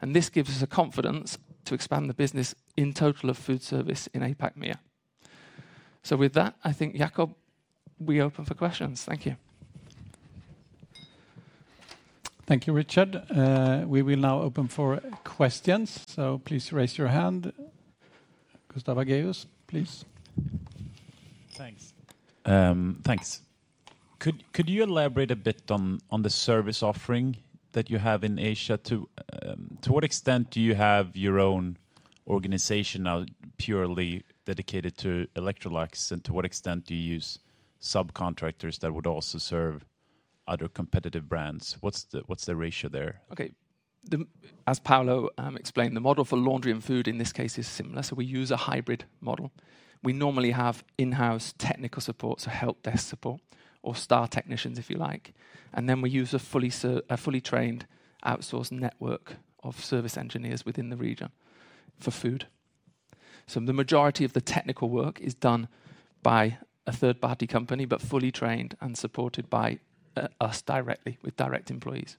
This gives us a confidence to expand the business in total of food service in APAC MEA. With that, I think, Jacob, we open for questions. Thank you. Thank you, Richard. We will now open for questions, so please raise your hand. Gustav Hagéus, please. Thanks. Thanks. Could you elaborate a bit on the service offering that you have in Asia? To what extent do you have your own organization now purely dedicated to Electrolux, and to what extent do you use subcontractors that would also serve other competitive brands? What's the ratio there? Okay. As Paolo explained, the model for laundry and food in this case is similar, so we use a hybrid model. We normally have in-house technical support, so help desk support, or star technicians, if you like. And then we use a fully trained outsourced network of service engineers within the region for food. So the majority of the technical work is done by a third-party company but fully trained and supported by us directly with direct employees.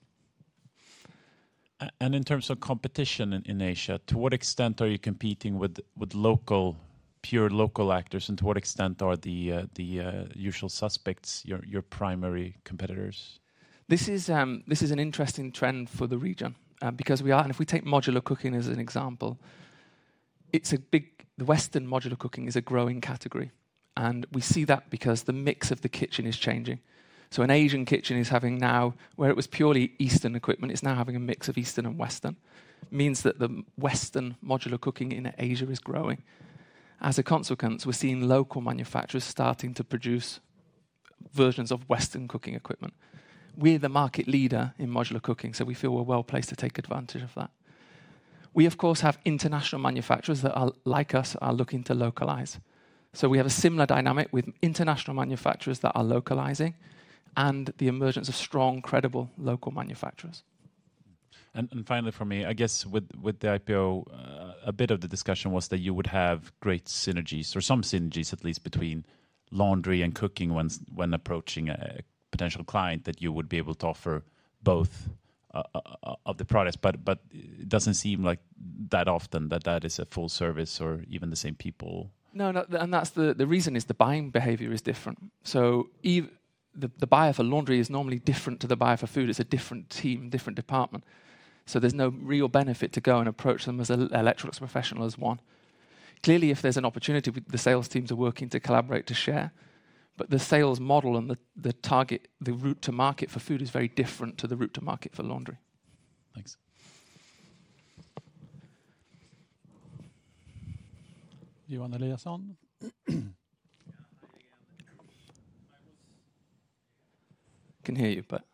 In terms of competition in Asia, to what extent are you competing with pure local actors, and to what extent are the usual suspects your primary competitors? This is an interesting trend for the region because we are, and if we take modular cooking as an example, it's a big. Western modular cooking is a growing category, and we see that because the mix of the kitchen is changing. So an Asian kitchen is having now, where it was purely Eastern equipment, it's now having a mix of Eastern and Western. [This] means that the Western modular cooking in Asia is growing. As a consequence, we're seeing local manufacturers starting to produce versions of Western cooking equipment. We're the market leader in modular cooking, so we feel we're well placed to take advantage of that. We, of course, have international manufacturers that, like us, are looking to localize. So we have a similar dynamic with international manufacturers that are localizing and the emergence of strong, credible local manufacturers. And finally for me, I guess with the IPO, a bit of the discussion was that you would have great synergies or some synergies, at least, between laundry and cooking when approaching a potential client that you would be able to offer both of the products. But it doesn't seem like that often that that is a full service or even the same people. No, and that's the reason: the buying behavior is different. So the buyer for laundry is normally different to the buyer for food. It's a different team, different department. So there's no real benefit to go and approach them as an Electrolux Professional as one. Clearly, if there's an opportunity, the sales teams are working to collaborate to share. But the sales model and the route to market for food is very different to the route to market for laundry. Thanks. You want to lead us on? I can hear you, but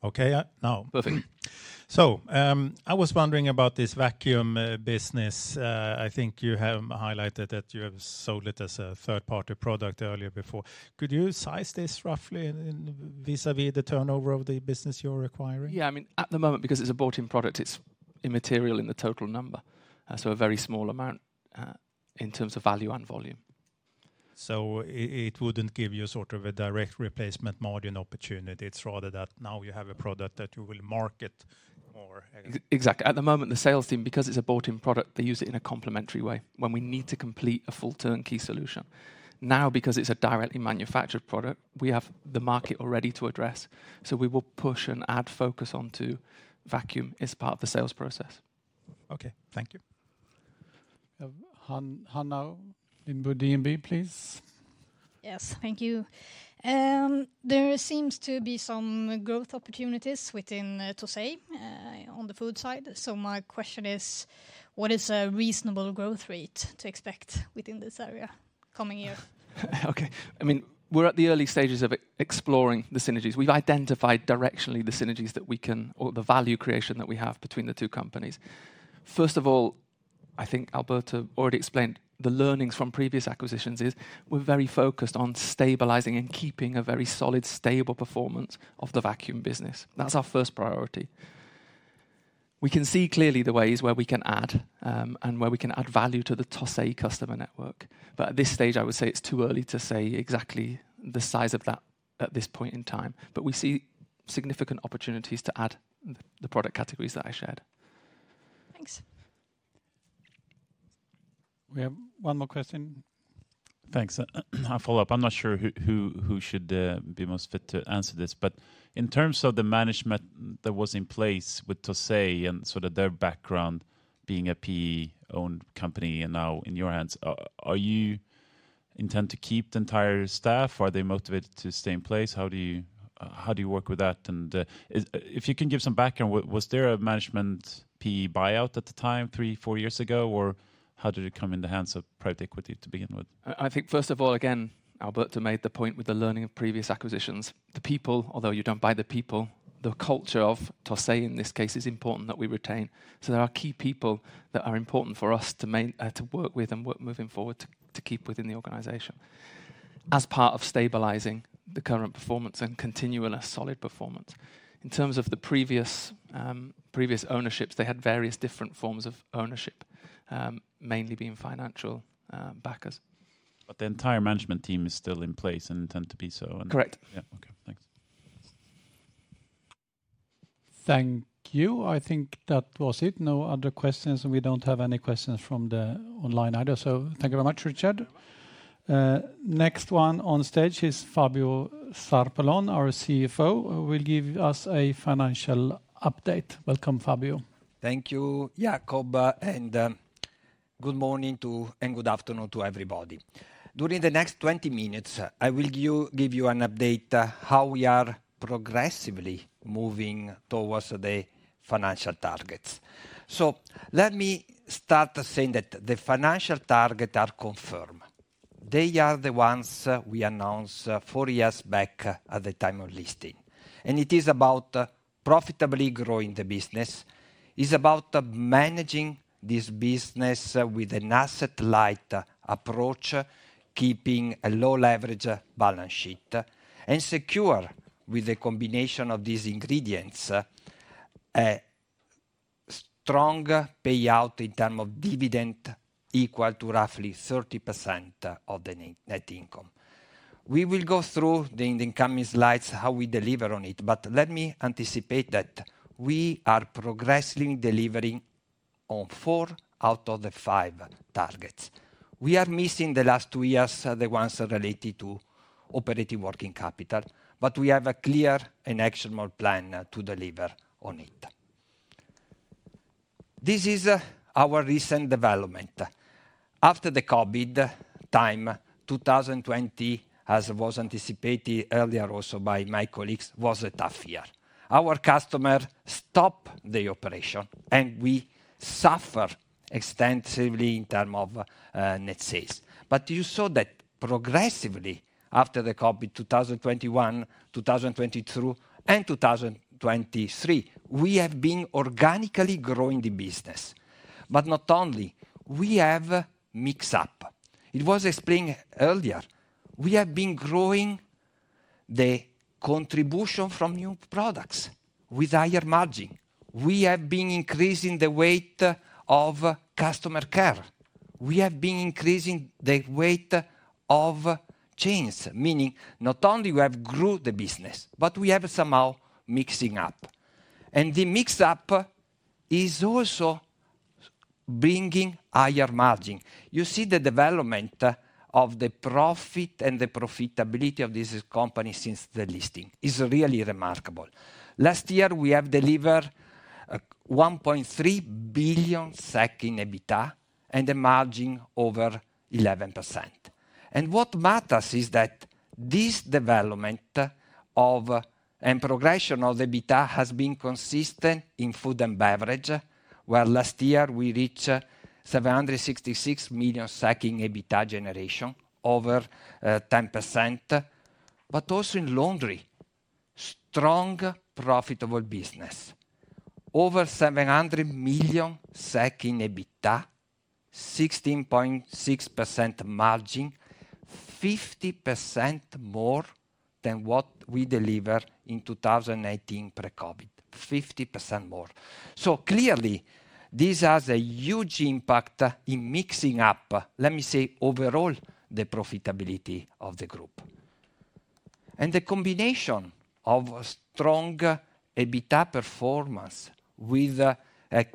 yeah. Yep, it's the mic. Okay, now. Perfect. I was wondering about this vacuum business. I think you have highlighted that you have sold it as a third-party product earlier before. Could you size this roughly vis-à-vis the turnover of the business you're acquiring? Yeah, I mean, at the moment, because it's a bought-in product, it's immaterial in the total number, so a very small amount in terms of value and volume. It wouldn't give you sort of a direct replacement margin opportunity. It's rather that now you have a product that you will market more, I guess. Exactly. At the moment, the sales team, because it's a bought-in product, they use it in a complementary way when we need to complete a full turnkey solution. Now, because it's a directly manufactured product, we have the market already to address, so we will push and add focus onto vacuum as part of the sales process. Okay, thank you. Hannah Lindberg, DNB, please. Yes, thank you. There seems to be some growth opportunities within TOSEI on the food side, so my question is: what is a reasonable growth rate to expect within this area coming year? Okay. I mean, we're at the early stages of exploring the synergies. We've identified directionally the synergies that we can, or the value creation that we have between the two companies. First of all, I think Alberto already explained the learnings from previous acquisitions: we're very focused on stabilizing and keeping a very solid, stable performance of the vacuum business. That's our first priority. We can see clearly the ways where we can add and where we can add value to the TOSEI customer network. But at this stage, I would say it's too early to say exactly the size of that at this point in time. But we see significant opportunities to add the product categories that I shared. Thanks. We have one more question. Thanks. I'll follow up. I'm not sure who should be most fit to answer this, but in terms of the management that was in place with TOSEI and sort of their background being a PE-owned company and now in your hands, are you intending to keep the entire staff, or are they motivated to stay in place? How do you work with that? If you can give some background, was there a management PE buyout at the time, 3-4 years ago, or how did it come in the hands of private equity to begin with? I think, first of all, again, Alberto made the point with the learning of previous acquisitions. The people, although you don't buy the people, the culture of TOSEI, in this case, is important that we retain. So there are key people that are important for us to work with and work moving forward to keep within the organization as part of stabilizing the current performance and continuing a solid performance. In terms of the previous ownerships, they had various different forms of ownership, mainly being financial backers. The entire management team is still in place and intends to be so, and. Correct. Yeah, okay, thanks. Thank you. I think that was it. No other questions, and we don't have any questions from the online either, so thank you very much, Richard. Next one on stage is Fabio Zarpellon, our CFO, who will give us a financial update. Welcome, Fabio. Thank you, Jacob, and good morning and good afternoon to everybody. During the next 20 minutes, I will give you an update on how we are progressively moving towards the financial targets. Let me start saying that the financial targets are confirmed. They are the ones we announced four years back at the time of listing, and it is about profitably growing the business. It's about managing this business with an asset-light approach, keeping a low-leverage balance sheet, and securing, with a combination of these ingredients, a strong payout in terms of dividends equal to roughly 30% of the net income. We will go through in the incoming slides how we deliver on it, but let me anticipate that we are progressively delivering on four out of the five targets. We are missing, in the last two years, the ones related to operating working capital, but we have a clear and actionable plan to deliver on it. This is our recent development. After the COVID time, 2020, as was anticipated earlier also by my colleagues, was a tough year. Our customers stopped the operation, and we suffered extensively in terms of net sales. You saw that progressively, after the COVID, 2021, 2022, and 2023, we have been organically growing the business. Not only, we have mixed up. It was explained earlier. We have been growing the contribution from new products with higher margin. We have been increasing the weight of customer care. We have been increasing the weight of change, meaning not only have we grown the business, but we have somehow mixed it up. The mix-up is also bringing higher margin. You see the development of the profit and the profitability of this company since the listing is really remarkable. Last year, we delivered 1.3 billion SEK in EBITDA and a margin of over 11%. What matters is that this development and progression of EBITDA has been consistent in food and beverage, where last year we reached 766 million in EBITDA generation, over 10%, but also in laundry, strong, profitable business, over 700 million in EBITDA, 16.6% margin, 50% more than what we delivered in 2018 pre-COVID, 50% more. Clearly, this has a huge impact in mixing up, let me say, overall the profitability of the group. The combination of strong EBITDA performance with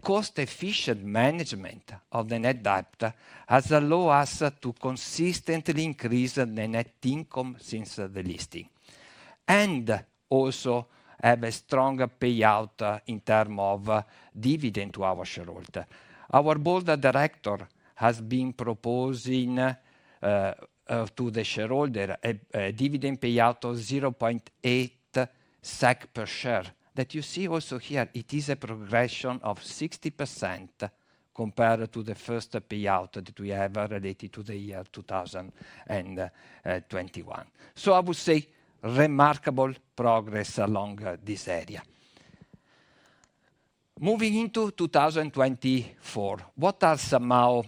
cost-efficient management of the net debt has allowed us to consistently increase the net income since the listing and also have a strong payout in terms of dividends to our shareholders. Our board of directors has been proposing to the shareholders a dividend payout of 0.8 SEK per share. That you see also here, it is a progression of 60% compared to the first payout that we have related to the year 2021. So I would say remarkable progress along this area. Moving into 2024, what are somehow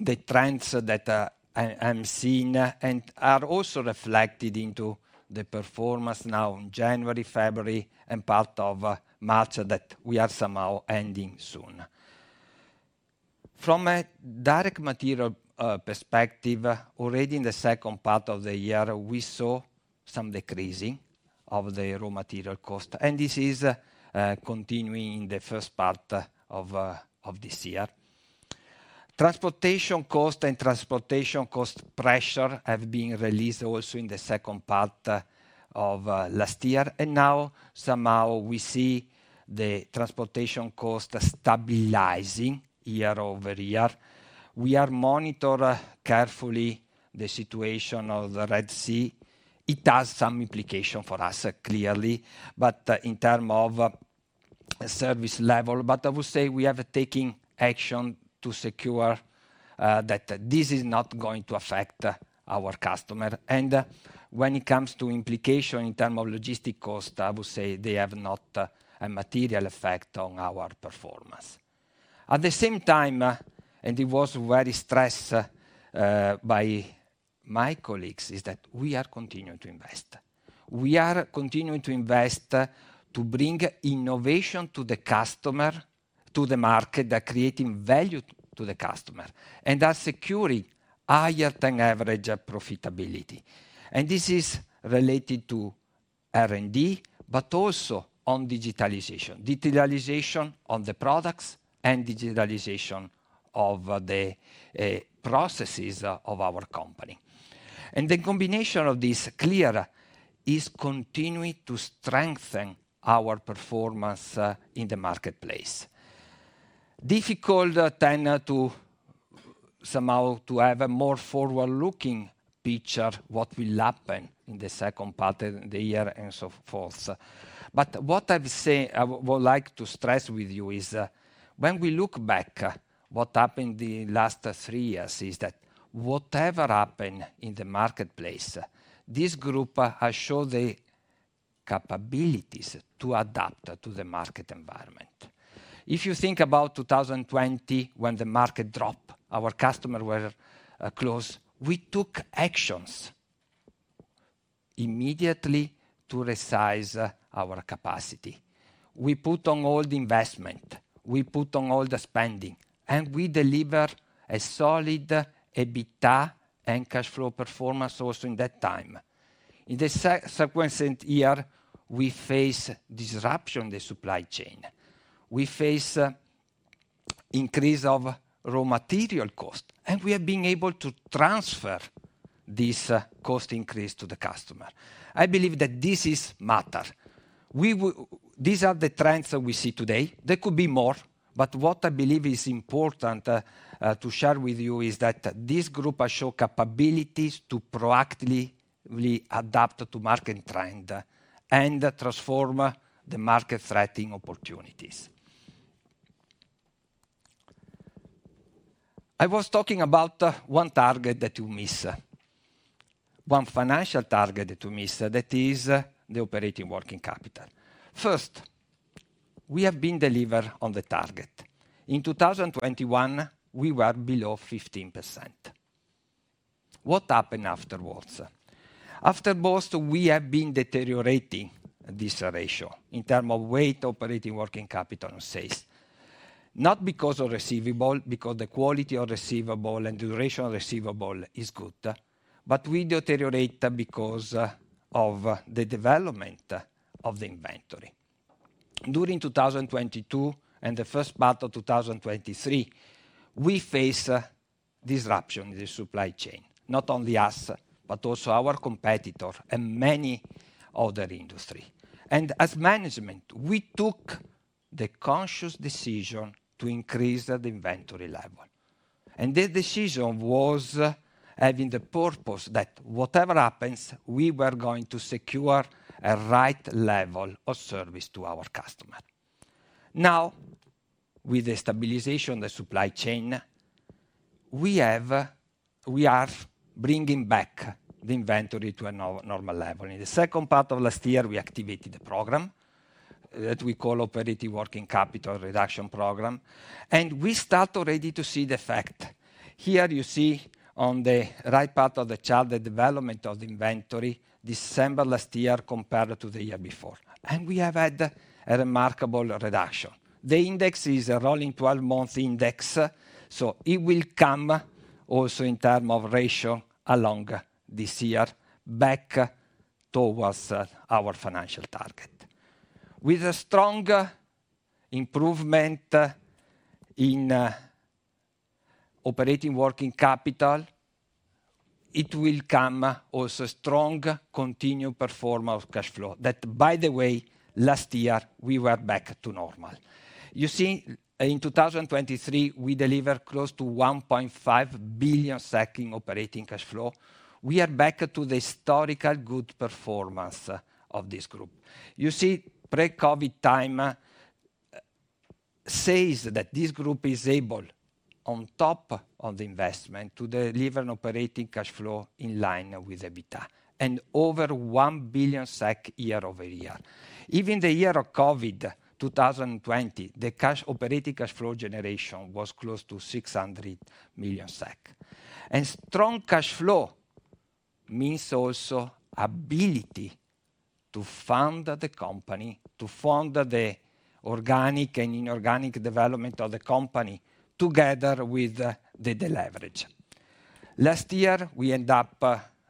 the trends that I'm seeing and are also reflected into the performance now in January, February, and part of March that we are somehow ending soon? From a direct material perspective, already in the second part of the year, we saw some decreasing of the raw material cost, and this is continuing in the first part of this year. Transportation cost and transportation cost pressure have been released also in the second part of last year, and now somehow we see the transportation cost stabilizing year-over-year. We are monitoring carefully the situation of the Red Sea. It has some implications for us, clearly, but in terms of service level. I would say we have taken action to secure that this is not going to affect our customers. When it comes to implications in terms of logistic cost, I would say they have not a material effect on our performance. At the same time, and it was very stressed by my colleagues, is that we are continuing to invest. We are continuing to invest to bring innovation to the customer, to the market, creating value to the customer, and are securing higher-than-average profitability. This is related to R&D, but also on digitalization, digitalization of the products, and digitalization of the processes of our company. The combination of this clearly is continuing to strengthen our performance in the marketplace. Difficult then to somehow have a more forward-looking picture, what will happen in the second part of the year and so forth. But what I would like to stress with you is when we look back at what happened in the last three years, is that whatever happened in the marketplace, this group has shown the capabilities to adapt to the market environment. If you think about 2020, when the market dropped, our customers were closed. We took actions immediately to resize our capacity. We put on all the investment, we put on all the spending, and we delivered a solid EBITDA and cash flow performance also in that time. In the subsequent year, we faced disruption in the supply chain. We faced an increase in raw material costs, and we have been able to transfer this cost increase to the customer. I believe that this matters. These are the trends that we see today. There could be more, but what I believe is important to share with you is that this group has shown capabilities to proactively adapt to market trends and transform the market threatening opportunities. I was talking about one target that you miss, one financial target that you miss, that is the operating working capital. First, we have been delivering on the target. In 2021, we were below 15%. What happened afterwards? Afterwards, we have been deteriorating this ratio in terms of weight, operating working capital, and sales. Not because of receivable, because the quality of receivable and duration of receivable is good, but we deteriorate because of the development of the inventory. During 2022 and the first part of 2023, we faced disruption in the supply chain, not only us, but also our competitors and many other industries. As management, we took the conscious decision to increase the inventory level. This decision was having the purpose that whatever happens, we were going to secure the right level of service to our customers. Now, with the stabilization of the supply chain, we are bringing back the inventory to a normal level. In the second part of last year, we activated the program that we call the Operating Working Capital Reduction Program, and we started already to see the effect. Here you see on the right part of the chart the development of the inventory in December last year compared to the year before. We have had a remarkable reduction. The index is a rolling 12-month index, so it will come also in terms of ratio along this year back towards our financial target. With a strong improvement in operating working capital, it will come also a strong continued performance of cash flow that, by the way, last year we were back to normal. You see, in 2023, we delivered close to 1.5 billion in operating cash flow. We are back to the historical good performance of this group. You see, pre-COVID time says that this group is able, on top of the investment, to deliver an operating cash flow in line with EBITDA and over 1 billion SEK year-over-year. Even in the year of COVID, 2020, the operating cash flow generation was close to 600 million SEK. And strong cash flow means also the ability to fund the company, to fund the organic and inorganic development of the company together with the leverage. Last year, we ended up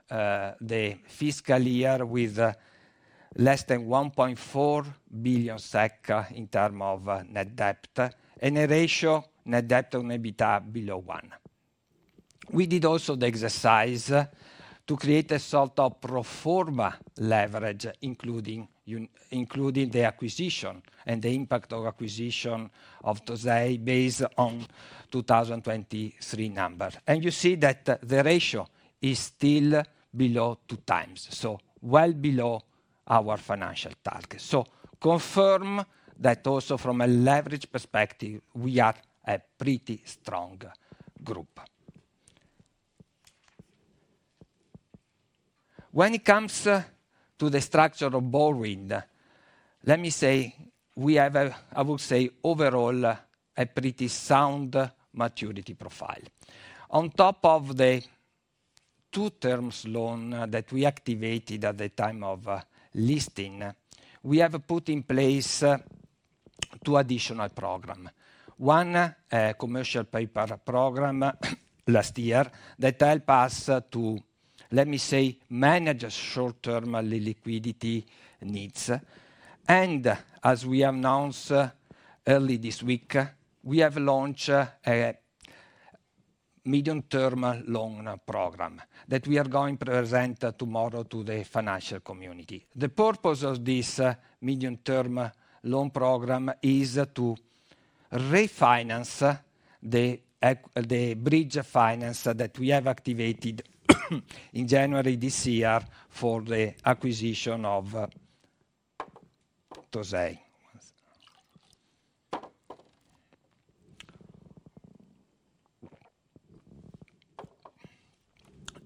the fiscal year with less than 1.4 billion SEK in terms of net debt and a ratio of net debt on EBITDA below 1. We did also the exercise to create a sort of pro forma leverage, including the acquisition and the impact of acquisition of TOSEI based on the 2023 number. And you see that the ratio is still below 2 times, so well below our financial target. So confirm that also from a leverage perspective, we are a pretty strong group. When it comes to the structure of Borwind, let me say we have, I would say, overall a pretty sound maturity profile. On top of the two-term loan that we activated at the time of listing, we have put in place two additional programs. One commercial paper program last year that helped us to, let me say, manage short-term liquidity needs. As we announced early this week, we have launched a medium-term loan program that we are going to present tomorrow to the financial community. The purpose of this medium-term loan program is to refinance the bridge finance that we have activated in January this year for the acquisition of TOSEI.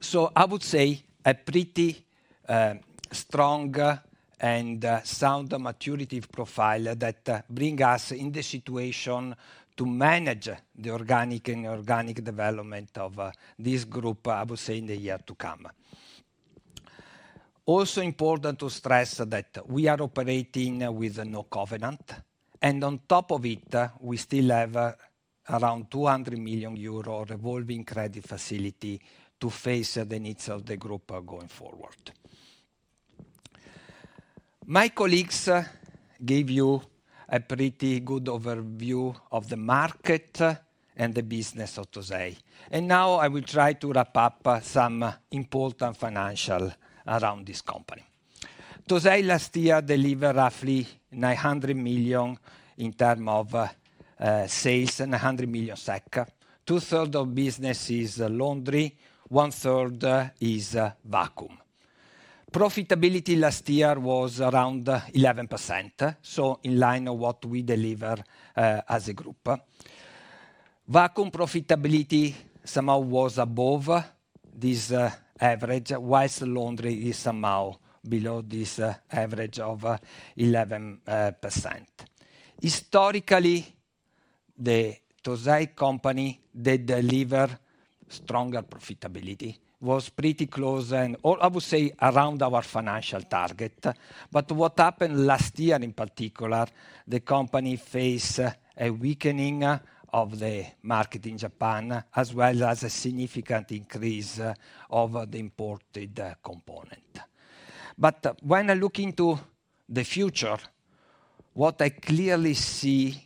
So I would say a pretty strong and sound maturity profile that brings us in the situation to manage the organic and inorganic development of this group, I would say, in the year to come. Also important to stress that we are operating with no covenant. And on top of it, we still have around 200 million euro of revolving credit facility to face the needs of the group going forward. My colleagues gave you a pretty good overview of the market and the business of TOSEI. Now I will try to wrap up some important financials around this company. TOSEI last year delivered roughly 900 million SEK in terms of sales. Two-thirds of business is laundry, one-third is vacuum. Profitability last year was around 11%, so in line with what we deliver as a group. Vacuum profitability somehow was above this average, while laundry is somehow below this average of 11%. Historically, the TOSEI company that delivered stronger profitability was pretty close, and I would say, around our financial target. But what happened last year in particular, the company faced a weakening of the market in Japan, as well as a significant increase of the imported component. But when I look into the future, what I clearly see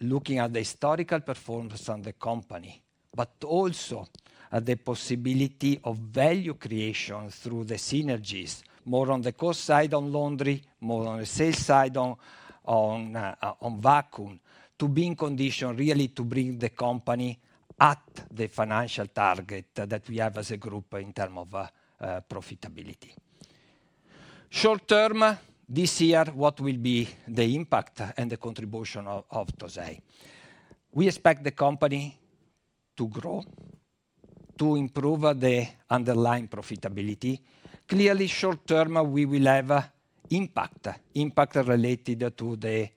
looking at the historical performance of the company, but also at the possibility of value creation through the synergies. More on the cost side on laundry, more on the sales side on vacuum, to be in condition really to bring the company at the financial target that we have as a group in terms of profitability. Short-term this year, what will be the impact and the contribution of TOSEI? We expect the company to grow, to improve the underlying profitability. Clearly, short-term we will have impact, impact related to the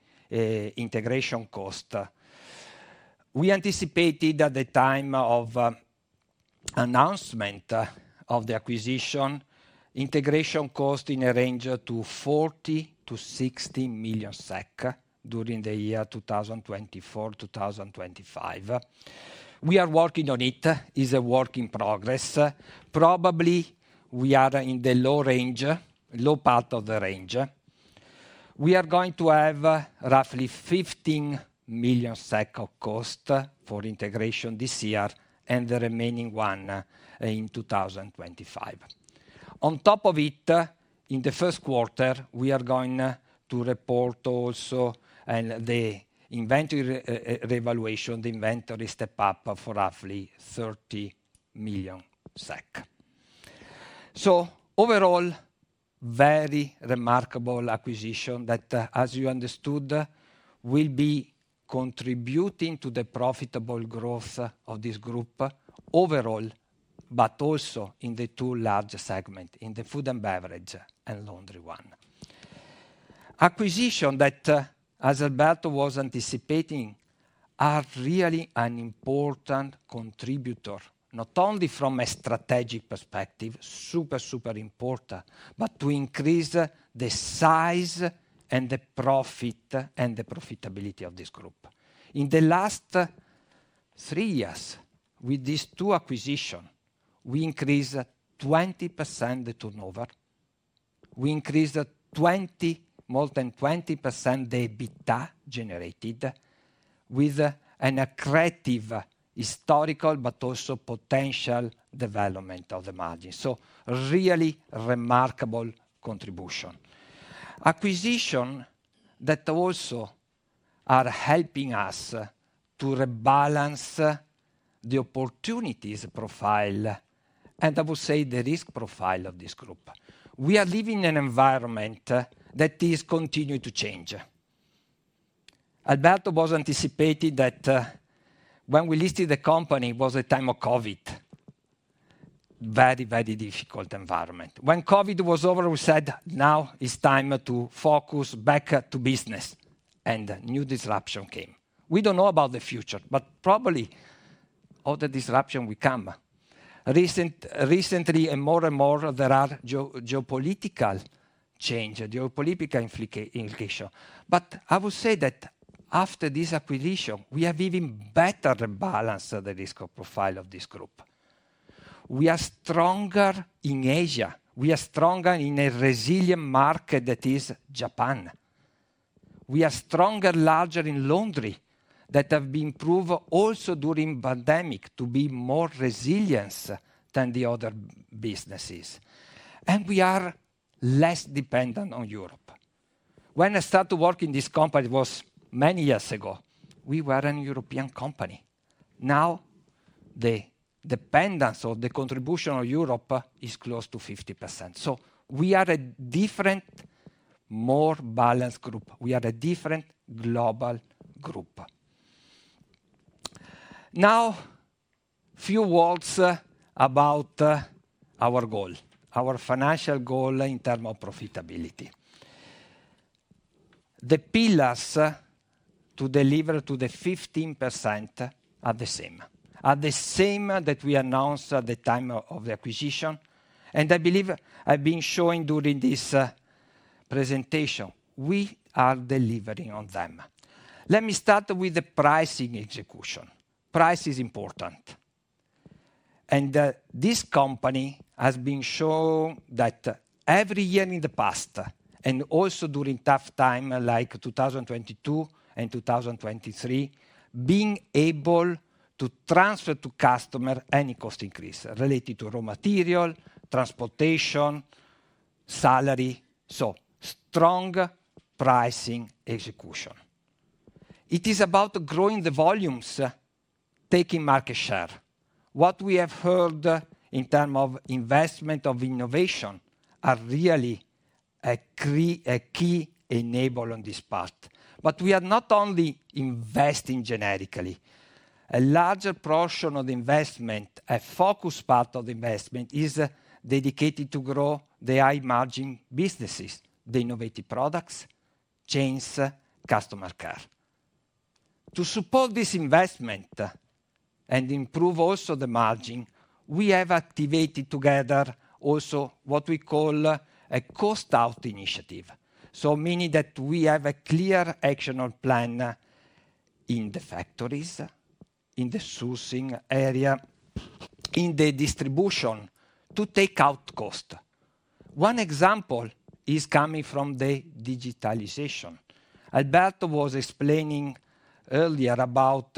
integration cost. We anticipated at the time of announcement of the acquisition, integration cost in a range of 40 million-60 million SEK during the year 2024-2025. We are working on it. It is a work in progress. Probably we are in the low range, low part of the range. We are going to have roughly 15 million SEK of cost for integration this year and the remaining one in 2025. On top of it, in the first quarter, we are going to report also the inventory revaluation. The inventory stepped up for roughly 30 million SEK. So overall, a very remarkable acquisition that, as you understood, will be contributing to the profitable growth of this group overall, but also in the two large segments, in the food and beverage and laundry one. Acquisitions that, as Alberto was anticipating, are really an important contributor, not only from a strategic perspective, super, super important, but to increase the size and the profit and the profitability of this group. In the last three years, with these two acquisitions, we increased 20% the turnover. We increased more than 20% the EBITDA generated with an accretive historical, but also potential development of the margin. So really remarkable contribution. Acquisitions that also are helping us to rebalance the opportunities profile, and I would say the risk profile of this group. We are living in an environment that is continuing to change. Alberto was anticipating that when we listed the company; it was the time of COVID. Very, very difficult environment. When COVID was over, we said, now it's time to focus back to business. And a new disruption came. We don't know about the future, but probably other disruptions will come. Recently, and more and more, there are geopolitical changes, geopolitical implications. But I would say that after this acquisition, we have even better balanced the risk profile of this group. We are stronger in Asia. We are stronger in a resilient market that is Japan. We are stronger, larger in laundry that has been improved also during the pandemic to be more resilient than the other businesses. We are less dependent on Europe. When I started to work in this company, it was many years ago. We were a European company. Now the dependence or the contribution of Europe is close to 50%. We are a different, more balanced group. We are a different global group. Now, a few words about our goal, our financial goal in terms of profitability. The pillars to deliver to the 15% are the same, are the same that we announced at the time of the acquisition. I believe I've been showing during this presentation, we are delivering on them. Let me start with the pricing execution. Price is important. This company has been shown that every year in the past and also during tough times like 2022 and 2023, being able to transfer to customers any cost increase related to raw material, transportation, salary. So strong pricing execution. It is about growing the volumes, taking market share. What we have heard in terms of investment of innovation are really a key enabler on this part. But we are not only investing generically. A larger portion of the investment, a focused part of the investment, is dedicated to grow the high margin businesses, the innovative products, chains, customer care. To support this investment and improve also the margin, we have activated together also what we call a cost-out initiative. So meaning that we have a clear action plan in the factories, in the sourcing area, in the distribution to take out cost. One example is coming from the digitalization. Alberto was explaining earlier about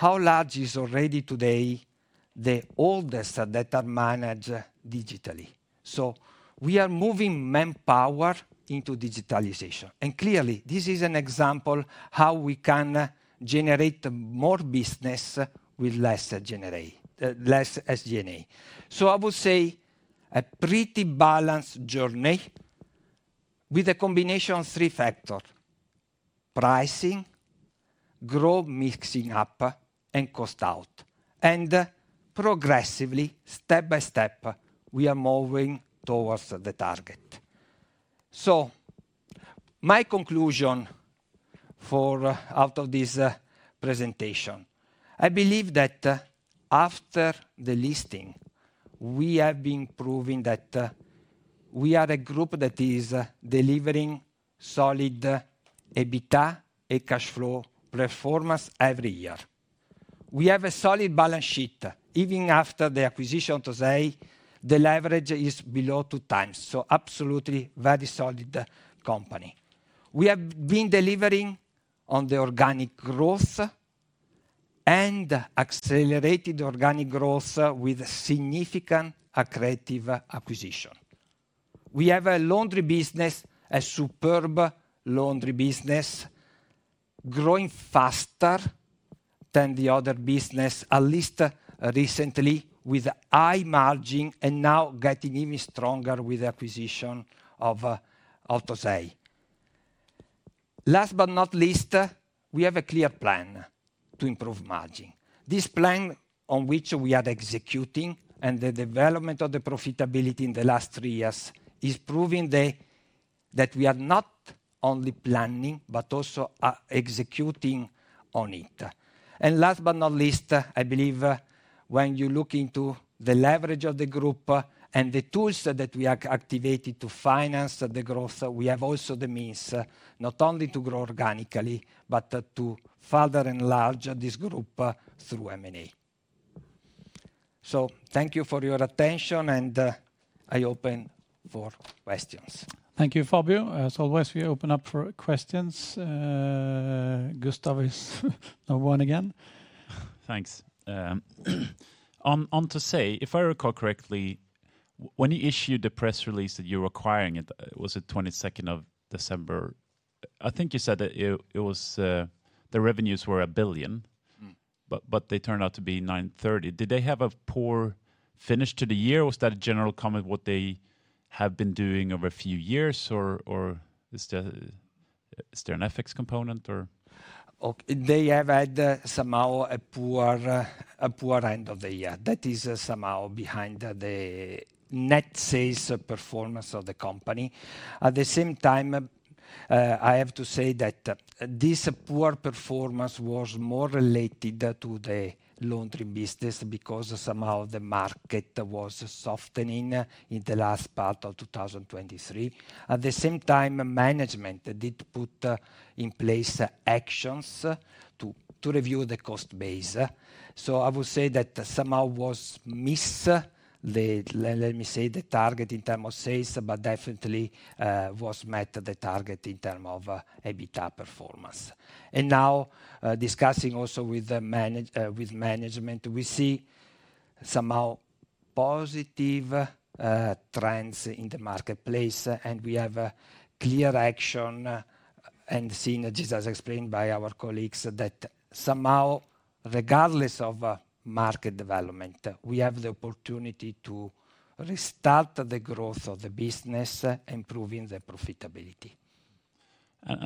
how large is already today the orders that are managed digitally. So we are moving manpower into digitalization. Clearly, this is an example of how we can generate more business with less SG&A. So I would say a pretty balanced journey with a combination of three factors: pricing, growth mixing up, and cost-out. Progressively, step by step, we are moving towards the target. So my conclusion out of this presentation, I believe that after the listing, we have been proving that we are a group that is delivering solid EBITDA and cash flow performance every year. We have a solid balance sheet. Even after the acquisition of TOSEI, the leverage is below 2 times. So absolutely a very solid company. We have been delivering on the organic growth and accelerated organic growth with significant accretive acquisition. We have a laundry business, a superb laundry business, growing faster than the other business, at least recently, with high margin and now getting even stronger with the acquisition of TOSEI. Last but not least, we have a clear plan to improve margin. This plan on which we are executing and the development of the profitability in the last three years is proving that we are not only planning, but also executing on it. And last but not least, I believe when you look into the leverage of the group and the tools that we have activated to finance the growth, we have also the means not only to grow organically, but to further enlarge this group through M&A. So thank you for your attention and I open for questions. Thank you, Fabio. As always, we open up for questions. Gustav is number one again. Thanks. On TOSEI, if I recall correctly, when you issued the press release that you're acquiring it, was it 22nd of December? I think you said that the revenues were 1 billion, but they turned out to be 930 million. Did they have a poor finish to the year? Was that a general comment of what they have been doing over a few years? Or is there an ethics component? They have had somehow a poor end of the year. That is somehow behind the net sales performance of the company. At the same time, I have to say that this poor performance was more related to the laundry business because somehow the market was softening in the last part of 2023. At the same time, management did put in place actions to review the cost base. So I would say that somehow was missed, let me say, the target in terms of sales, but definitely was met the target in terms of EBITDA performance. And now, discussing also with management, we see somehow positive trends in the marketplace and we have a clear action and synergies, as explained by our colleagues, that somehow, regardless of market development, we have the opportunity to restart the growth of the business, improving the profitability.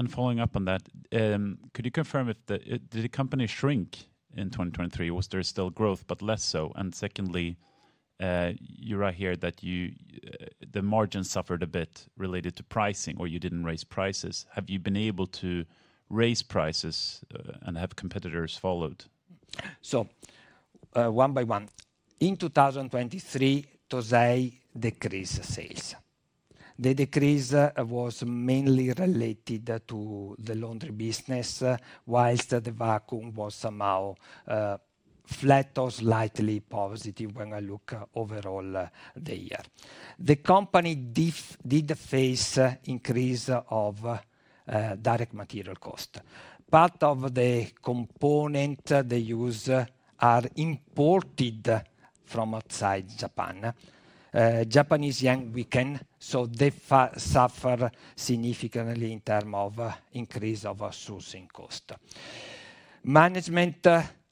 Following up on that, could you confirm if the company shrank in 2023? Was there still growth, but less so? Secondly, you write here that the margin suffered a bit related to pricing or you didn't raise prices. Have you been able to raise prices and have competitors followed? So one by one. In 2023, TOSEI decreased sales. The decrease was mainly related to the laundry business, whilst the vacuum was somehow flat or slightly positive when I look overall the year. The company did face an increase of direct material cost. Part of the components they use are imported from outside Japan. Japan is yen weakened, so they suffer significantly in terms of increase of sourcing cost. Management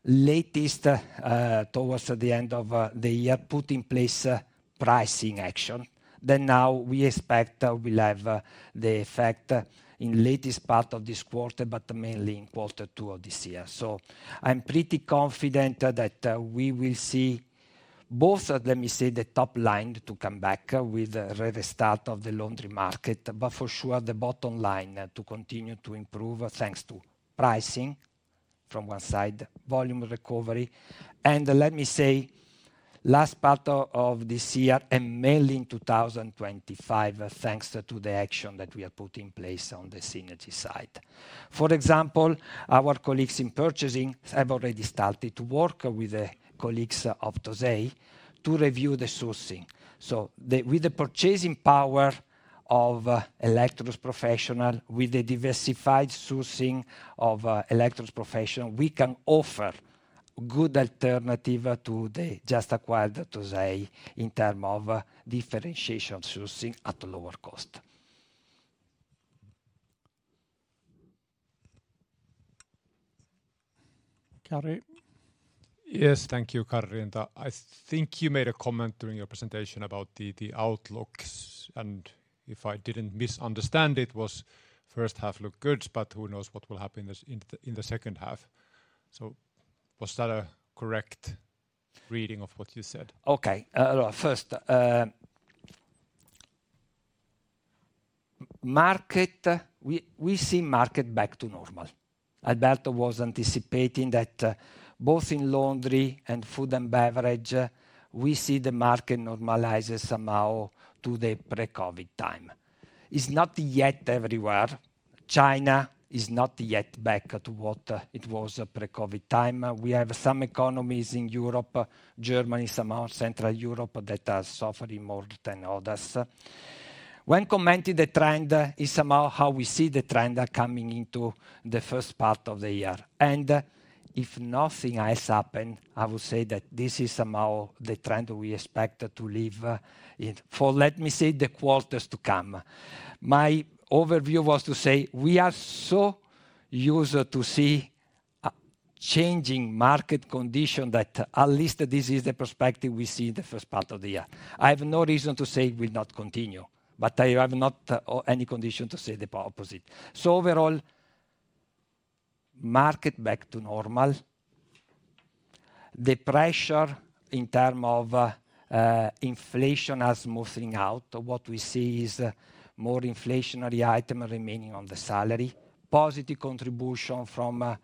lately towards the end of the year put in place pricing action. Then now we expect we'll have the effect in the latest part of this quarter, but mainly in quarter two of this year. So I'm pretty confident that we will see both, let me say, the top line to come back with a restart of the laundry market, but for sure the bottom line to continue to improve thanks to pricing from one side, volume recovery. And let me say, last part of this year and mainly in 2025, thanks to the action that we are putting in place on the synergy side. For example, our colleagues in purchasing have already started to work with the colleagues of TOSEI to review the sourcing. So with the purchasing power of Electrolux Professional, with the diversified sourcing of Electrolux Professional, we can offer a good alternative to the just acquired TOSEI in terms of differentiation of sourcing at a lower cost. Yes, thank you, Karri. I think you made a comment during your presentation about the outlook. And if I didn't misunderstand, it was first half looked good, but who knows what will happen in the second half? So was that a correct reading of what you said? Okay, first. The market, we see the market back to normal. Alberto was anticipating that both in laundry and food and beverage, we see the market normalize somehow to the pre-COVID time. It's not yet everywhere. China is not yet back to what it was pre-COVID time. We have some economies in Europe, Germany, somehow Central Europe that are suffering more than others. When commenting the trend, it's somehow how we see the trend coming into the first part of the year. If nothing else happens, I would say that this is somehow the trend we expect to live in for, let me say, the quarters to come. My overview was to say we are so used to see changing market conditions that at least this is the perspective we see in the first part of the year. I have no reason to say it will not continue, but I have not any condition to say the opposite. So overall, market back to normal. The pressure in terms of inflation is moving out. What we see is more inflationary items remaining on the salary. Positive contribution from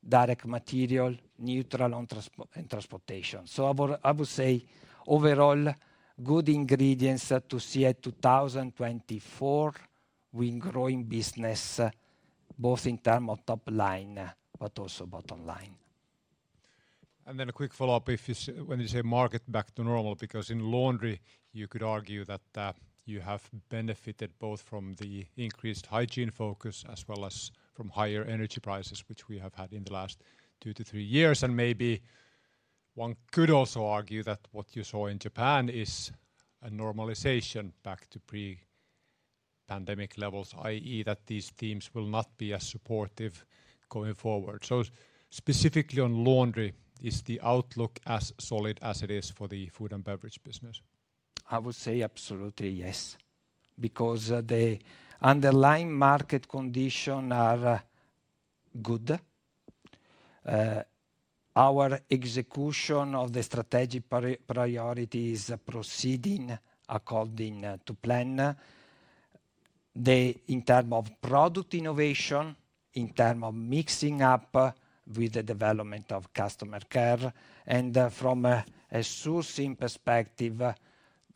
direct material, neutral on transportation. So I would say overall, good ingredients to see at 2024, we're growing business both in terms of top line, but also bottom line. A quick follow-up when you say market back to normal, because in laundry, you could argue that you have benefited both from the increased hygiene focus as well as from higher energy prices, which we have had in the last 2-3 years. Maybe one could also argue that what you saw in Japan is a normalization back to pre-pandemic levels, i.e., that these themes will not be as supportive going forward. Specifically on laundry, is the outlook as solid as it is for the food and beverage business? I would say absolutely yes, because the underlying market conditions are good. Our execution of the strategic priorities is proceeding according to plan. In terms of product innovation, in terms of mixing up with the development of customer care and from a sourcing perspective,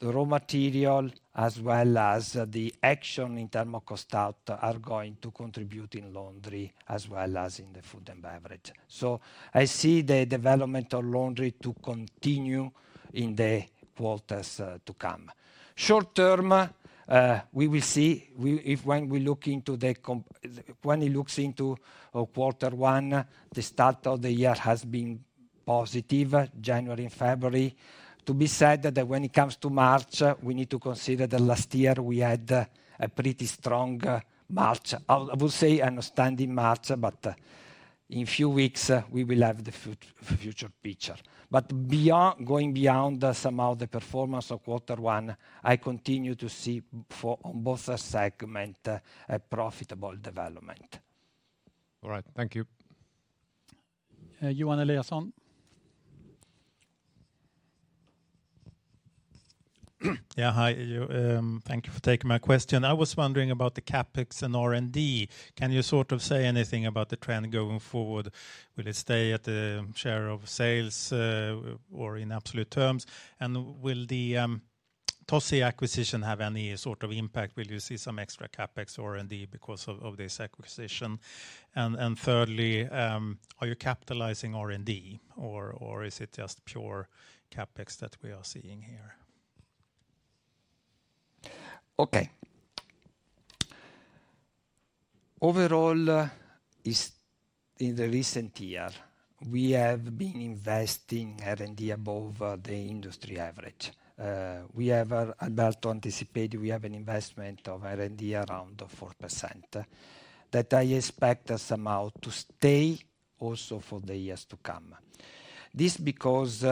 the raw material as well as the action in terms of cost-out are going to contribute in laundry as well as in the food and beverage. So I see the development of laundry to continue in the quarters to come. Short term, we will see when we look into the quarter one, the start of the year has been positive, January and February. To be said that when it comes to March, we need to consider that last year we had a pretty strong March. I would say understanding March, but in a few weeks we will have the future picture. Going beyond somehow the performance of quarter one, I continue to see on both segments a profitable development. All right, thank you. Johan Eliasson. Yeah, hi. Thank you for taking my question. I was wondering about the CapEx and R&D. Can you sort of say anything about the trend going forward? Will it stay at the share of sales or in absolute terms? And will the TOSEI acquisition have any sort of impact? Will you see some extra CapEx or R&D because of this acquisition? And thirdly, are you capitalizing R&D or is it just pure CapEx that we are seeing here? Okay. Overall, in the recent year, we have been investing R&D above the industry average. Alberto anticipated we have an investment of R&D around 4% that I expect somehow to stay also for the years to come. This is because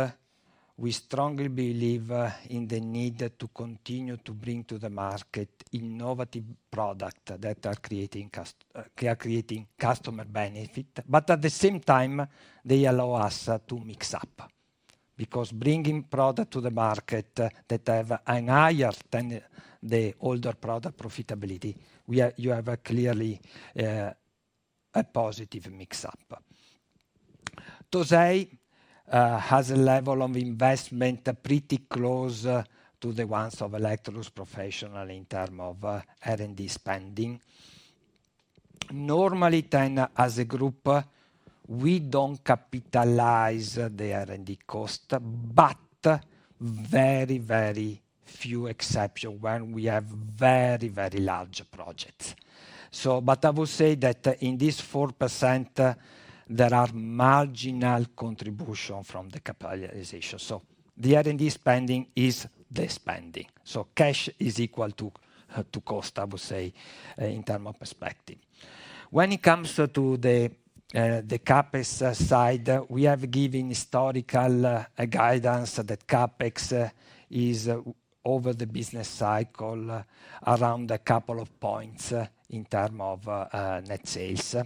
we strongly believe in the need to continue to bring to the market innovative products that are creating customer benefit, but at the same time, they allow us to mix up. Because bringing products to the market that have a higher than the older product profitability, you have clearly a positive mix-up. TOSEI has a level of investment pretty close to the ones of Electrolux Professional in terms of R&D spending. Normally, then as a group, we don't capitalize the R&D cost, but very, very few exceptions when we have very, very large projects. But I will say that in this 4%, there are marginal contributions from the capitalization. So the R&D spending is the spending. So cash is equal to cost, I would say, in terms of perspective. When it comes to the CapEx side, we have given historical guidance that CapEx is over the business cycle around a couple of points in terms of net sales.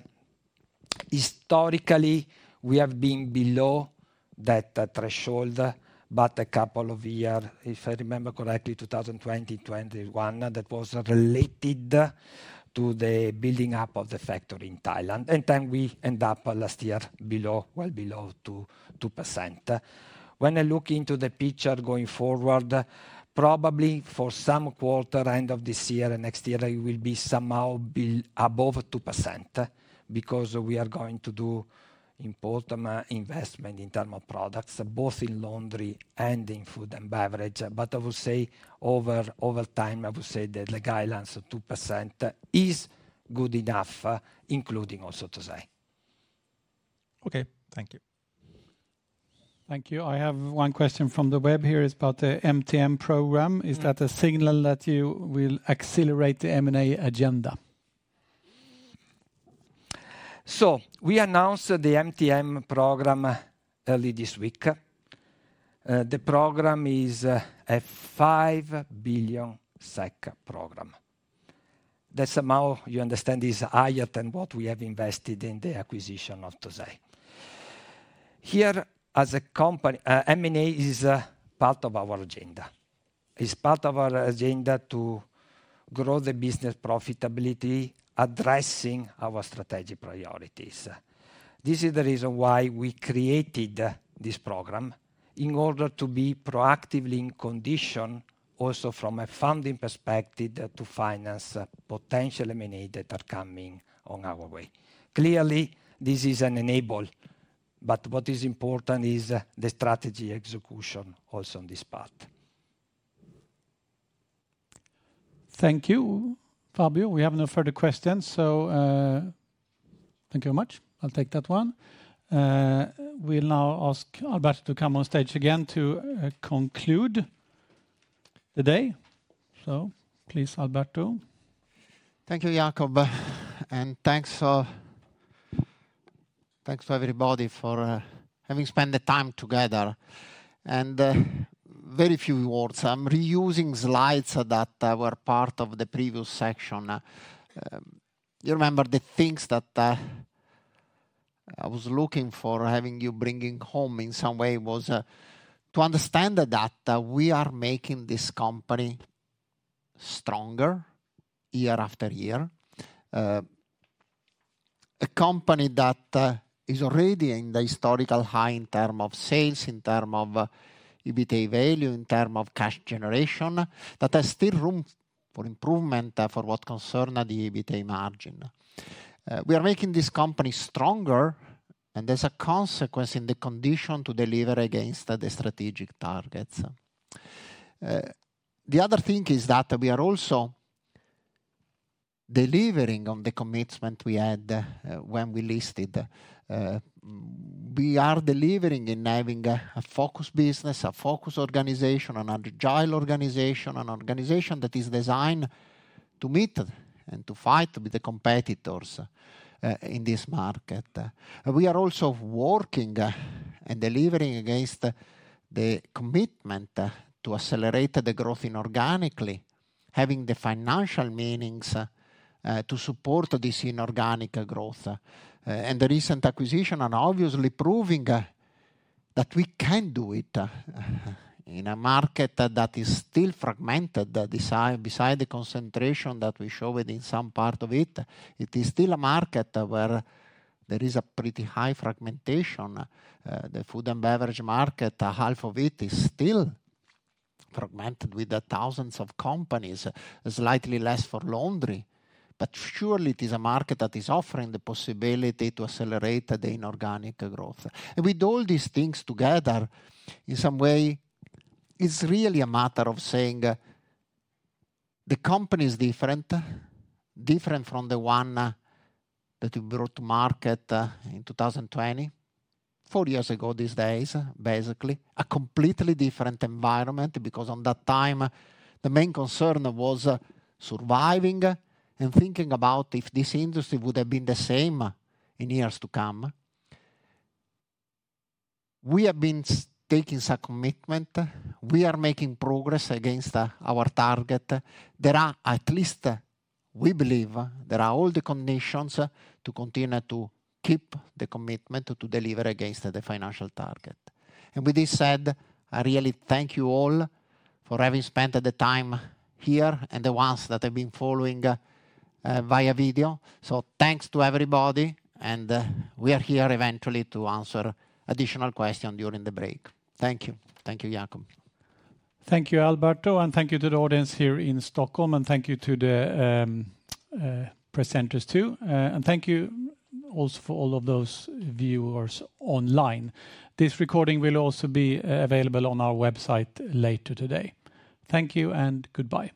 Historically, we have been below that threshold, but a couple of years, if I remember correctly, 2020-2021, that was related to the building up of the factory in Thailand. And then we ended up last year below, well below 2%. When I look into the picture going forward, probably for some quarter end of this year and next year, it will be somehow above 2% because we are going to do important investment in terms of products, both in laundry and in food and beverage. I would say over time, I would say that the guidance of 2% is good enough, including also TOSEI. Okay, thank you. Thank you. I have one question from the web here. It's about the MTN program. Is that a signal that you will accelerate the M&A agenda? So we announced the MTN program early this week. The program is a 5 billion SEK program. That's somehow you understand is higher than what we have invested in the acquisition of TOSEI. Here, as a company, M&A is part of our agenda. It's part of our agenda to grow the business profitability, addressing our strategic priorities. This is the reason why we created this program in order to be proactively in condition also from a funding perspective to finance potential M&A that are coming on our way. Clearly, this is an enable, but what is important is the strategy execution also on this part. Thank you, Fabio. We have no further questions. So thank you very much. I'll take that one. We'll now ask Alberto to come on stage again to conclude the day. So please, Alberto. Thank you, Jacob. And thanks for everybody for having spent the time together. And very few words. I'm reusing slides that were part of the previous section. You remember the things that I was looking for having you bringing home in some way was to understand that we are making this company stronger year after year. A company that is already in the historical high in terms of sales, in terms of EBITDA value, in terms of cash generation, that has still room for improvement for what concerns the EBITDA margin. We are making this company stronger, and there's a consequence in the condition to deliver against the strategic targets. The other thing is that we are also delivering on the commitment we had when we listed. We are delivering in having a focused business, a focused organization, an agile organization, an organization that is designed to meet and to fight with the competitors in this market. We are also working and delivering against the commitment to accelerate the growth inorganically, having the financial meanings to support this inorganic growth. The recent acquisition and obviously proving that we can do it in a market that is still fragmented beside the concentration that we showed in some part of it. It is still a market where there is a pretty high fragmentation. The food and beverage market, half of it is still fragmented with thousands of companies, slightly less for laundry. But surely it is a market that is offering the possibility to accelerate the inorganic growth. With all these things together, in some way, it's really a matter of saying the company is different, different from the one that you brought to market in 2020, four years ago these days, basically, a completely different environment because at that time, the main concern was surviving and thinking about if this industry would have been the same in years to come. We have been taking some commitment. We are making progress against our target. There are at least, we believe, there are all the conditions to continue to keep the commitment to deliver against the financial target. With this said, I really thank you all for having spent the time here and the ones that have been following via video. So thanks to everybody. We are here eventually to answer additional questions during the break. Thank you. Thank you, Jacob. Thank you, Alberto. And thank you to the audience here in Stockholm. And thank you to the presenters too. And thank you also for all of those viewers online. This recording will also be available on our website later today. Thank you and goodbye.